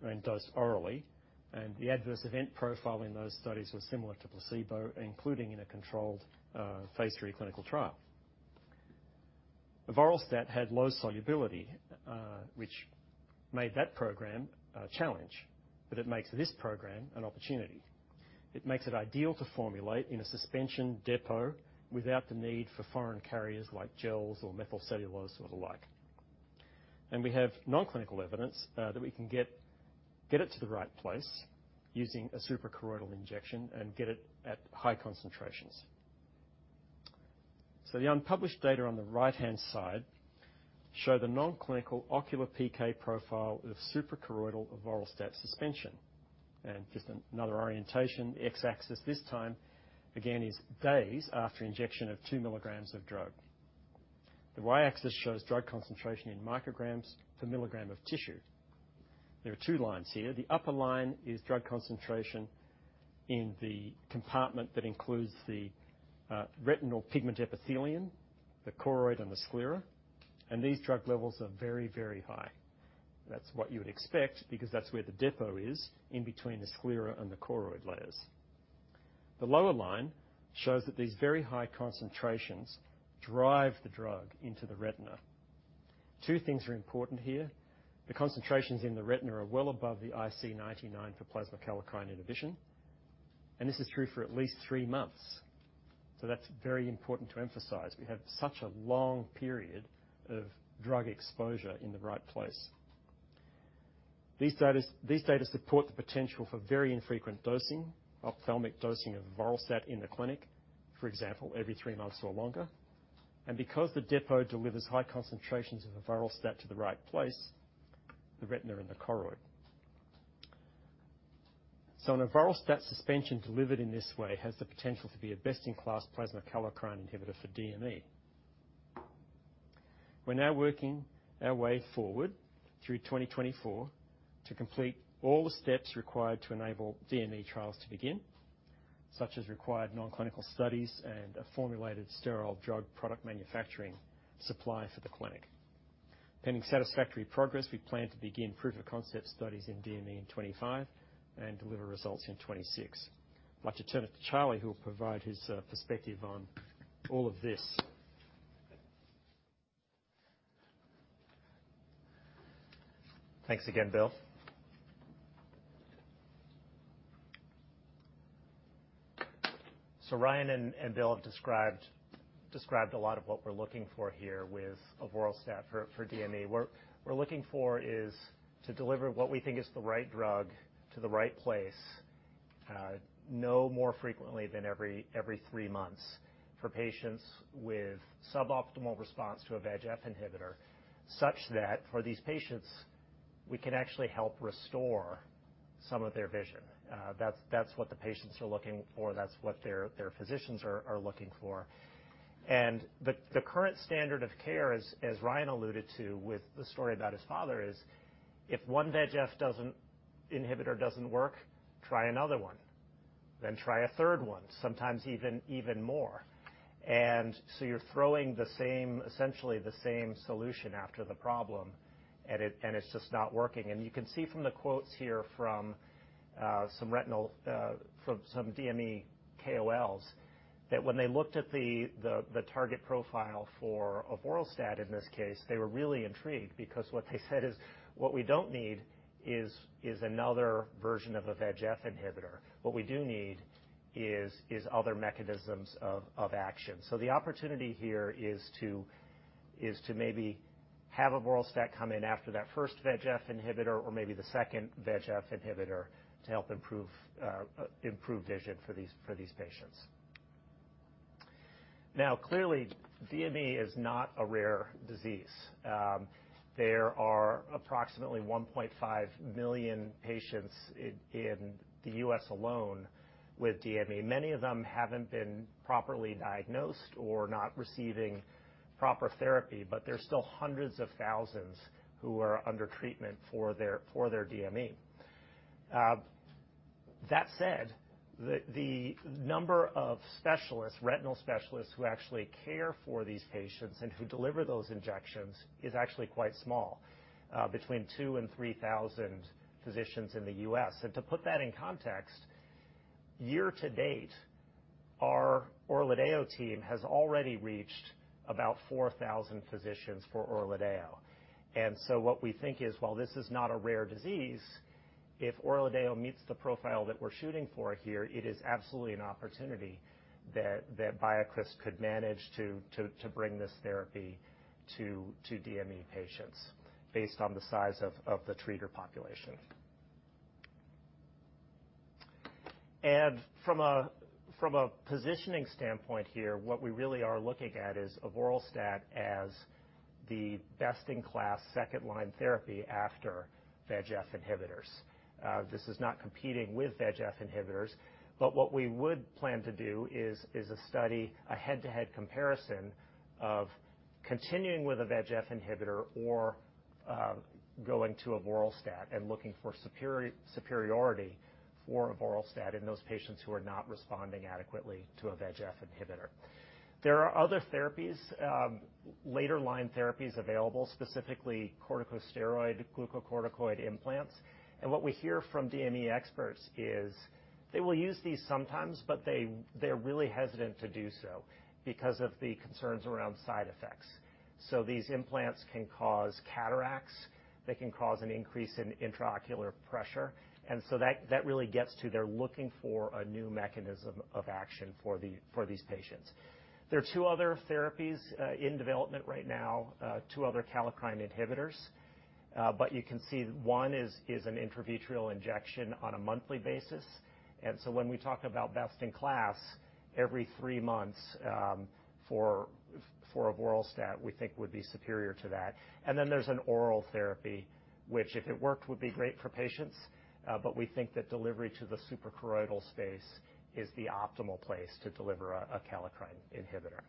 when dosed orally, and the adverse event profile in those studies was similar to placebo, including in a controlled phase III clinical trial. Avoralstat had low solubility, which made that program a challenge, but it makes this program an opportunity. It makes it ideal to formulate in a suspension depot without the need for foreign carriers like gels or methylcellulose or the like. We have non-clinical evidence that we can get it to the right place using a suprachoroidal injection and get it at high concentrations. The unpublished data on the right-hand side show the non-clinical ocular PK profile of suprachoroidal avoralstat suspension. Just another orientation, X-axis this time, again, is days after injection of 2 mg of drug. The Y-axis shows drug concentration in micrograms to milligram of tissue. There are two lines here. The upper line is drug concentration in the compartment that includes the retinal pigment epithelium, the choroid, and the sclera, and these drug levels are very, very high. That's what you would expect, because that's where the depot is, in between the sclera and the choroid layers. The lower line shows that these very high concentrations drive the drug into the retina. Two things are important here. The concentrations in the retina are well above the IC99 for plasma kallikrein inhibition, and this is true for at least three months. So that's very important to emphasize. We have such a long period of drug exposure in the right place. These data support the potential for very infrequent dosing, ophthalmic dosing of avoralstat in the clinic, for example, every three months or longer, and because the depot delivers high concentrations of avoralstat to the right place, the retina and the choroid. So an avoralstat suspension delivered in this way has the potential to be a best-in-class plasma kallikrein inhibitor for DME. We're now working our way forward through 2024 to complete all the steps required to enable DME trials to begin, such as required non-clinical studies and a formulated sterile drug product manufacturing supply for the clinic. Pending satisfactory progress, we plan to begin proof-of-concept studies in DME in 2025 and deliver results in 2026. I'd like to turn it to Charlie, who will provide his perspective on all of this. Thanks again, Bill. So Ryan and Bill have described a lot of what we're looking for here with avoralstat for DME. What we're looking for is to deliver what we think is the right drug to the right place, no more frequently than every three months for patients with suboptimal response to a VEGF inhibitor, such that for these patients, we can actually help restore some of their vision. That's what the patients are looking for, that's what their physicians are looking for. And the current standard of care, as Ryan alluded to with the story about his father, is if one VEGF inhibitor doesn't work, try another one, then try a third one, sometimes even more. And so you're throwing the same, essentially the same solution after the problem, and it's just not working. And you can see from the quotes here from some retinal from some DME KOLs, that when they looked at the target profile for avoralstat, in this case, they were really intrigued because what they said is: What we don't need is another version of a VEGF inhibitor. What we do need is other mechanisms of action. So the opportunity here is to maybe have avoralstat come in after that first VEGF inhibitor or maybe the second VEGF inhibitor to help improve vision for these patients. Now, clearly, DME is not a rare disease. There are approximately 1.5 million patients in the U.S. alone with DME. Many of them haven't been properly diagnosed or not receiving proper therapy, but there's still hundreds of thousands who are under treatment for their DME. That said, the number of specialists, retinal specialists, who actually care for these patients and who deliver those injections is actually quite small, between 2,000 and 3,000 physicians in the U.S. And to put that in context, year to date, our ORLADEYO team has already reached about 4,000 physicians for ORLADEYO. And so what we think is, while this is not a rare disease, if ORLADEYO meets the profile that we're shooting for here, it is absolutely an opportunity that BioCryst could manage to bring this therapy to DME patients based on the size of the treater population. And from a positioning standpoint here, what we really are looking at is avoralstat as the best-in-class second-line therapy after VEGF inhibitors. This is not competing with VEGF inhibitors, but what we would plan to do is a study, a head-to-head comparison of continuing with a VEGF inhibitor or going to avoralstat and looking for superiority for avoralstat in those patients who are not responding adequately to a VEGF inhibitor. There are other therapies, later-line therapies available, specifically corticosteroid, glucocorticoid implants. And what we hear from DME experts is they will use these sometimes, but they, they're really hesitant to do so because of the concerns around side effects. So these implants can cause cataracts, they can cause an increase in intraocular pressure, and so that really gets to they're looking for a new mechanism of action for these patients. There are two other therapies in development right now, two other kallikrein inhibitors, but you can see one is an intravitreal injection on a monthly basis. And so when we talk about best-in-class, every three months for avoralstat, we think would be superior to that. And then there's an oral therapy, which, if it worked, would be great for patients, but we think that delivery to the suprachoroidal space is the optimal place to deliver a kallikrein inhibitor.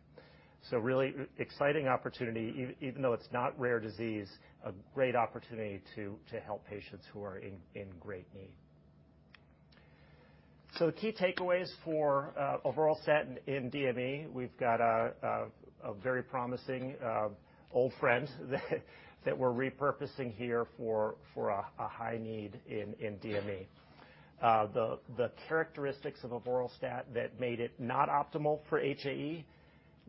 So really exciting opportunity, even though it's not rare disease, a great opportunity to help patients who are in great need. So the key takeaways for avoralstat in DME, we've got a very promising old friend that we're repurposing here for a high need in DME. The characteristics of avoralstat that made it not optimal for HAE,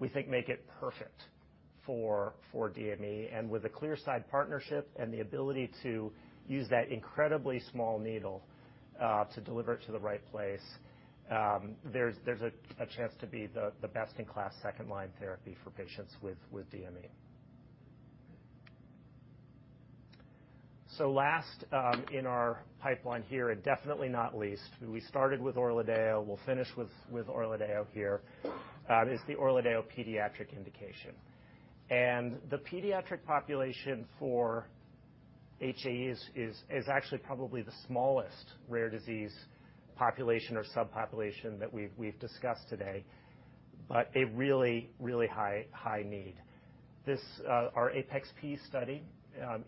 we think make it perfect for DME, and with a Clearside partnership and the ability to use that incredibly small needle to deliver it to the right place, there's a chance to be the best-in-class second-line therapy for patients with DME. So last in our pipeline here, and definitely not least, we started with ORLADEYO, we'll finish with ORLADEYO here, is the ORLADEYO pediatric indication. And the pediatric population for HAE is actually probably the smallest rare disease population or subpopulation that we've discussed today, but a really high need. Our APeX-P study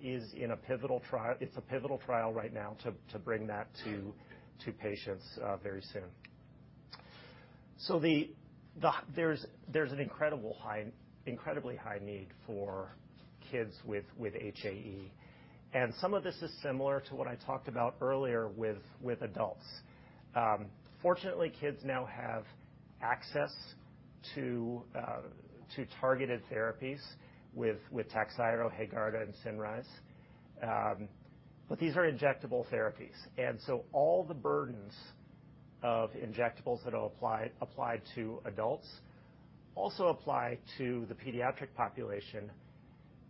is in a pivotal trial. It's a pivotal trial right now to bring that to patients very soon. So the... There's an incredibly high need for kids with HAE, and some of this is similar to what I talked about earlier with adults. Fortunately, kids now have access to targeted therapies with Takhzyro, HAEGARDA, and Cinryze, but these are injectable therapies, and so all the burdens of injectables that apply to adults also apply to the pediatric population,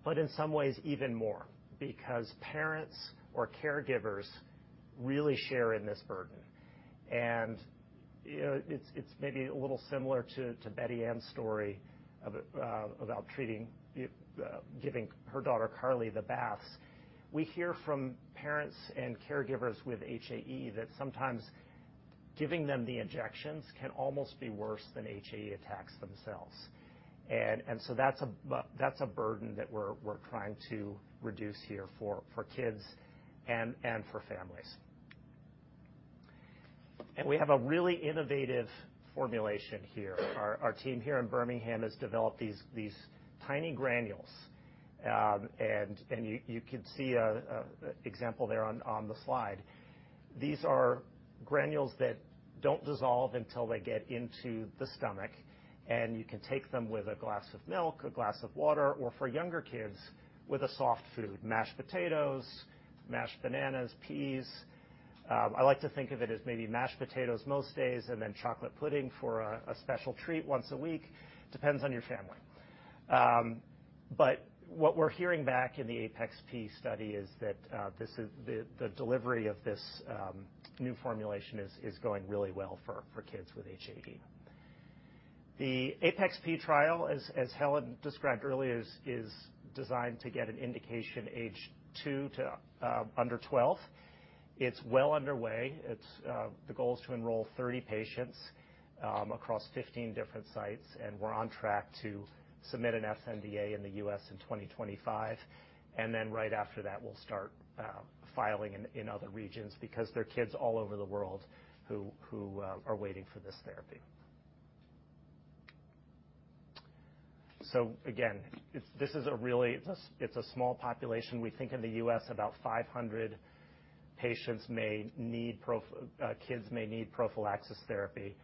but in some ways even more, because parents or caregivers really share in this burden. You know, it's maybe a little similar to Betty Ann's story about treating, giving her daughter Carly the baths. We hear from parents and caregivers with HAE that sometimes giving them the injections can almost be worse than HAE attacks themselves. And so that's a burden that we're trying to reduce here for kids and for families. We have a really innovative formulation here. Our team here in Birmingham has developed these tiny granules, and you can see an example there on the slide. These are granules that don't dissolve until they get into the stomach, and you can take them with a glass of milk, a glass of water, or for younger kids, with a soft food, mashed potatoes, mashed bananas, peas. I like to think of it as maybe mashed potatoes most days, and then chocolate pudding for a special treat once a week. Depends on your family. But what we're hearing back in the APeX-P study is that this is... The delivery of this new formulation is going really well for kids with HAE. The APeX-P trial, as Helen described earlier, is designed to get an indication age two to under 12. It's well underway. The goal is to enroll 30 patients across 15 different sites, and we're on track to submit an sNDA in the U.S. in 2025. And then right after that, we'll start filing in other regions because there are kids all over the world who are waiting for this therapy. So again, this is a really small population. We think in the U.S., about 500 patients, kids may need prophylaxis therapy,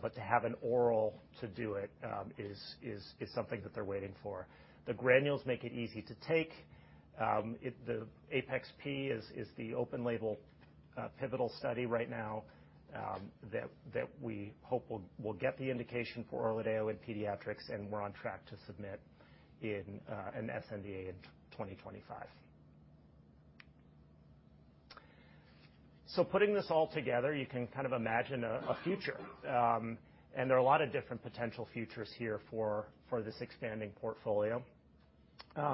but to have an oral to do it is something that they're waiting for. The granules make it easy to take. The APeX-P is the open-label pivotal study right now that we hope will get the indication for oral ORLADEYO in pediatrics, and we're on track to submit an sNDA in 2025. So putting this all together, you can kind of imagine a future. And there are a lot of different potential futures here for this expanding portfolio.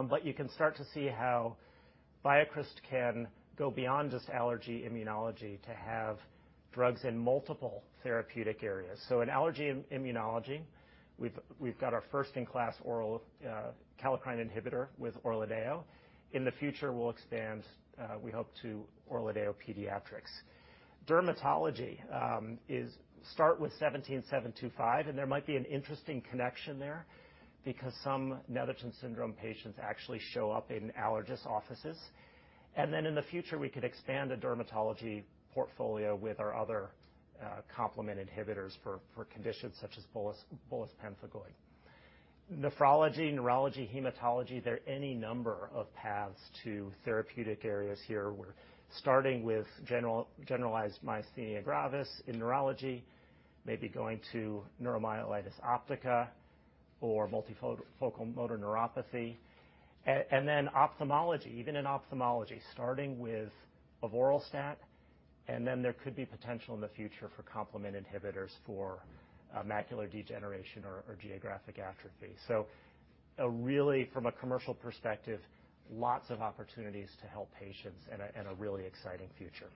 But you can start to see how BioCryst can go beyond just allergy immunology to have drugs in multiple therapeutic areas. So in allergy and immunology, we've got our first-in-class oral kallikrein inhibitor with ORLADEYO. In the future, we'll expand, we hope, to ORLADEYO pediatrics. Dermatology is start with 17725, and there might be an interesting connection there because some Netherton syndrome patients actually show up in allergist offices. And then in the future, we could expand the dermatology portfolio with our other complement inhibitors for conditions such as bullous pemphigoid. Nephrology, neurology, hematology, there are any number of paths to therapeutic areas here, where starting with generalized myasthenia gravis in neurology, maybe going to neuromyelitis optica or multifocal motor neuropathy. And then ophthalmology, even in ophthalmology, starting with avoralstat, and then there could be potential in the future for complement inhibitors for macular degeneration or geographic atrophy. So really, from a commercial perspective, lots of opportunities to help patients and a really exciting future.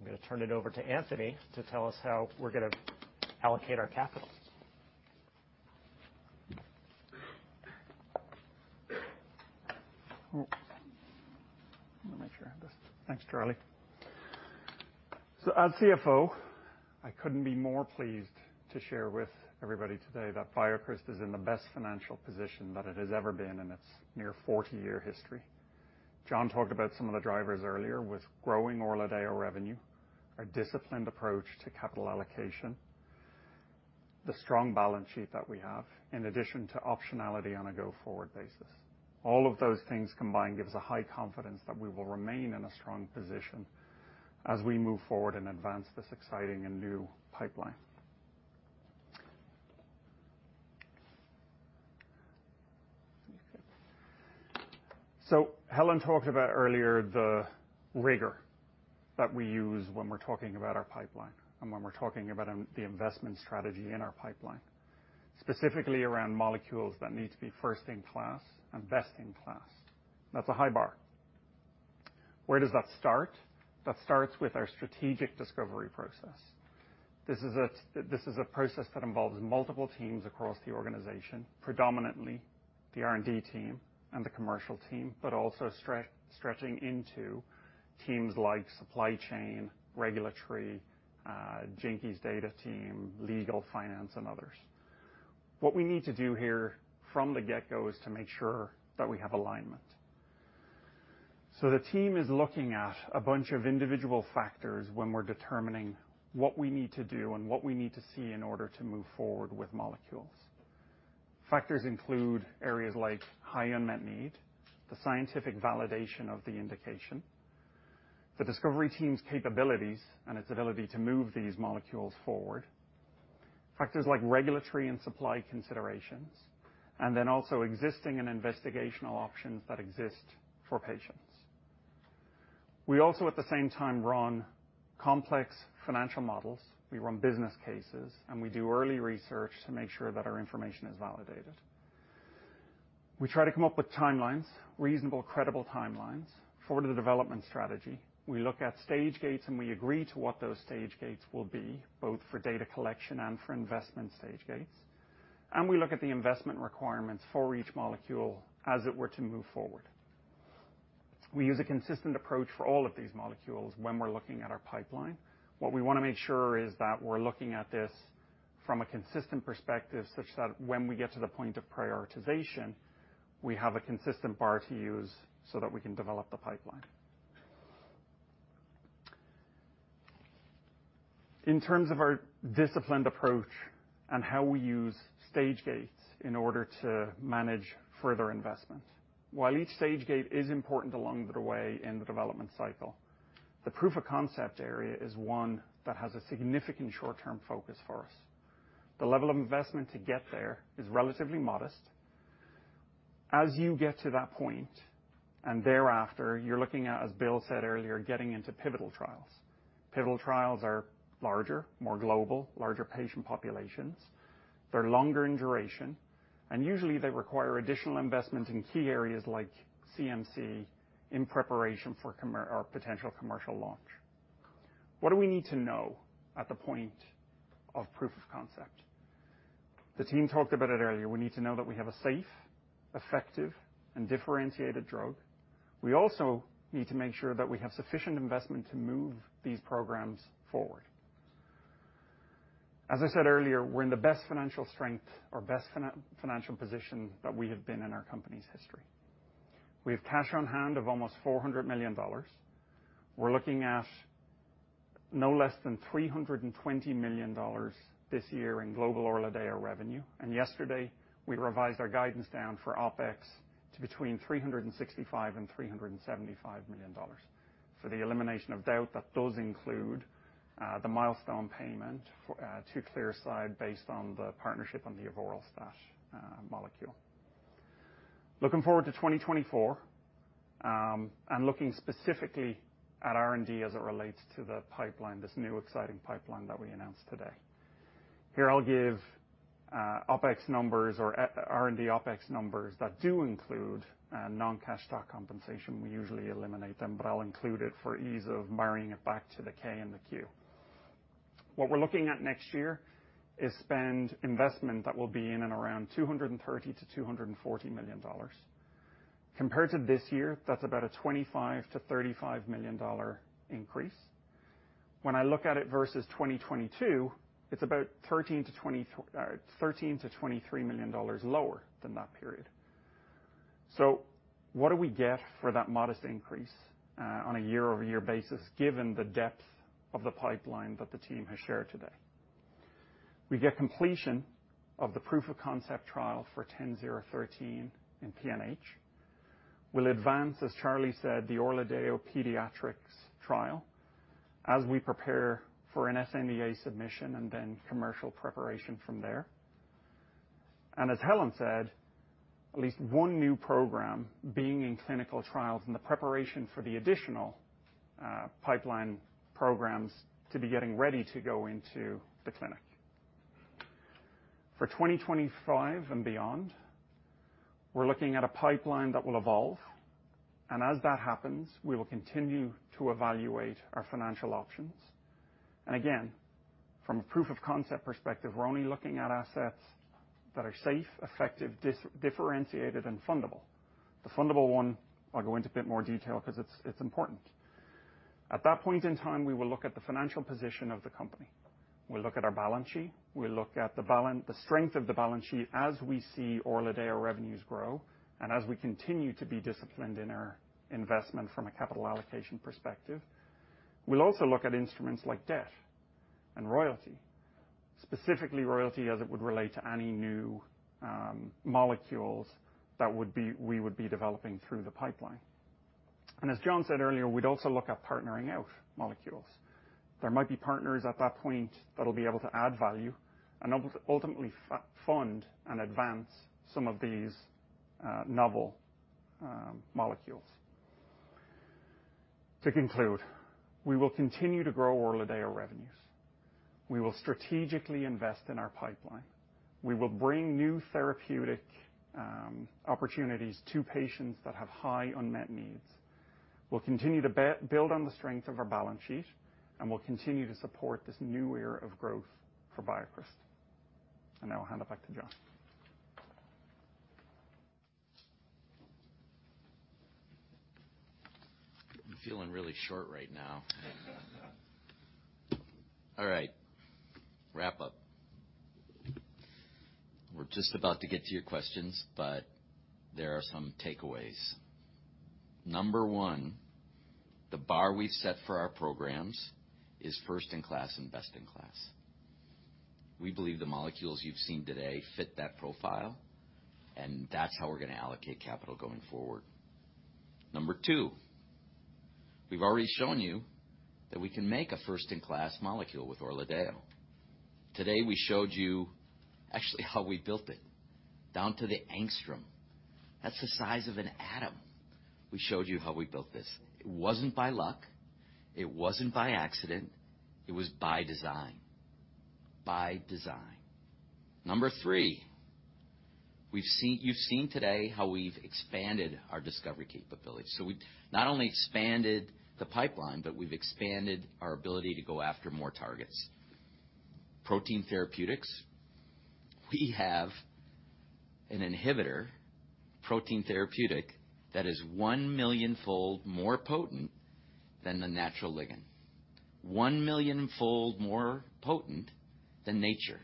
I'm going to turn it over to Anthony to tell us how we're going to allocate our capital. Oh, let me make sure I have this. Thanks, Charlie. So as CFO, I couldn't be more pleased to share with everybody today that BioCryst is in the best financial position that it has ever been in its near 40-year history. Jon talked about some of the drivers earlier with growing ORLADEYO revenue, our disciplined approach to capital allocation, the strong balance sheet that we have, in addition to optionality on a go-forward basis. All of those things combined gives a high confidence that we will remain in a strong position as we move forward and advance this exciting and new pipeline. So Helen talked about earlier the rigor that we use when we're talking about our pipeline and when we're talking about the investment strategy in our pipeline, specifically around molecules that need to be first in class and best in class. That's a high bar. Where does that start? That starts with our strategic discovery process. This is a process that involves multiple teams across the organization, predominantly the R&D team and the commercial team, but also stretching into teams like supply chain, regulatory, Genki's data team, legal, finance, and others. What we need to do here from the get-go is to make sure that we have alignment. So the team is looking at a bunch of individual factors when we're determining what we need to do and what we need to see in order to move forward with molecules. Factors include areas like high unmet need, the scientific validation of the indication, the discovery team's capabilities and its ability to move these molecules forward, factors like regulatory and supply considerations, and then also existing and investigational options that exist for patients. We also, at the same time, run complex financial models, we run business cases, and we do early research to make sure that our information is validated. We try to come up with timelines, reasonable, credible timelines for the development strategy. We look at stage gates, and we agree to what those stage gates will be, both for data collection and for investment stage gates. We look at the investment requirements for each molecule as it were to move forward. We use a consistent approach for all of these molecules when we're looking at our pipeline. What we want to make sure is that we're looking at this from a consistent perspective, such that when we get to the point of prioritization, we have a consistent bar to use so that we can develop the pipeline. In terms of our disciplined approach and how we use stage gates in order to manage further investment, while each stage gate is important along the way in the development cycle, the proof of concept area is one that has a significant short-term focus for us. The level of investment to get there is relatively modest. As you get to that point, and thereafter, you're looking at, as Bill said earlier, getting into pivotal trials. Pivotal trials are larger, more global, larger patient populations. They're longer in duration, and usually, they require additional investment in key areas like CMC in preparation for commercial or potential commercial launch. What do we need to know at the point of proof of concept? The team talked about it earlier. We need to know that we have a safe, effective, and differentiated drug. We also need to make sure that we have sufficient investment to move these programs forward. As I said earlier, we're in the best financial strength or best financial position that we have been in our company's history. We have cash on hand of almost $400 million. We're looking at no less than $320 million this year in global ORLADEYO revenue, and yesterday, we revised our guidance down for OpEx to between $365 million and $375 million. For the elimination of doubt, that does include the milestone payment for to Clearside based on the partnership on the avoralstat molecule. Looking forward to 2024, and looking specifically at R&D as it relates to the pipeline, this new exciting pipeline that we announced today. Here, I'll give OpEx numbers or R&D OpEx numbers that do include non-cash stock compensation. We usually eliminate them, but I'll include it for ease of marrying it back to the K and the Q. What we're looking at next year is spend investment that will be in and around $230 million-$240 million. Compared to this year, that's about a $25 million-$35 million increase. When I look at it versus 2022, it's about $13 million-$23 million lower than that period. So what do we get for that modest increase on a year-over-year basis, given the depth of the pipeline that the team has shared today? We get completion of the proof of concept trial for BCX10013 in PNH. We'll advance, as Charlie said, the ORLADEYO pediatrics trial as we prepare for an sNDA submission and then commercial preparation from there. And as Helen said, at least one new program being in clinical trials and the preparation for the additional pipeline programs to be getting ready to go into the clinic. For 2025 and beyond, we're looking at a pipeline that will evolve, and as that happens, we will continue to evaluate our financial options. And again, from a proof of concept perspective, we're only looking at assets that are safe, effective, differentiated, and fundable. The fundable one, I'll go into a bit more detail because it's important. At that point in time, we will look at the financial position of the company. We'll look at our balance sheet, we'll look at the balance, the strength of the balance sheet as we see ORLADEYO revenues grow and as we continue to be disciplined in our investment from a capital allocation perspective. We'll also look at instruments like debt and royalty, specifically royalty, as it would relate to any new molecules that we would be developing through the pipeline. As Jon said earlier, we'd also look at partnering out molecules. There might be partners at that point that'll be able to add value and ultimately fund and advance some of these novel molecules. To conclude, we will continue to grow ORLADEYO revenues. We will strategically invest in our pipeline. We will bring new therapeutic opportunities to patients that have high unmet needs. We'll continue to build on the strength of our balance sheet, and we'll continue to support this new era of growth for BioCryst. And now I'll hand it back to Jon. I'm feeling really short right now. All right, wrap up. We're just about to get to your questions, but there are some takeaways. Number one, the bar we've set for our programs is first in class and best in class. We believe the molecules you've seen today fit that profile, and that's how we're going to allocate capital going forward. Number two, we've already shown you that we can make a first-in-class molecule with ORLADEYO. Today, we showed you actually how we built it, down to the angstrom. That's the size of an atom. We showed you how we built this. It wasn't by luck, it wasn't by accident, it was by design. By design. Number three, we've seen. You've seen today how we've expanded our discovery capability. So we've not only expanded the pipeline, but we've expanded our ability to go after more targets. Protein therapeutics. We have an inhibitor, protein therapeutic, that is one million-fold more potent than the natural ligand. One million-fold more potent than nature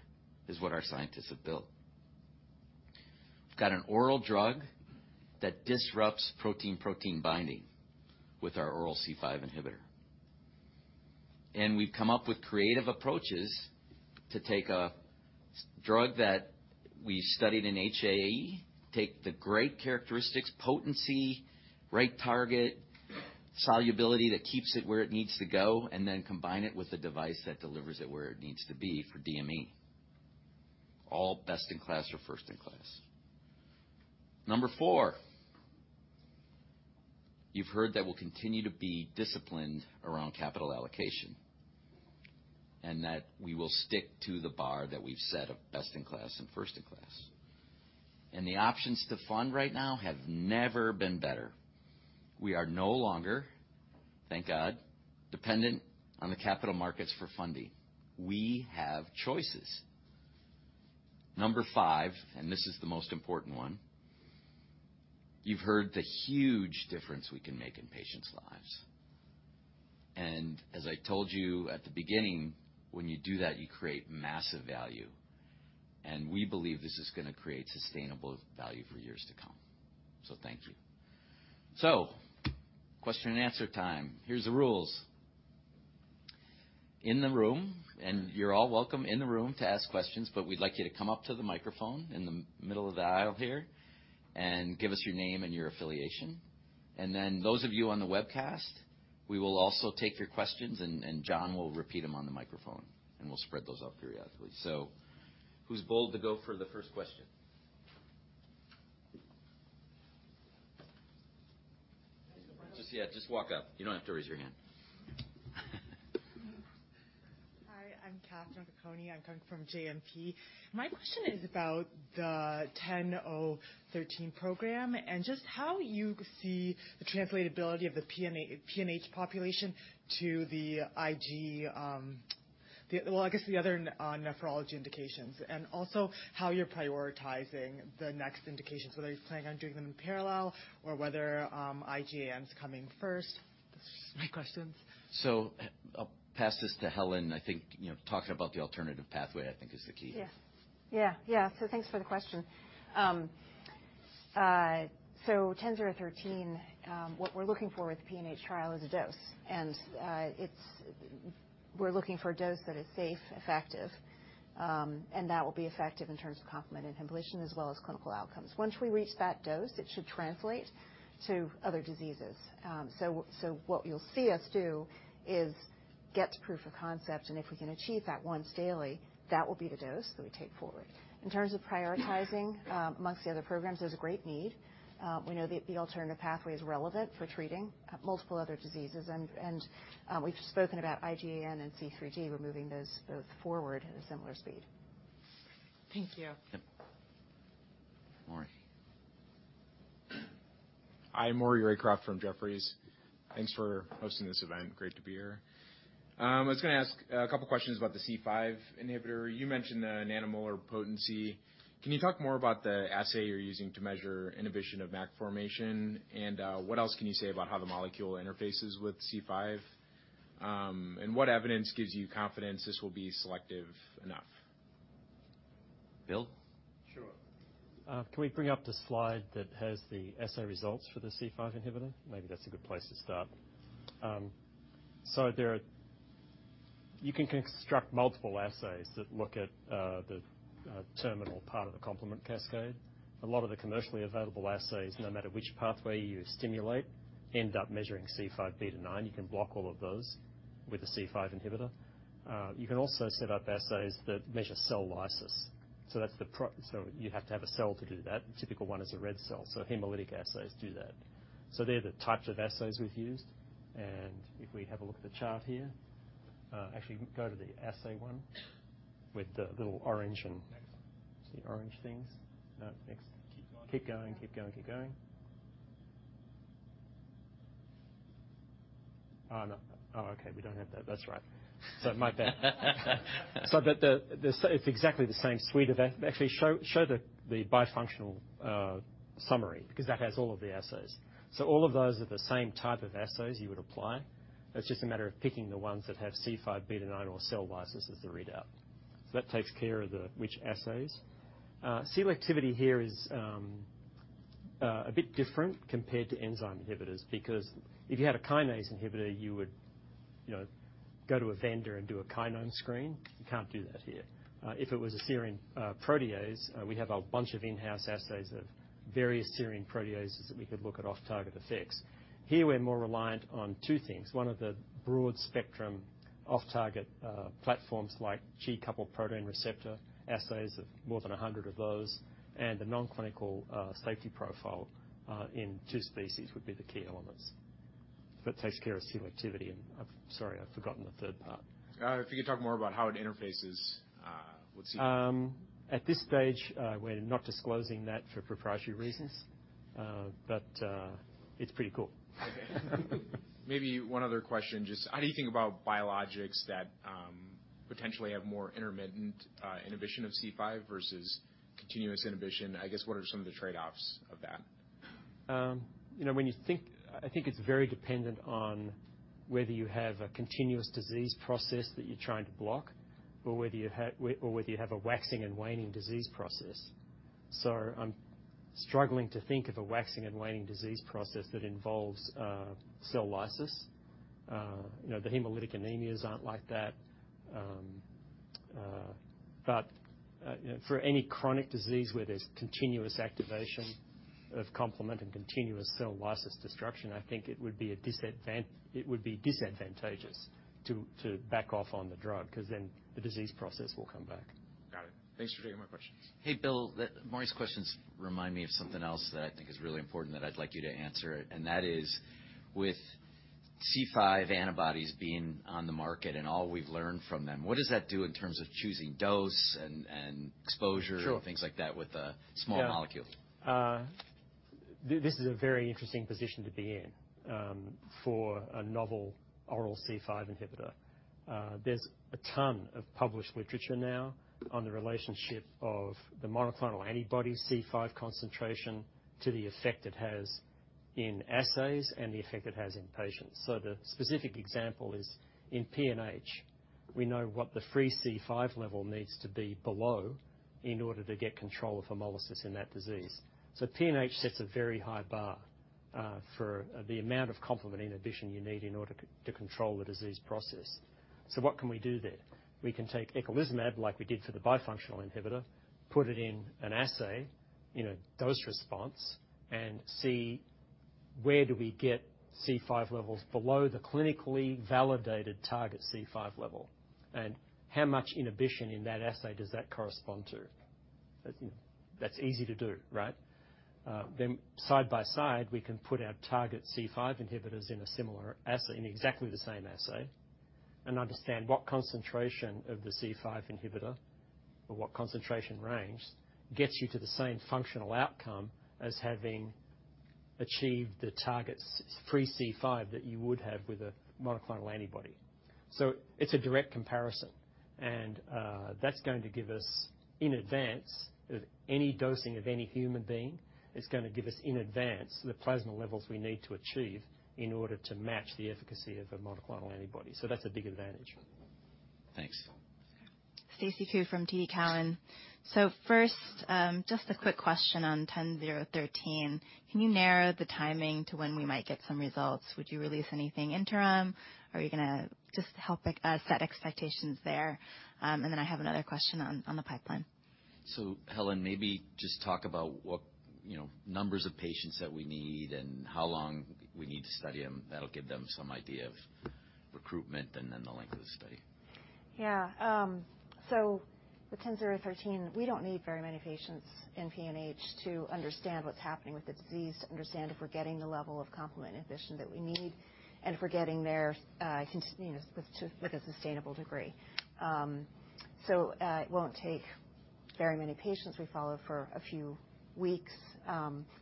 is what our scientists have built. We've got an oral drug that disrupts protein-protein binding with our oral C5 inhibitor. And we've come up with creative approaches to take a drug that we studied in HAE, take the great characteristics, potency, right target, solubility, that keeps it where it needs to go, and then combine it with a device that delivers it where it needs to be for DME. All best-in-class or first-in-class. Number four, you've heard that we'll continue to be disciplined around capital allocation, and that we will stick to the bar that we've set of best-in-class and first-in-class. And the options to fund right now have never been better. We are no longer, thank God, dependent on the capital markets for funding. We have choices. Number five, and this is the most important one: You've heard the huge difference we can make in patients' lives. And as I told you at the beginning, when you do that, you create massive value. And we believe this is gonna create sustainable value for years to come. So thank you. So question and answer time. Here's the rules. In the room, and you're all welcome in the room to ask questions, but we'd like you to come up to the microphone in the middle of the aisle here and give us your name and your affiliation. And then those of you on the webcast, we will also take your questions, and John will repeat them on the microphone, and we'll spread those out periodically. Who's bold to go for the first question? Just, yeah, just walk up. You don't have to raise your hand. Hi, I'm Catherine Okoukoni. I'm coming from JMP. My question is about the BCX10013 program and just how you see the translatability of the PNH population to the IgAN, the other nephrology indications, and also how you're prioritizing the next indications, whether you're planning on doing them in parallel or whether IgAN is coming first. Those are my questions. So I'll pass this to Helen. I think, you know, talking about the alternative pathway, I think, is the key. Yes. Yeah. Yeah, so thanks for the question. So BCX10013, what we're looking for with the PNH trial is a dose, and we're looking for a dose that is safe, effective, and that will be effective in terms of complement inhibition as well as clinical outcomes. Once we reach that dose, it should translate to other diseases. So what you'll see us do is get to proof of concept, and if we can achieve that once daily, that will be the dose that we take forward. In terms of prioritizing, amongst the other programs, there's a great need. We know the alternative pathway is relevant for treating multiple other diseases, and we've spoken about IgAN and C3. We're moving those both forward at a similar speed. Thank you. Yep. Maury. Hi, Maury Raycroft from Jefferies. Thanks for hosting this event. Great to be here. I was gonna ask a couple questions about the C5 inhibitor. You mentioned a nanomolar potency. Can you talk more about the assay you're using to measure inhibition of MAC formation? And, what else can you say about how the molecule interfaces with C5? And what evidence gives you confidence this will be selective enough? Bill? Sure. Can we bring up the slide that has the assay results for the C5 inhibitor? Maybe that's a good place to start. So there are... You can construct multiple assays that look at the terminal part of the complement cascade. A lot of the commercially available assays, no matter which pathway you stimulate, end up measuring C5b-9. You can block all of those with a C5 inhibitor. You can also set up assays that measure cell lysis, so that's so you have to have a cell to do that. Typical one is a red cell, so hemolytic assays do that. So they're the types of assays we've used. And if we have a look at the chart here, actually go to the assay one with the little orange and- Next. The orange things. No, next. Keep going. Keep going, keep going, keep going. Oh, no. Oh, okay, we don't have that. That's right. So my bad. So but the, it's exactly the same suite of actually, show, show the, the bifunctional summary, because that has all of the assays. So all of those are the same type of assays you would apply. It's just a matter of picking the ones that have C5b-9 or cell lysis as the readout. So that takes care of the, which assays. Selectivity here is a bit different compared to enzyme inhibitors, because if you had a kinase inhibitor, you would, you know, go to a vendor and do a kinome screen. You can't do that here. If it was a serine protease, we have a bunch of in-house assays of various serine proteases that we could look at off-target effects. Here, we're more reliant on two things, one of the broad spectrum off-target platforms like G-protein-coupled receptor assays of more than 100 of those, and the non-clinical safety profile in two species would be the key elements. That takes care of selectivity, and I'm sorry, I've forgotten the third part. If you could talk more about how it interfaces with C5? At this stage, we're not disclosing that for proprietary reasons, but it's pretty cool. Okay. Maybe one other question. Just how do you think about biologics that potentially have more intermittent inhibition of C5 versus continuous inhibition? I guess, what are some of the trade-offs of that? You know, when you think... I think it's very dependent on whether you have a continuous disease process that you're trying to block or whether you have, or whether you have a waxing and waning disease process. So I'm struggling to think of a waxing and waning disease process that involves cell lysis. You know, the hemolytic anemias aren't like that. But for any chronic disease where there's continuous activation of complement and continuous cell lysis destruction, I think it would be disadvantageous to back off on the drug, because then the disease process will come back. Got it. Thanks for taking my questions. Hey, Bill, Maury's questions remind me of something else that I think is really important that I'd like you to answer, and that is, with C5 antibodies being on the market and all we've learned from them, what does that do in terms of choosing dose and, and exposure- Sure. and things like that with a small molecule? Yeah. This is a very interesting position to be in for a novel oral C5 inhibitor. There's a ton of published literature now on the relationship of the monoclonal antibody C5 concentration to the effect it has in assays and the effect it has in patients. So the specific example is in PNH. We know what the free C5 level needs to be below in order to get control of hemolysis in that disease. So PNH sets a very high bar for the amount of complement inhibition you need in order to control the disease process. So what can we do there? We can take eculizumab, like we did for the bifunctional inhibitor, put it in an assay, in a dose response, and see-... where do we get C5 levels below the clinically validated target C5 level? And how much inhibition in that assay does that correspond to? That's easy to do, right? Then side by side, we can put our target C5 inhibitors in a similar assay, in exactly the same assay, and understand what concentration of the C5 inhibitor, or what concentration range, gets you to the same functional outcome as having achieved the target free C5 that you would have with a monoclonal antibody. So it's a direct comparison, and that's going to give us, in advance of any dosing of any human being, it's gonna give us, in advance, the plasma levels we need to achieve in order to match the efficacy of a monoclonal antibody. So that's a big advantage. Thanks. Stacy Ku from TD Cowen. So first, just a quick question on BCX10013. Can you narrow the timing to when we might get some results? Would you release anything interim, or are you gonna just help us set expectations there? And then I have another question on the pipeline. So, Helen, maybe just talk about what, you know, numbers of patients that we need and how long we need to study them. That'll give them some idea of recruitment and then the length of the study. Yeah, so with BCX10013, we don't need very many patients in PNH to understand what's happening with the disease, to understand if we're getting the level of complement inhibition that we need, and if we're getting there, you know, with a sustainable degree. So, it won't take very many patients. We follow for a few weeks.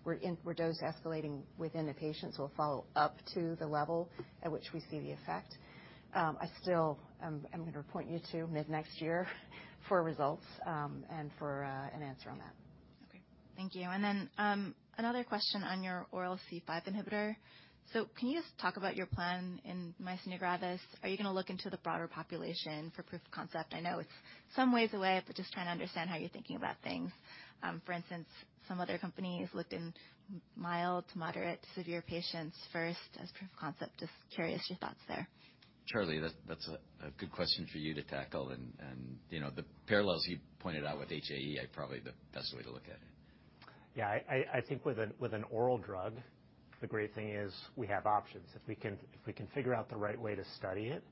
We're dose escalating within the patients. We'll follow up to the level at which we see the effect. I still, I'm gonna point you to mid-next year for results, and for an answer on that. Okay. Thank you. And then, another question on your oral C5 inhibitor. So can you just talk about your plan in myasthenia gravis? Are you gonna look into the broader population for proof of concept? I know it's some ways away, but just trying to understand how you're thinking about things. For instance, some other companies look in mild to moderate to severe patients first as proof of concept. Just curious your thoughts there. Charlie, that's a good question for you to tackle, and you know, the parallels you pointed out with HAE are probably the best way to look at it. Yeah, I think with an oral drug, the great thing is we have options. If we can figure out the right way to study it,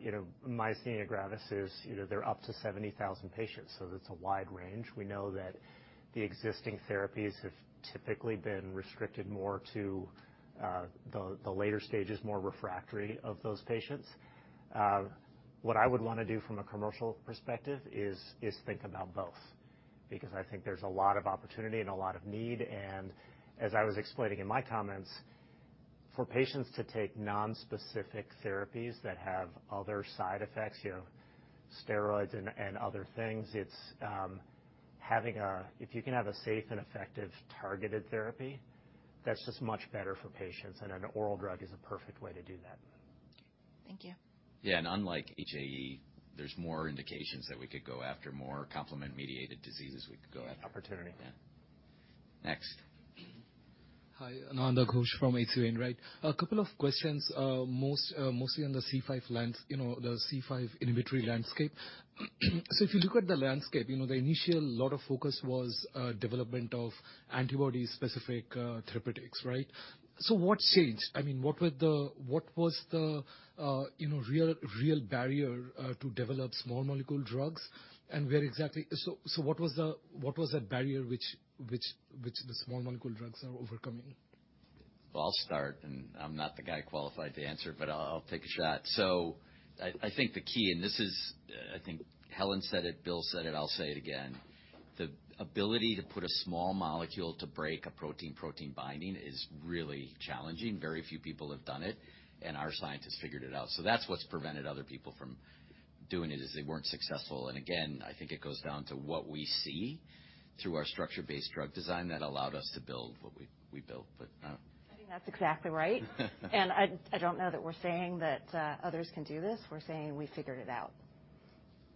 you know, myasthenia gravis is, you know, they're up to 70,000 patients, so it's a wide range. We know that the existing therapies have typically been restricted more to the later stages, more refractory of those patients. What I would wanna do from a commercial perspective is think about both, because I think there's a lot of opportunity and a lot of need. And as I was explaining in my comments, for patients to take nonspecific therapies that have other side effects, you know, steroids and other things, it's having a... If you can have a safe and effective targeted therapy, that's just much better for patients, and an oral drug is a perfect way to do that. Thank you. Yeah, and unlike HAE, there's more indications that we could go after, more complement-mediated diseases we could go after. Opportunity. Yeah. Next. Hi, Ananda Ghosh from H.C. Wainwright. A couple of questions, most, mostly on the C5 lens, you know, the C5 inhibitory landscape. So if you look at the landscape, you know, the initial lot of focus was, development of antibody-specific, therapeutics, right? So what changed? I mean, what was the, you know, real, real barrier, to develop small molecule drugs, and where exactly... So, so what was the, what was that barrier which, which, which the small molecule drugs are overcoming? I'll start, and I'm not the guy qualified to answer, but I'll take a shot. So I think the key, and this is, I think Helen said it, Bill said it, I'll say it again: The ability to put a small molecule to break a protein-protein binding is really challenging. Very few people have done it, and our scientists figured it out. So that's what's prevented other people from doing it, is they weren't successful. And again, I think it goes down to what we see through our structure-based drug design that allowed us to build what we built, but I think that's exactly right. And I don't know that we're saying that others can do this. We're saying we figured it out.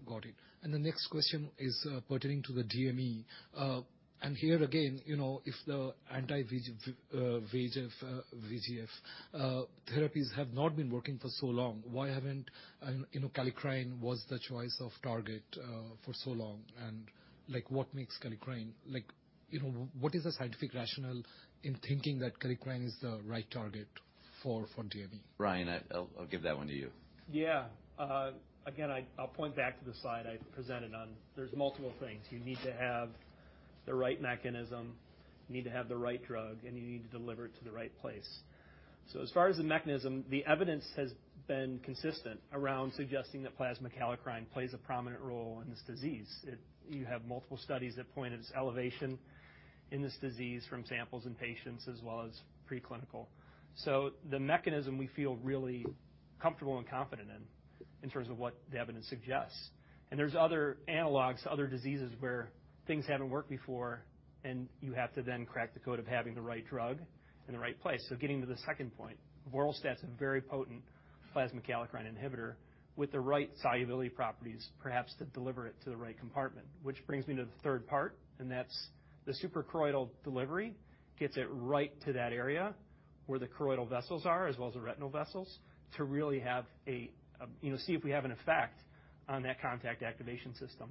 Got it. And the next question is, pertaining to the DME. And here again, you know, if the anti-VEGF, VEGF, VEGF, therapies have not been working for so long, why haven't, and, you know, kallikrein was the choice of target, for so long. And like, what makes kallikrein... Like, you know, what is the scientific rationale in thinking that kallikrein is the right target for, for DME? Ryan, I'll give that one to you. Yeah. Again, I'll point back to the slide I presented on. There's multiple things. You need to have the right mechanism, you need to have the right drug, and you need to deliver it to the right place. So as far as the mechanism, the evidence has been consistent around suggesting that plasma kallikrein plays a prominent role in this disease. You have multiple studies that point at its elevation in this disease from samples in patients as well as preclinical. So the mechanism we feel really comfortable and confident in, in terms of what the evidence suggests. And there's other analogs to other diseases where things haven't worked before, and you have to then crack the code of having the right drug in the right place. So getting to the second point, avoralstat's a very potent plasma kallikrein inhibitor with the right solubility properties, perhaps, to deliver it to the right compartment. Which brings me to the third part, and that's the suprachoroidal delivery gets it right to that area where the choroidal vessels are, as well as the retinal vessels, to really have a, you know, see if we have an effect on that contact activation system....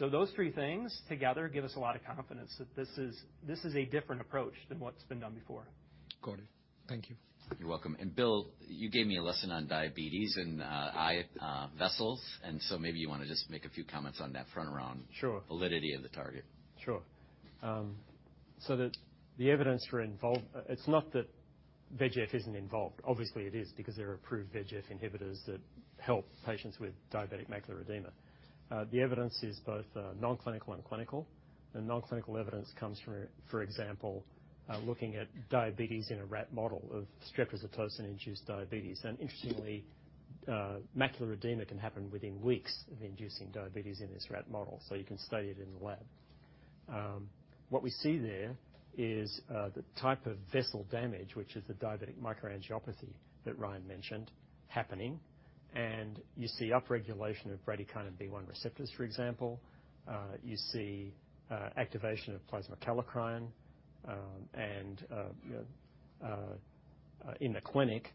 So those three things together give us a lot of confidence that this is, this is a different approach than what's been done before. Got it. Thank you. You're welcome. Bill, you gave me a lesson on diabetes and eye vessels, and so maybe you wanna just make a few comments on that front around- Sure. - validity of the target. Sure. So the evidence for involvement—it's not that VEGF isn't involved. Obviously, it is, because there are approved VEGF inhibitors that help patients with diabetic macular edema. The evidence is both non-clinical and clinical. The non-clinical evidence comes from, for example, looking at diabetes in a rat model of streptozotocin-induced diabetes. And interestingly, macular edema can happen within weeks of inducing diabetes in this rat model, so you can study it in the lab. What we see there is the type of vessel damage, which is the diabetic microangiopathy that Ryan mentioned, happening, and you see upregulation of bradykinin B1 receptors, for example. You see activation of plasma kallikrein. In the clinic,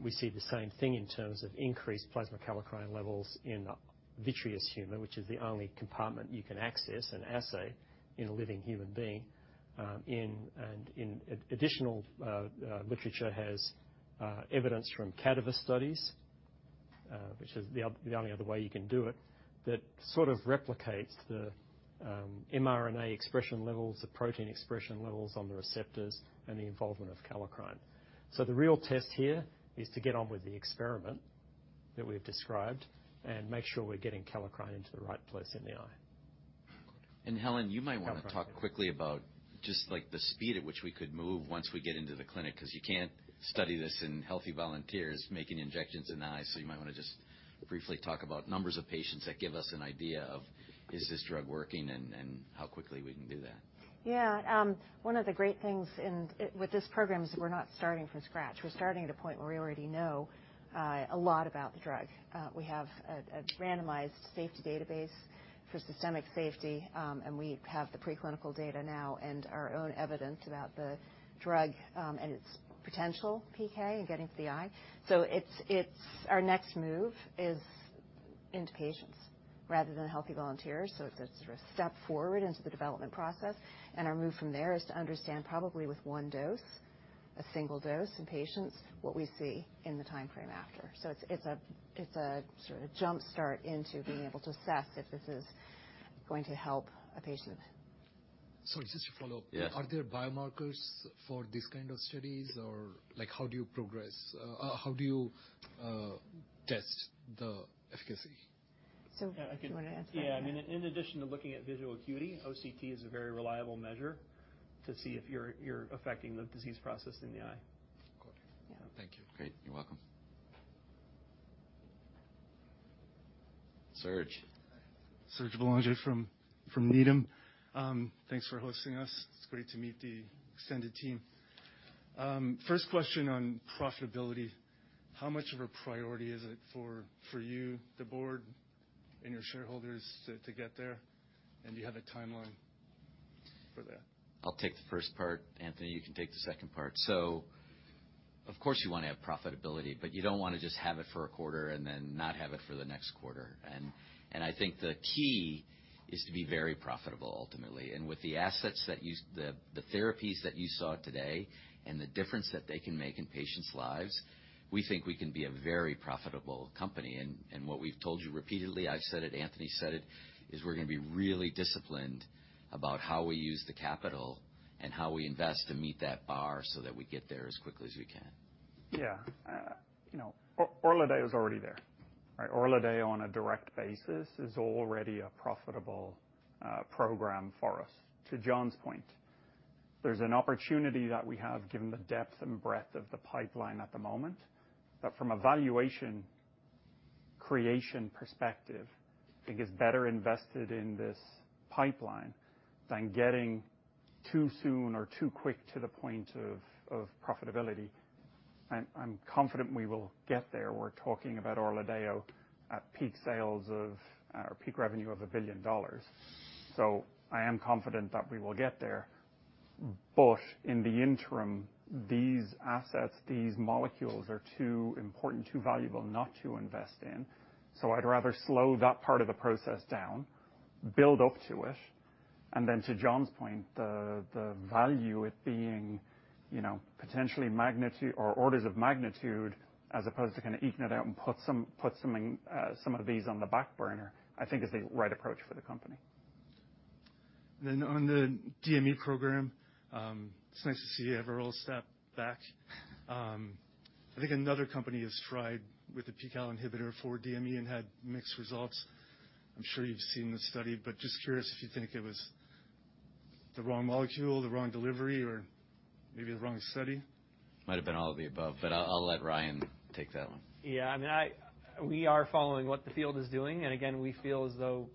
we see the same thing in terms of increased plasma kallikrein levels in the vitreous humor, which is the only compartment you can access and assay in a living human being. In addition, literature has evidence from cadaver studies, which is the only other way you can do it, that sort of replicates the mRNA expression levels, the protein expression levels on the receptors, and the involvement of kallikrein. So the real test here is to get on with the experiment that we've described and make sure we're getting kallikrein into the right place in the eye. Helen, you might wanna talk quickly about just, like, the speed at which we could move once we get into the clinic, 'cause you can't study this in healthy volunteers making injections in the eyes. You might wanna just briefly talk about numbers of patients that give us an idea of, is this drug working, and, and how quickly we can do that. Yeah, one of the great things in with this program is we're not starting from scratch. We're starting at a point where we already know a lot about the drug. We have a randomized safety database for systemic safety, and we have the preclinical data now and our own evidence about the drug, and its potential PK in getting to the eye. So it's our next move is into patients rather than healthy volunteers, so it's a sort of step forward into the development process. And our move from there is to understand, probably with one dose, a single dose in patients, what we see in the time frame after. So it's a sort of jump-start into being able to assess if this is going to help a patient. Sorry, just to follow up. Yes. Are there biomarkers for these kind of studies? Or, like, how do you progress, how do you test the efficacy? So- Yeah, I can- Do you wanna answer that? Yeah. I mean, in addition to looking at visual acuity, OCT is a very reliable measure to see if you're affecting the disease process in the eye. Got it. Yeah. Thank you. Great. You're welcome. Serge? Serge Belanger from Needham. Thanks for hosting us. It's great to meet the extended team. First question on profitability. How much of a priority is it for you, the board, and your shareholders to get there? And do you have a timeline for that? I'll take the first part. Anthony, you can take the second part. So of course, you wanna have profitability, but you don't wanna just have it for a quarter and then not have it for the next quarter. And, and I think the key is to be very profitable ultimately. And with the therapies that you saw today and the difference that they can make in patients' lives, we think we can be a very profitable company. And, and what we've told you repeatedly, I've said it, Anthony said it, is we're gonna be really disciplined about how we use the capital and how we invest to meet that bar so that we get there as quickly as we can. Yeah. You know, Orladeyo is already there, right? Orladeyo on a direct basis is already a profitable program for us. To Jon's point, there's an opportunity that we have, given the depth and breadth of the pipeline at the moment, that from a valuation creation perspective, it is better invested in this pipeline than getting too soon or too quick to the point of profitability. I'm confident we will get there. We're talking about Orladeyo at peak sales of, or peak revenue of $1 billion. So I am confident that we will get there. But in the interim, these assets, these molecules, are too important, too valuable not to invest in. So I'd rather slow that part of the process down, build up to it, and then, to Jon's point, the value it being, you know, potentially magnitude or orders of magnitude, as opposed to kind of eking it out and put some of these on the back burner, I think is the right approach for the company. On the DME program, it's nice to see you have a real step back. I think another company has tried with a pKal inhibitor for DME and had mixed results. I'm sure you've seen the study, but just curious if you think it was the wrong molecule, the wrong delivery, or maybe the wrong study? Might have been all of the above, but I'll let Ryan take that one. Yeah, I mean, we are following what the field is doing, and again, we feel as though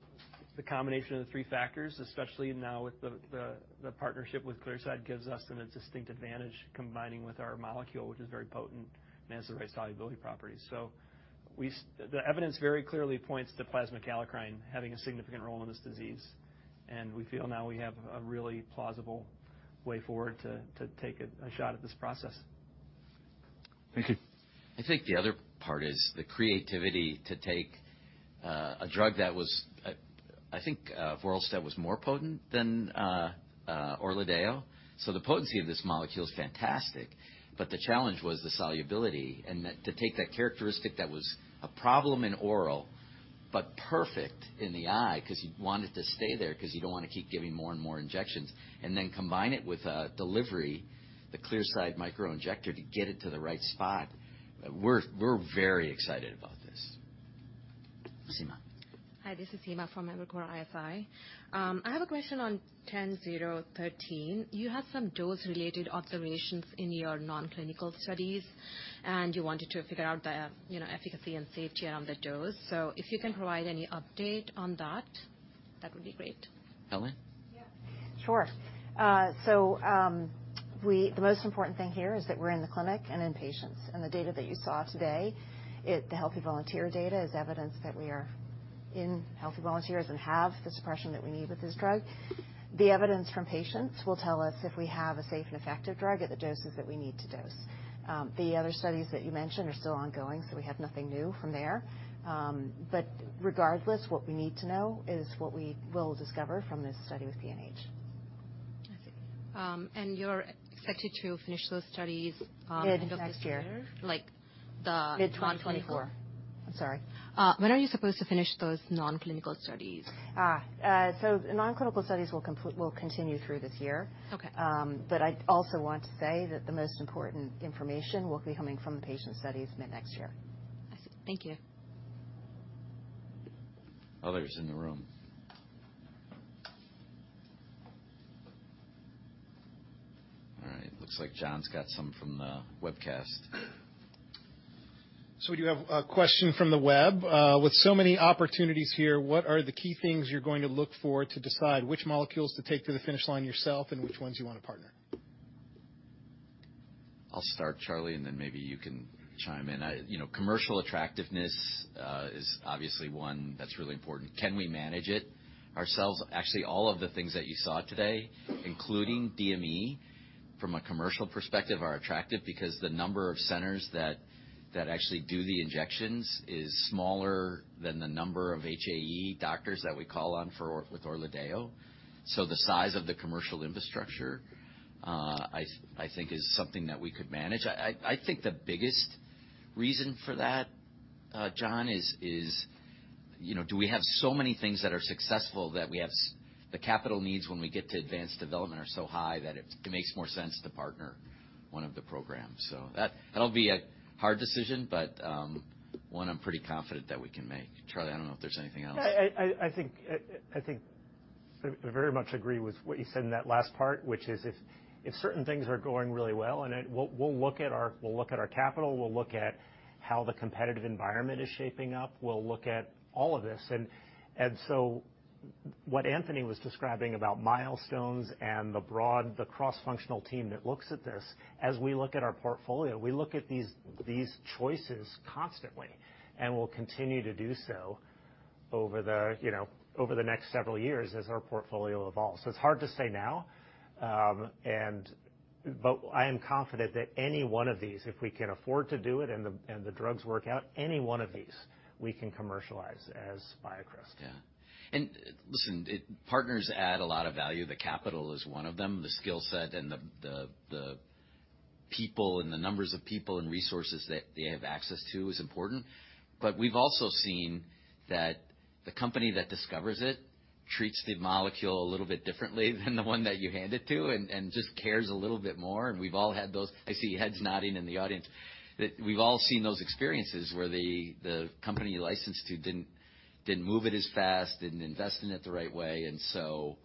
the combination of the three factors, especially now with the partnership with Clearside, gives us a distinct advantage combining with our molecule, which is very potent and has the right solubility properties. So we see the evidence very clearly points to plasma kallikrein having a significant role in this disease, and we feel now we have a really plausible way forward to take a shot at this process.... Thank you. I think the other part is the creativity to take a drug that was, I think, avoralstat was more potent than ORLADEYO. So the potency of this molecule is fantastic, but the challenge was the solubility, and that to take that characteristic that was a problem in oral, but perfect in the eye, 'cause you want it to stay there, 'cause you don't want to keep giving more and more injections, and then combine it with a delivery, the Clearside microinjector, to get it to the right spot. We're very excited about this. Seema? Hi, this is Seema from Evercore ISI. I have a question on BCX10013. You have some dose-related observations in your non-clinical studies, and you wanted to figure out the, you know, efficacy and safety on the dose. So if you can provide any update on that, that would be great. Helen? Yeah, sure. The most important thing here is that we're in the clinic and in patients. And the data that you saw today, the healthy volunteer data is evidence that we are in healthy volunteers and have the suppression that we need with this drug. The evidence from patients will tell us if we have a safe and effective drug at the doses that we need to dose. The other studies that you mentioned are still ongoing, so we have nothing new from there. But regardless, what we need to know is what we will discover from this study with PNH. I see. You're expected to finish those studies. Mid next year. Like the- Mid 2024. I'm sorry. When are you supposed to finish those non-clinical studies? The non-clinical studies will continue through this year. Okay. But I also want to say that the most important information will be coming from the patient studies mid next year. I see. Thank you. Others in the room? All right, looks like John's got some from the webcast. We do have a question from the web. With so many opportunities here, what are the key things you're going to look for to decide which molecules to take to the finish line yourself and which ones you want to partner? I'll start, Charlie, and then maybe you can chime in. I, you know, commercial attractiveness is obviously one that's really important. Can we manage it ourselves? Actually, all of the things that you saw today, including DME, from a commercial perspective, are attractive because the number of centers that actually do the injections is smaller than the number of HAE doctors that we call on for with ORLADEYO. So the size of the commercial infrastructure, I think, is something that we could manage. I think the biggest reason for that, John, is, you know, do we have so many things that are successful that we have the capital needs when we get to advanced development are so high that it makes more sense to partner one of the programs. So that, that'll be a hard decision, but, one I'm pretty confident that we can make. Charlie, I don't know if there's anything else. I think I very much agree with what you said in that last part, which is if certain things are going really well, and it... We'll look at our capital, we'll look at how the competitive environment is shaping up, we'll look at all of this. And so what Anthony was describing about milestones and the broad cross-functional team that looks at this, as we look at our portfolio, we look at these choices constantly, and we'll continue to do so over you know over the next several years as our portfolio evolves. So it's hard to say now, and but I am confident that any one of these, if we can afford to do it and the drugs work out, any one of these, we can commercialize as BioCryst. Yeah. And listen, partners add a lot of value. The capital is one of them, the skill set and the people, and the numbers of people and resources that they have access to is important. But we've also seen that the company that discovers it treats the molecule a little bit differently than the one that you hand it to, and just cares a little bit more. And we've all had those. I see heads nodding in the audience. That we've all seen those experiences where the company you licensed to didn't move it as fast, didn't invest in it the right way. And so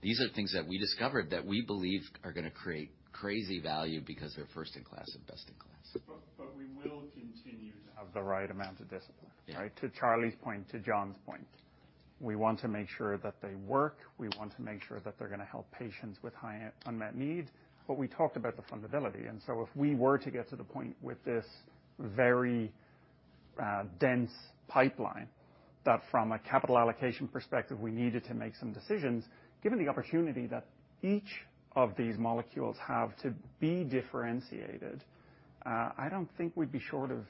these are things that we discovered that we believe are gonna create crazy value because they're first in class and best in class. But we will continue to have the right amount of discipline. Yeah. Right? To Charlie's point, to Jon's point, we want to make sure that they work. We want to make sure that they're gonna help patients with high unmet need. But we talked about the fundability, and so if we were to get to the point with this very dense pipeline, that from a capital allocation perspective, we needed to make some decisions, given the opportunity that each of these molecules have to be differentiated, I don't think we'd be short of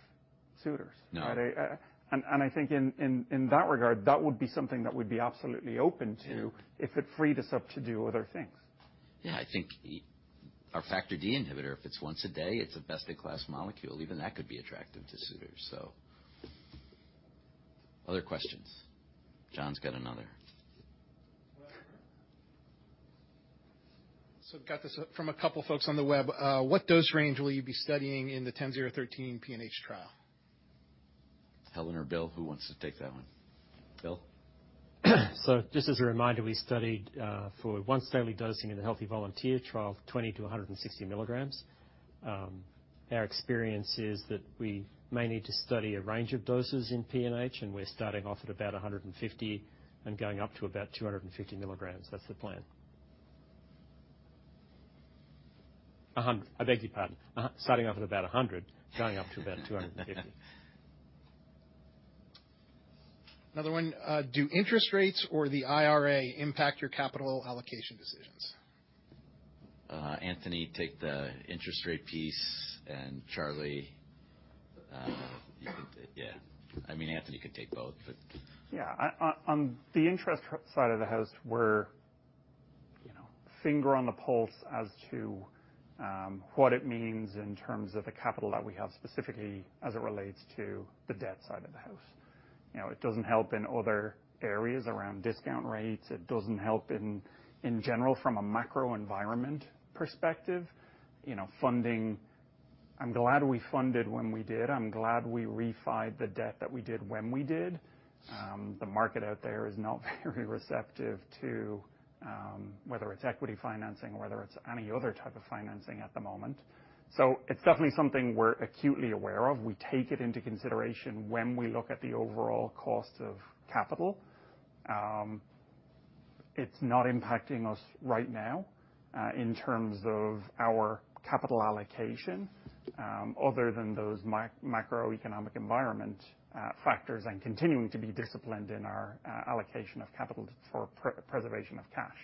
suitors. No. I think in that regard, that would be something that we'd be absolutely open to- Yeah... if it freed us up to do other things. Yeah, I think our Factor D inhibitor, if it's once a day, it's a best-in-class molecule, even that could be attractive to suitors. So other questions? John's got another. Got this from a couple folks on the web. What dose range will you be studying in the BCX10013 PNH trial? Helen or Bill, who wants to take that one? Bill? So just as a reminder, we studied for once daily dosing in the healthy volunteer trial, 20 mg-160 mg. Our experience is that we may need to study a range of doses in PNH, and we're starting off at about 150 and going up to about 250 mg. That's the plan. 100. I beg your pardon. Starting off at about 100, going up to about 250.... Another one, do interest rates or the IRA impact your capital allocation decisions? Anthony, take the interest rate piece, and Charlie, you can take, yeah. I mean, Anthony can take both, but- Yeah, on the interest side of the house, we're, you know, finger on the pulse as to what it means in terms of the capital that we have specifically as it relates to the debt side of the house. You know, it doesn't help in other areas around discount rates. It doesn't help in general, from a macro environment perspective, you know, funding. I'm glad we funded when we did. I'm glad we refinanced the debt that we did when we did. The market out there is not very receptive to whether it's equity financing or whether it's any other type of financing at the moment. So it's definitely something we're acutely aware of. We take it into consideration when we look at the overall cost of capital. It's not impacting us right now in terms of our capital allocation, other than those macroeconomic environment factors and continuing to be disciplined in our allocation of capital for preservation of cash.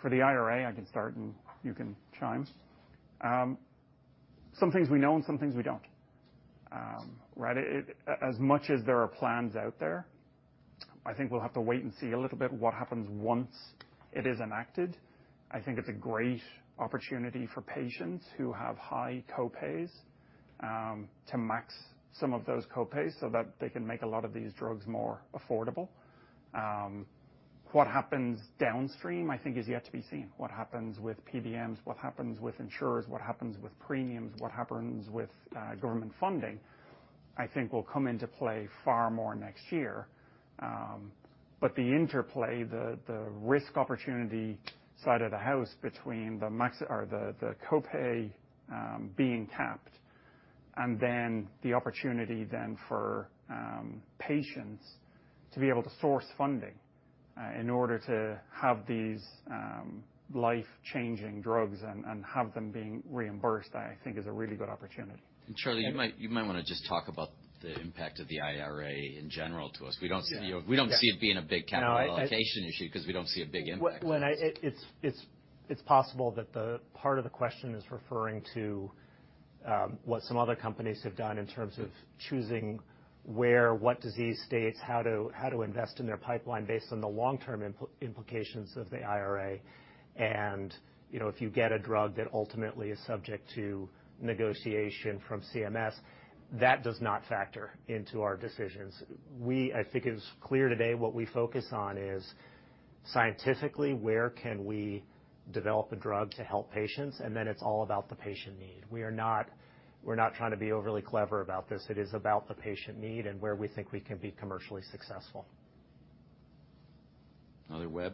For the IRA, I can start, and you can chime. Some things we know, and some things we don't. Right? As much as there are plans out there, I think we'll have to wait and see a little bit what happens once it is enacted. I think it's a great opportunity for patients who have high co-pays to max some of those co-pays so that they can make a lot of these drugs more affordable. What happens downstream, I think, is yet to be seen. What happens with PBMs, what happens with insurers, what happens with premiums, what happens with government funding, I think will come into play far more next year. But the interplay, the risk opportunity side of the house between the max or the co-pay being capped and then the opportunity for patients to be able to source funding in order to have these life-changing drugs and have them being reimbursed, I think is a really good opportunity. Charlie, you might, you might wanna just talk about the impact of the IRA in general to us. We don't see- Yeah. We don't see it being a big capital allocation issue- No, I- because we don't see a big impact. It's possible that the part of the question is referring to what some other companies have done in terms of choosing where, what disease states, how to invest in their pipeline based on the long-term implications of the IRA. And, you know, if you get a drug that ultimately is subject to negotiation from CMS, that does not factor into our decisions. I think it's clear today, what we focus on is, scientifically, where can we develop a drug to help patients? And then it's all about the patient need. We're not trying to be overly clever about this. It is about the patient need and where we think we can be commercially successful. Another web?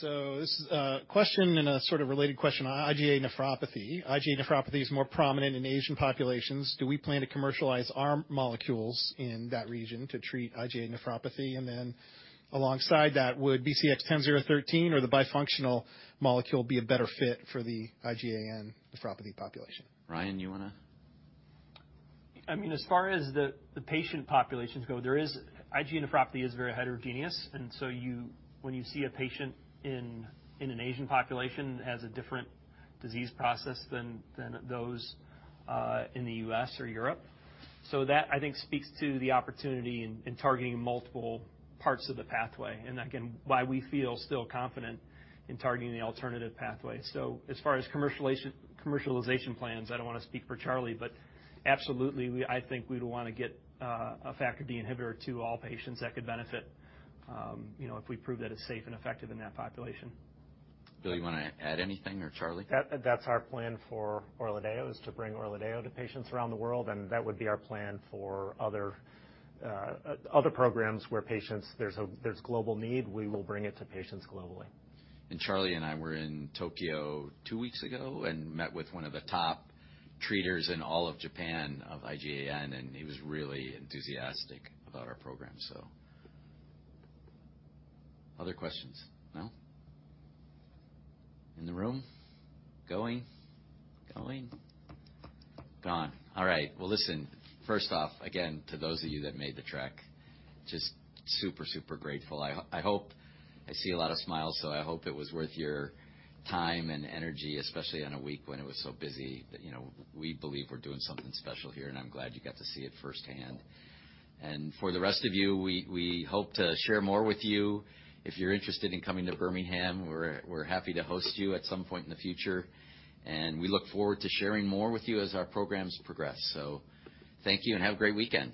This is a question and a sort of related question on IgA nephropathy. IgA nephropathy is more prominent in Asian populations. Do we plan to commercialize our molecules in that region to treat IgA nephropathy? Then alongside that, would BCX10013 or the bifunctional molecule be a better fit for the IgAN nephropathy population? Ryan, you wanna? I mean, as far as the patient populations go, there is... IgA nephropathy is very heterogeneous, and so you when you see a patient in an Asian population, it has a different disease process than those in the U.S. or Europe. So that, I think, speaks to the opportunity in targeting multiple parts of the pathway, and again, why we feel still confident in targeting the alternative pathway. So as far as commercialization plans, I don't want to speak for Charlie, but absolutely, we I think we'd want to get a FcRn inhibitor to all patients that could benefit, you know, if we prove that it's safe and effective in that population. Bill, you wanna add anything or Charlie? That's our plan for ORLADEYO, is to bring ORLADEYO to patients around the world, and that would be our plan for other, other programs where patients—there's global need, we will bring it to patients globally. And Charlie and I were in Tokyo two weeks ago and met with one of the top treaters in all of Japan of IgAN, and he was really enthusiastic about our program, so... Other questions? No. In the room? Going, going, gone. All right. Well, listen, first off, again, to those of you that made the trek, just super, super grateful. I hope... I see a lot of smiles, so I hope it was worth your time and energy, especially on a week when it was so busy. But, you know, we believe we're doing something special here, and I'm glad you got to see it firsthand. And for the rest of you, we hope to share more with you. If you're interested in coming to Birmingham, we're happy to host you at some point in the future, and we look forward to sharing more with you as our programs progress. Thank you and have a great weekend.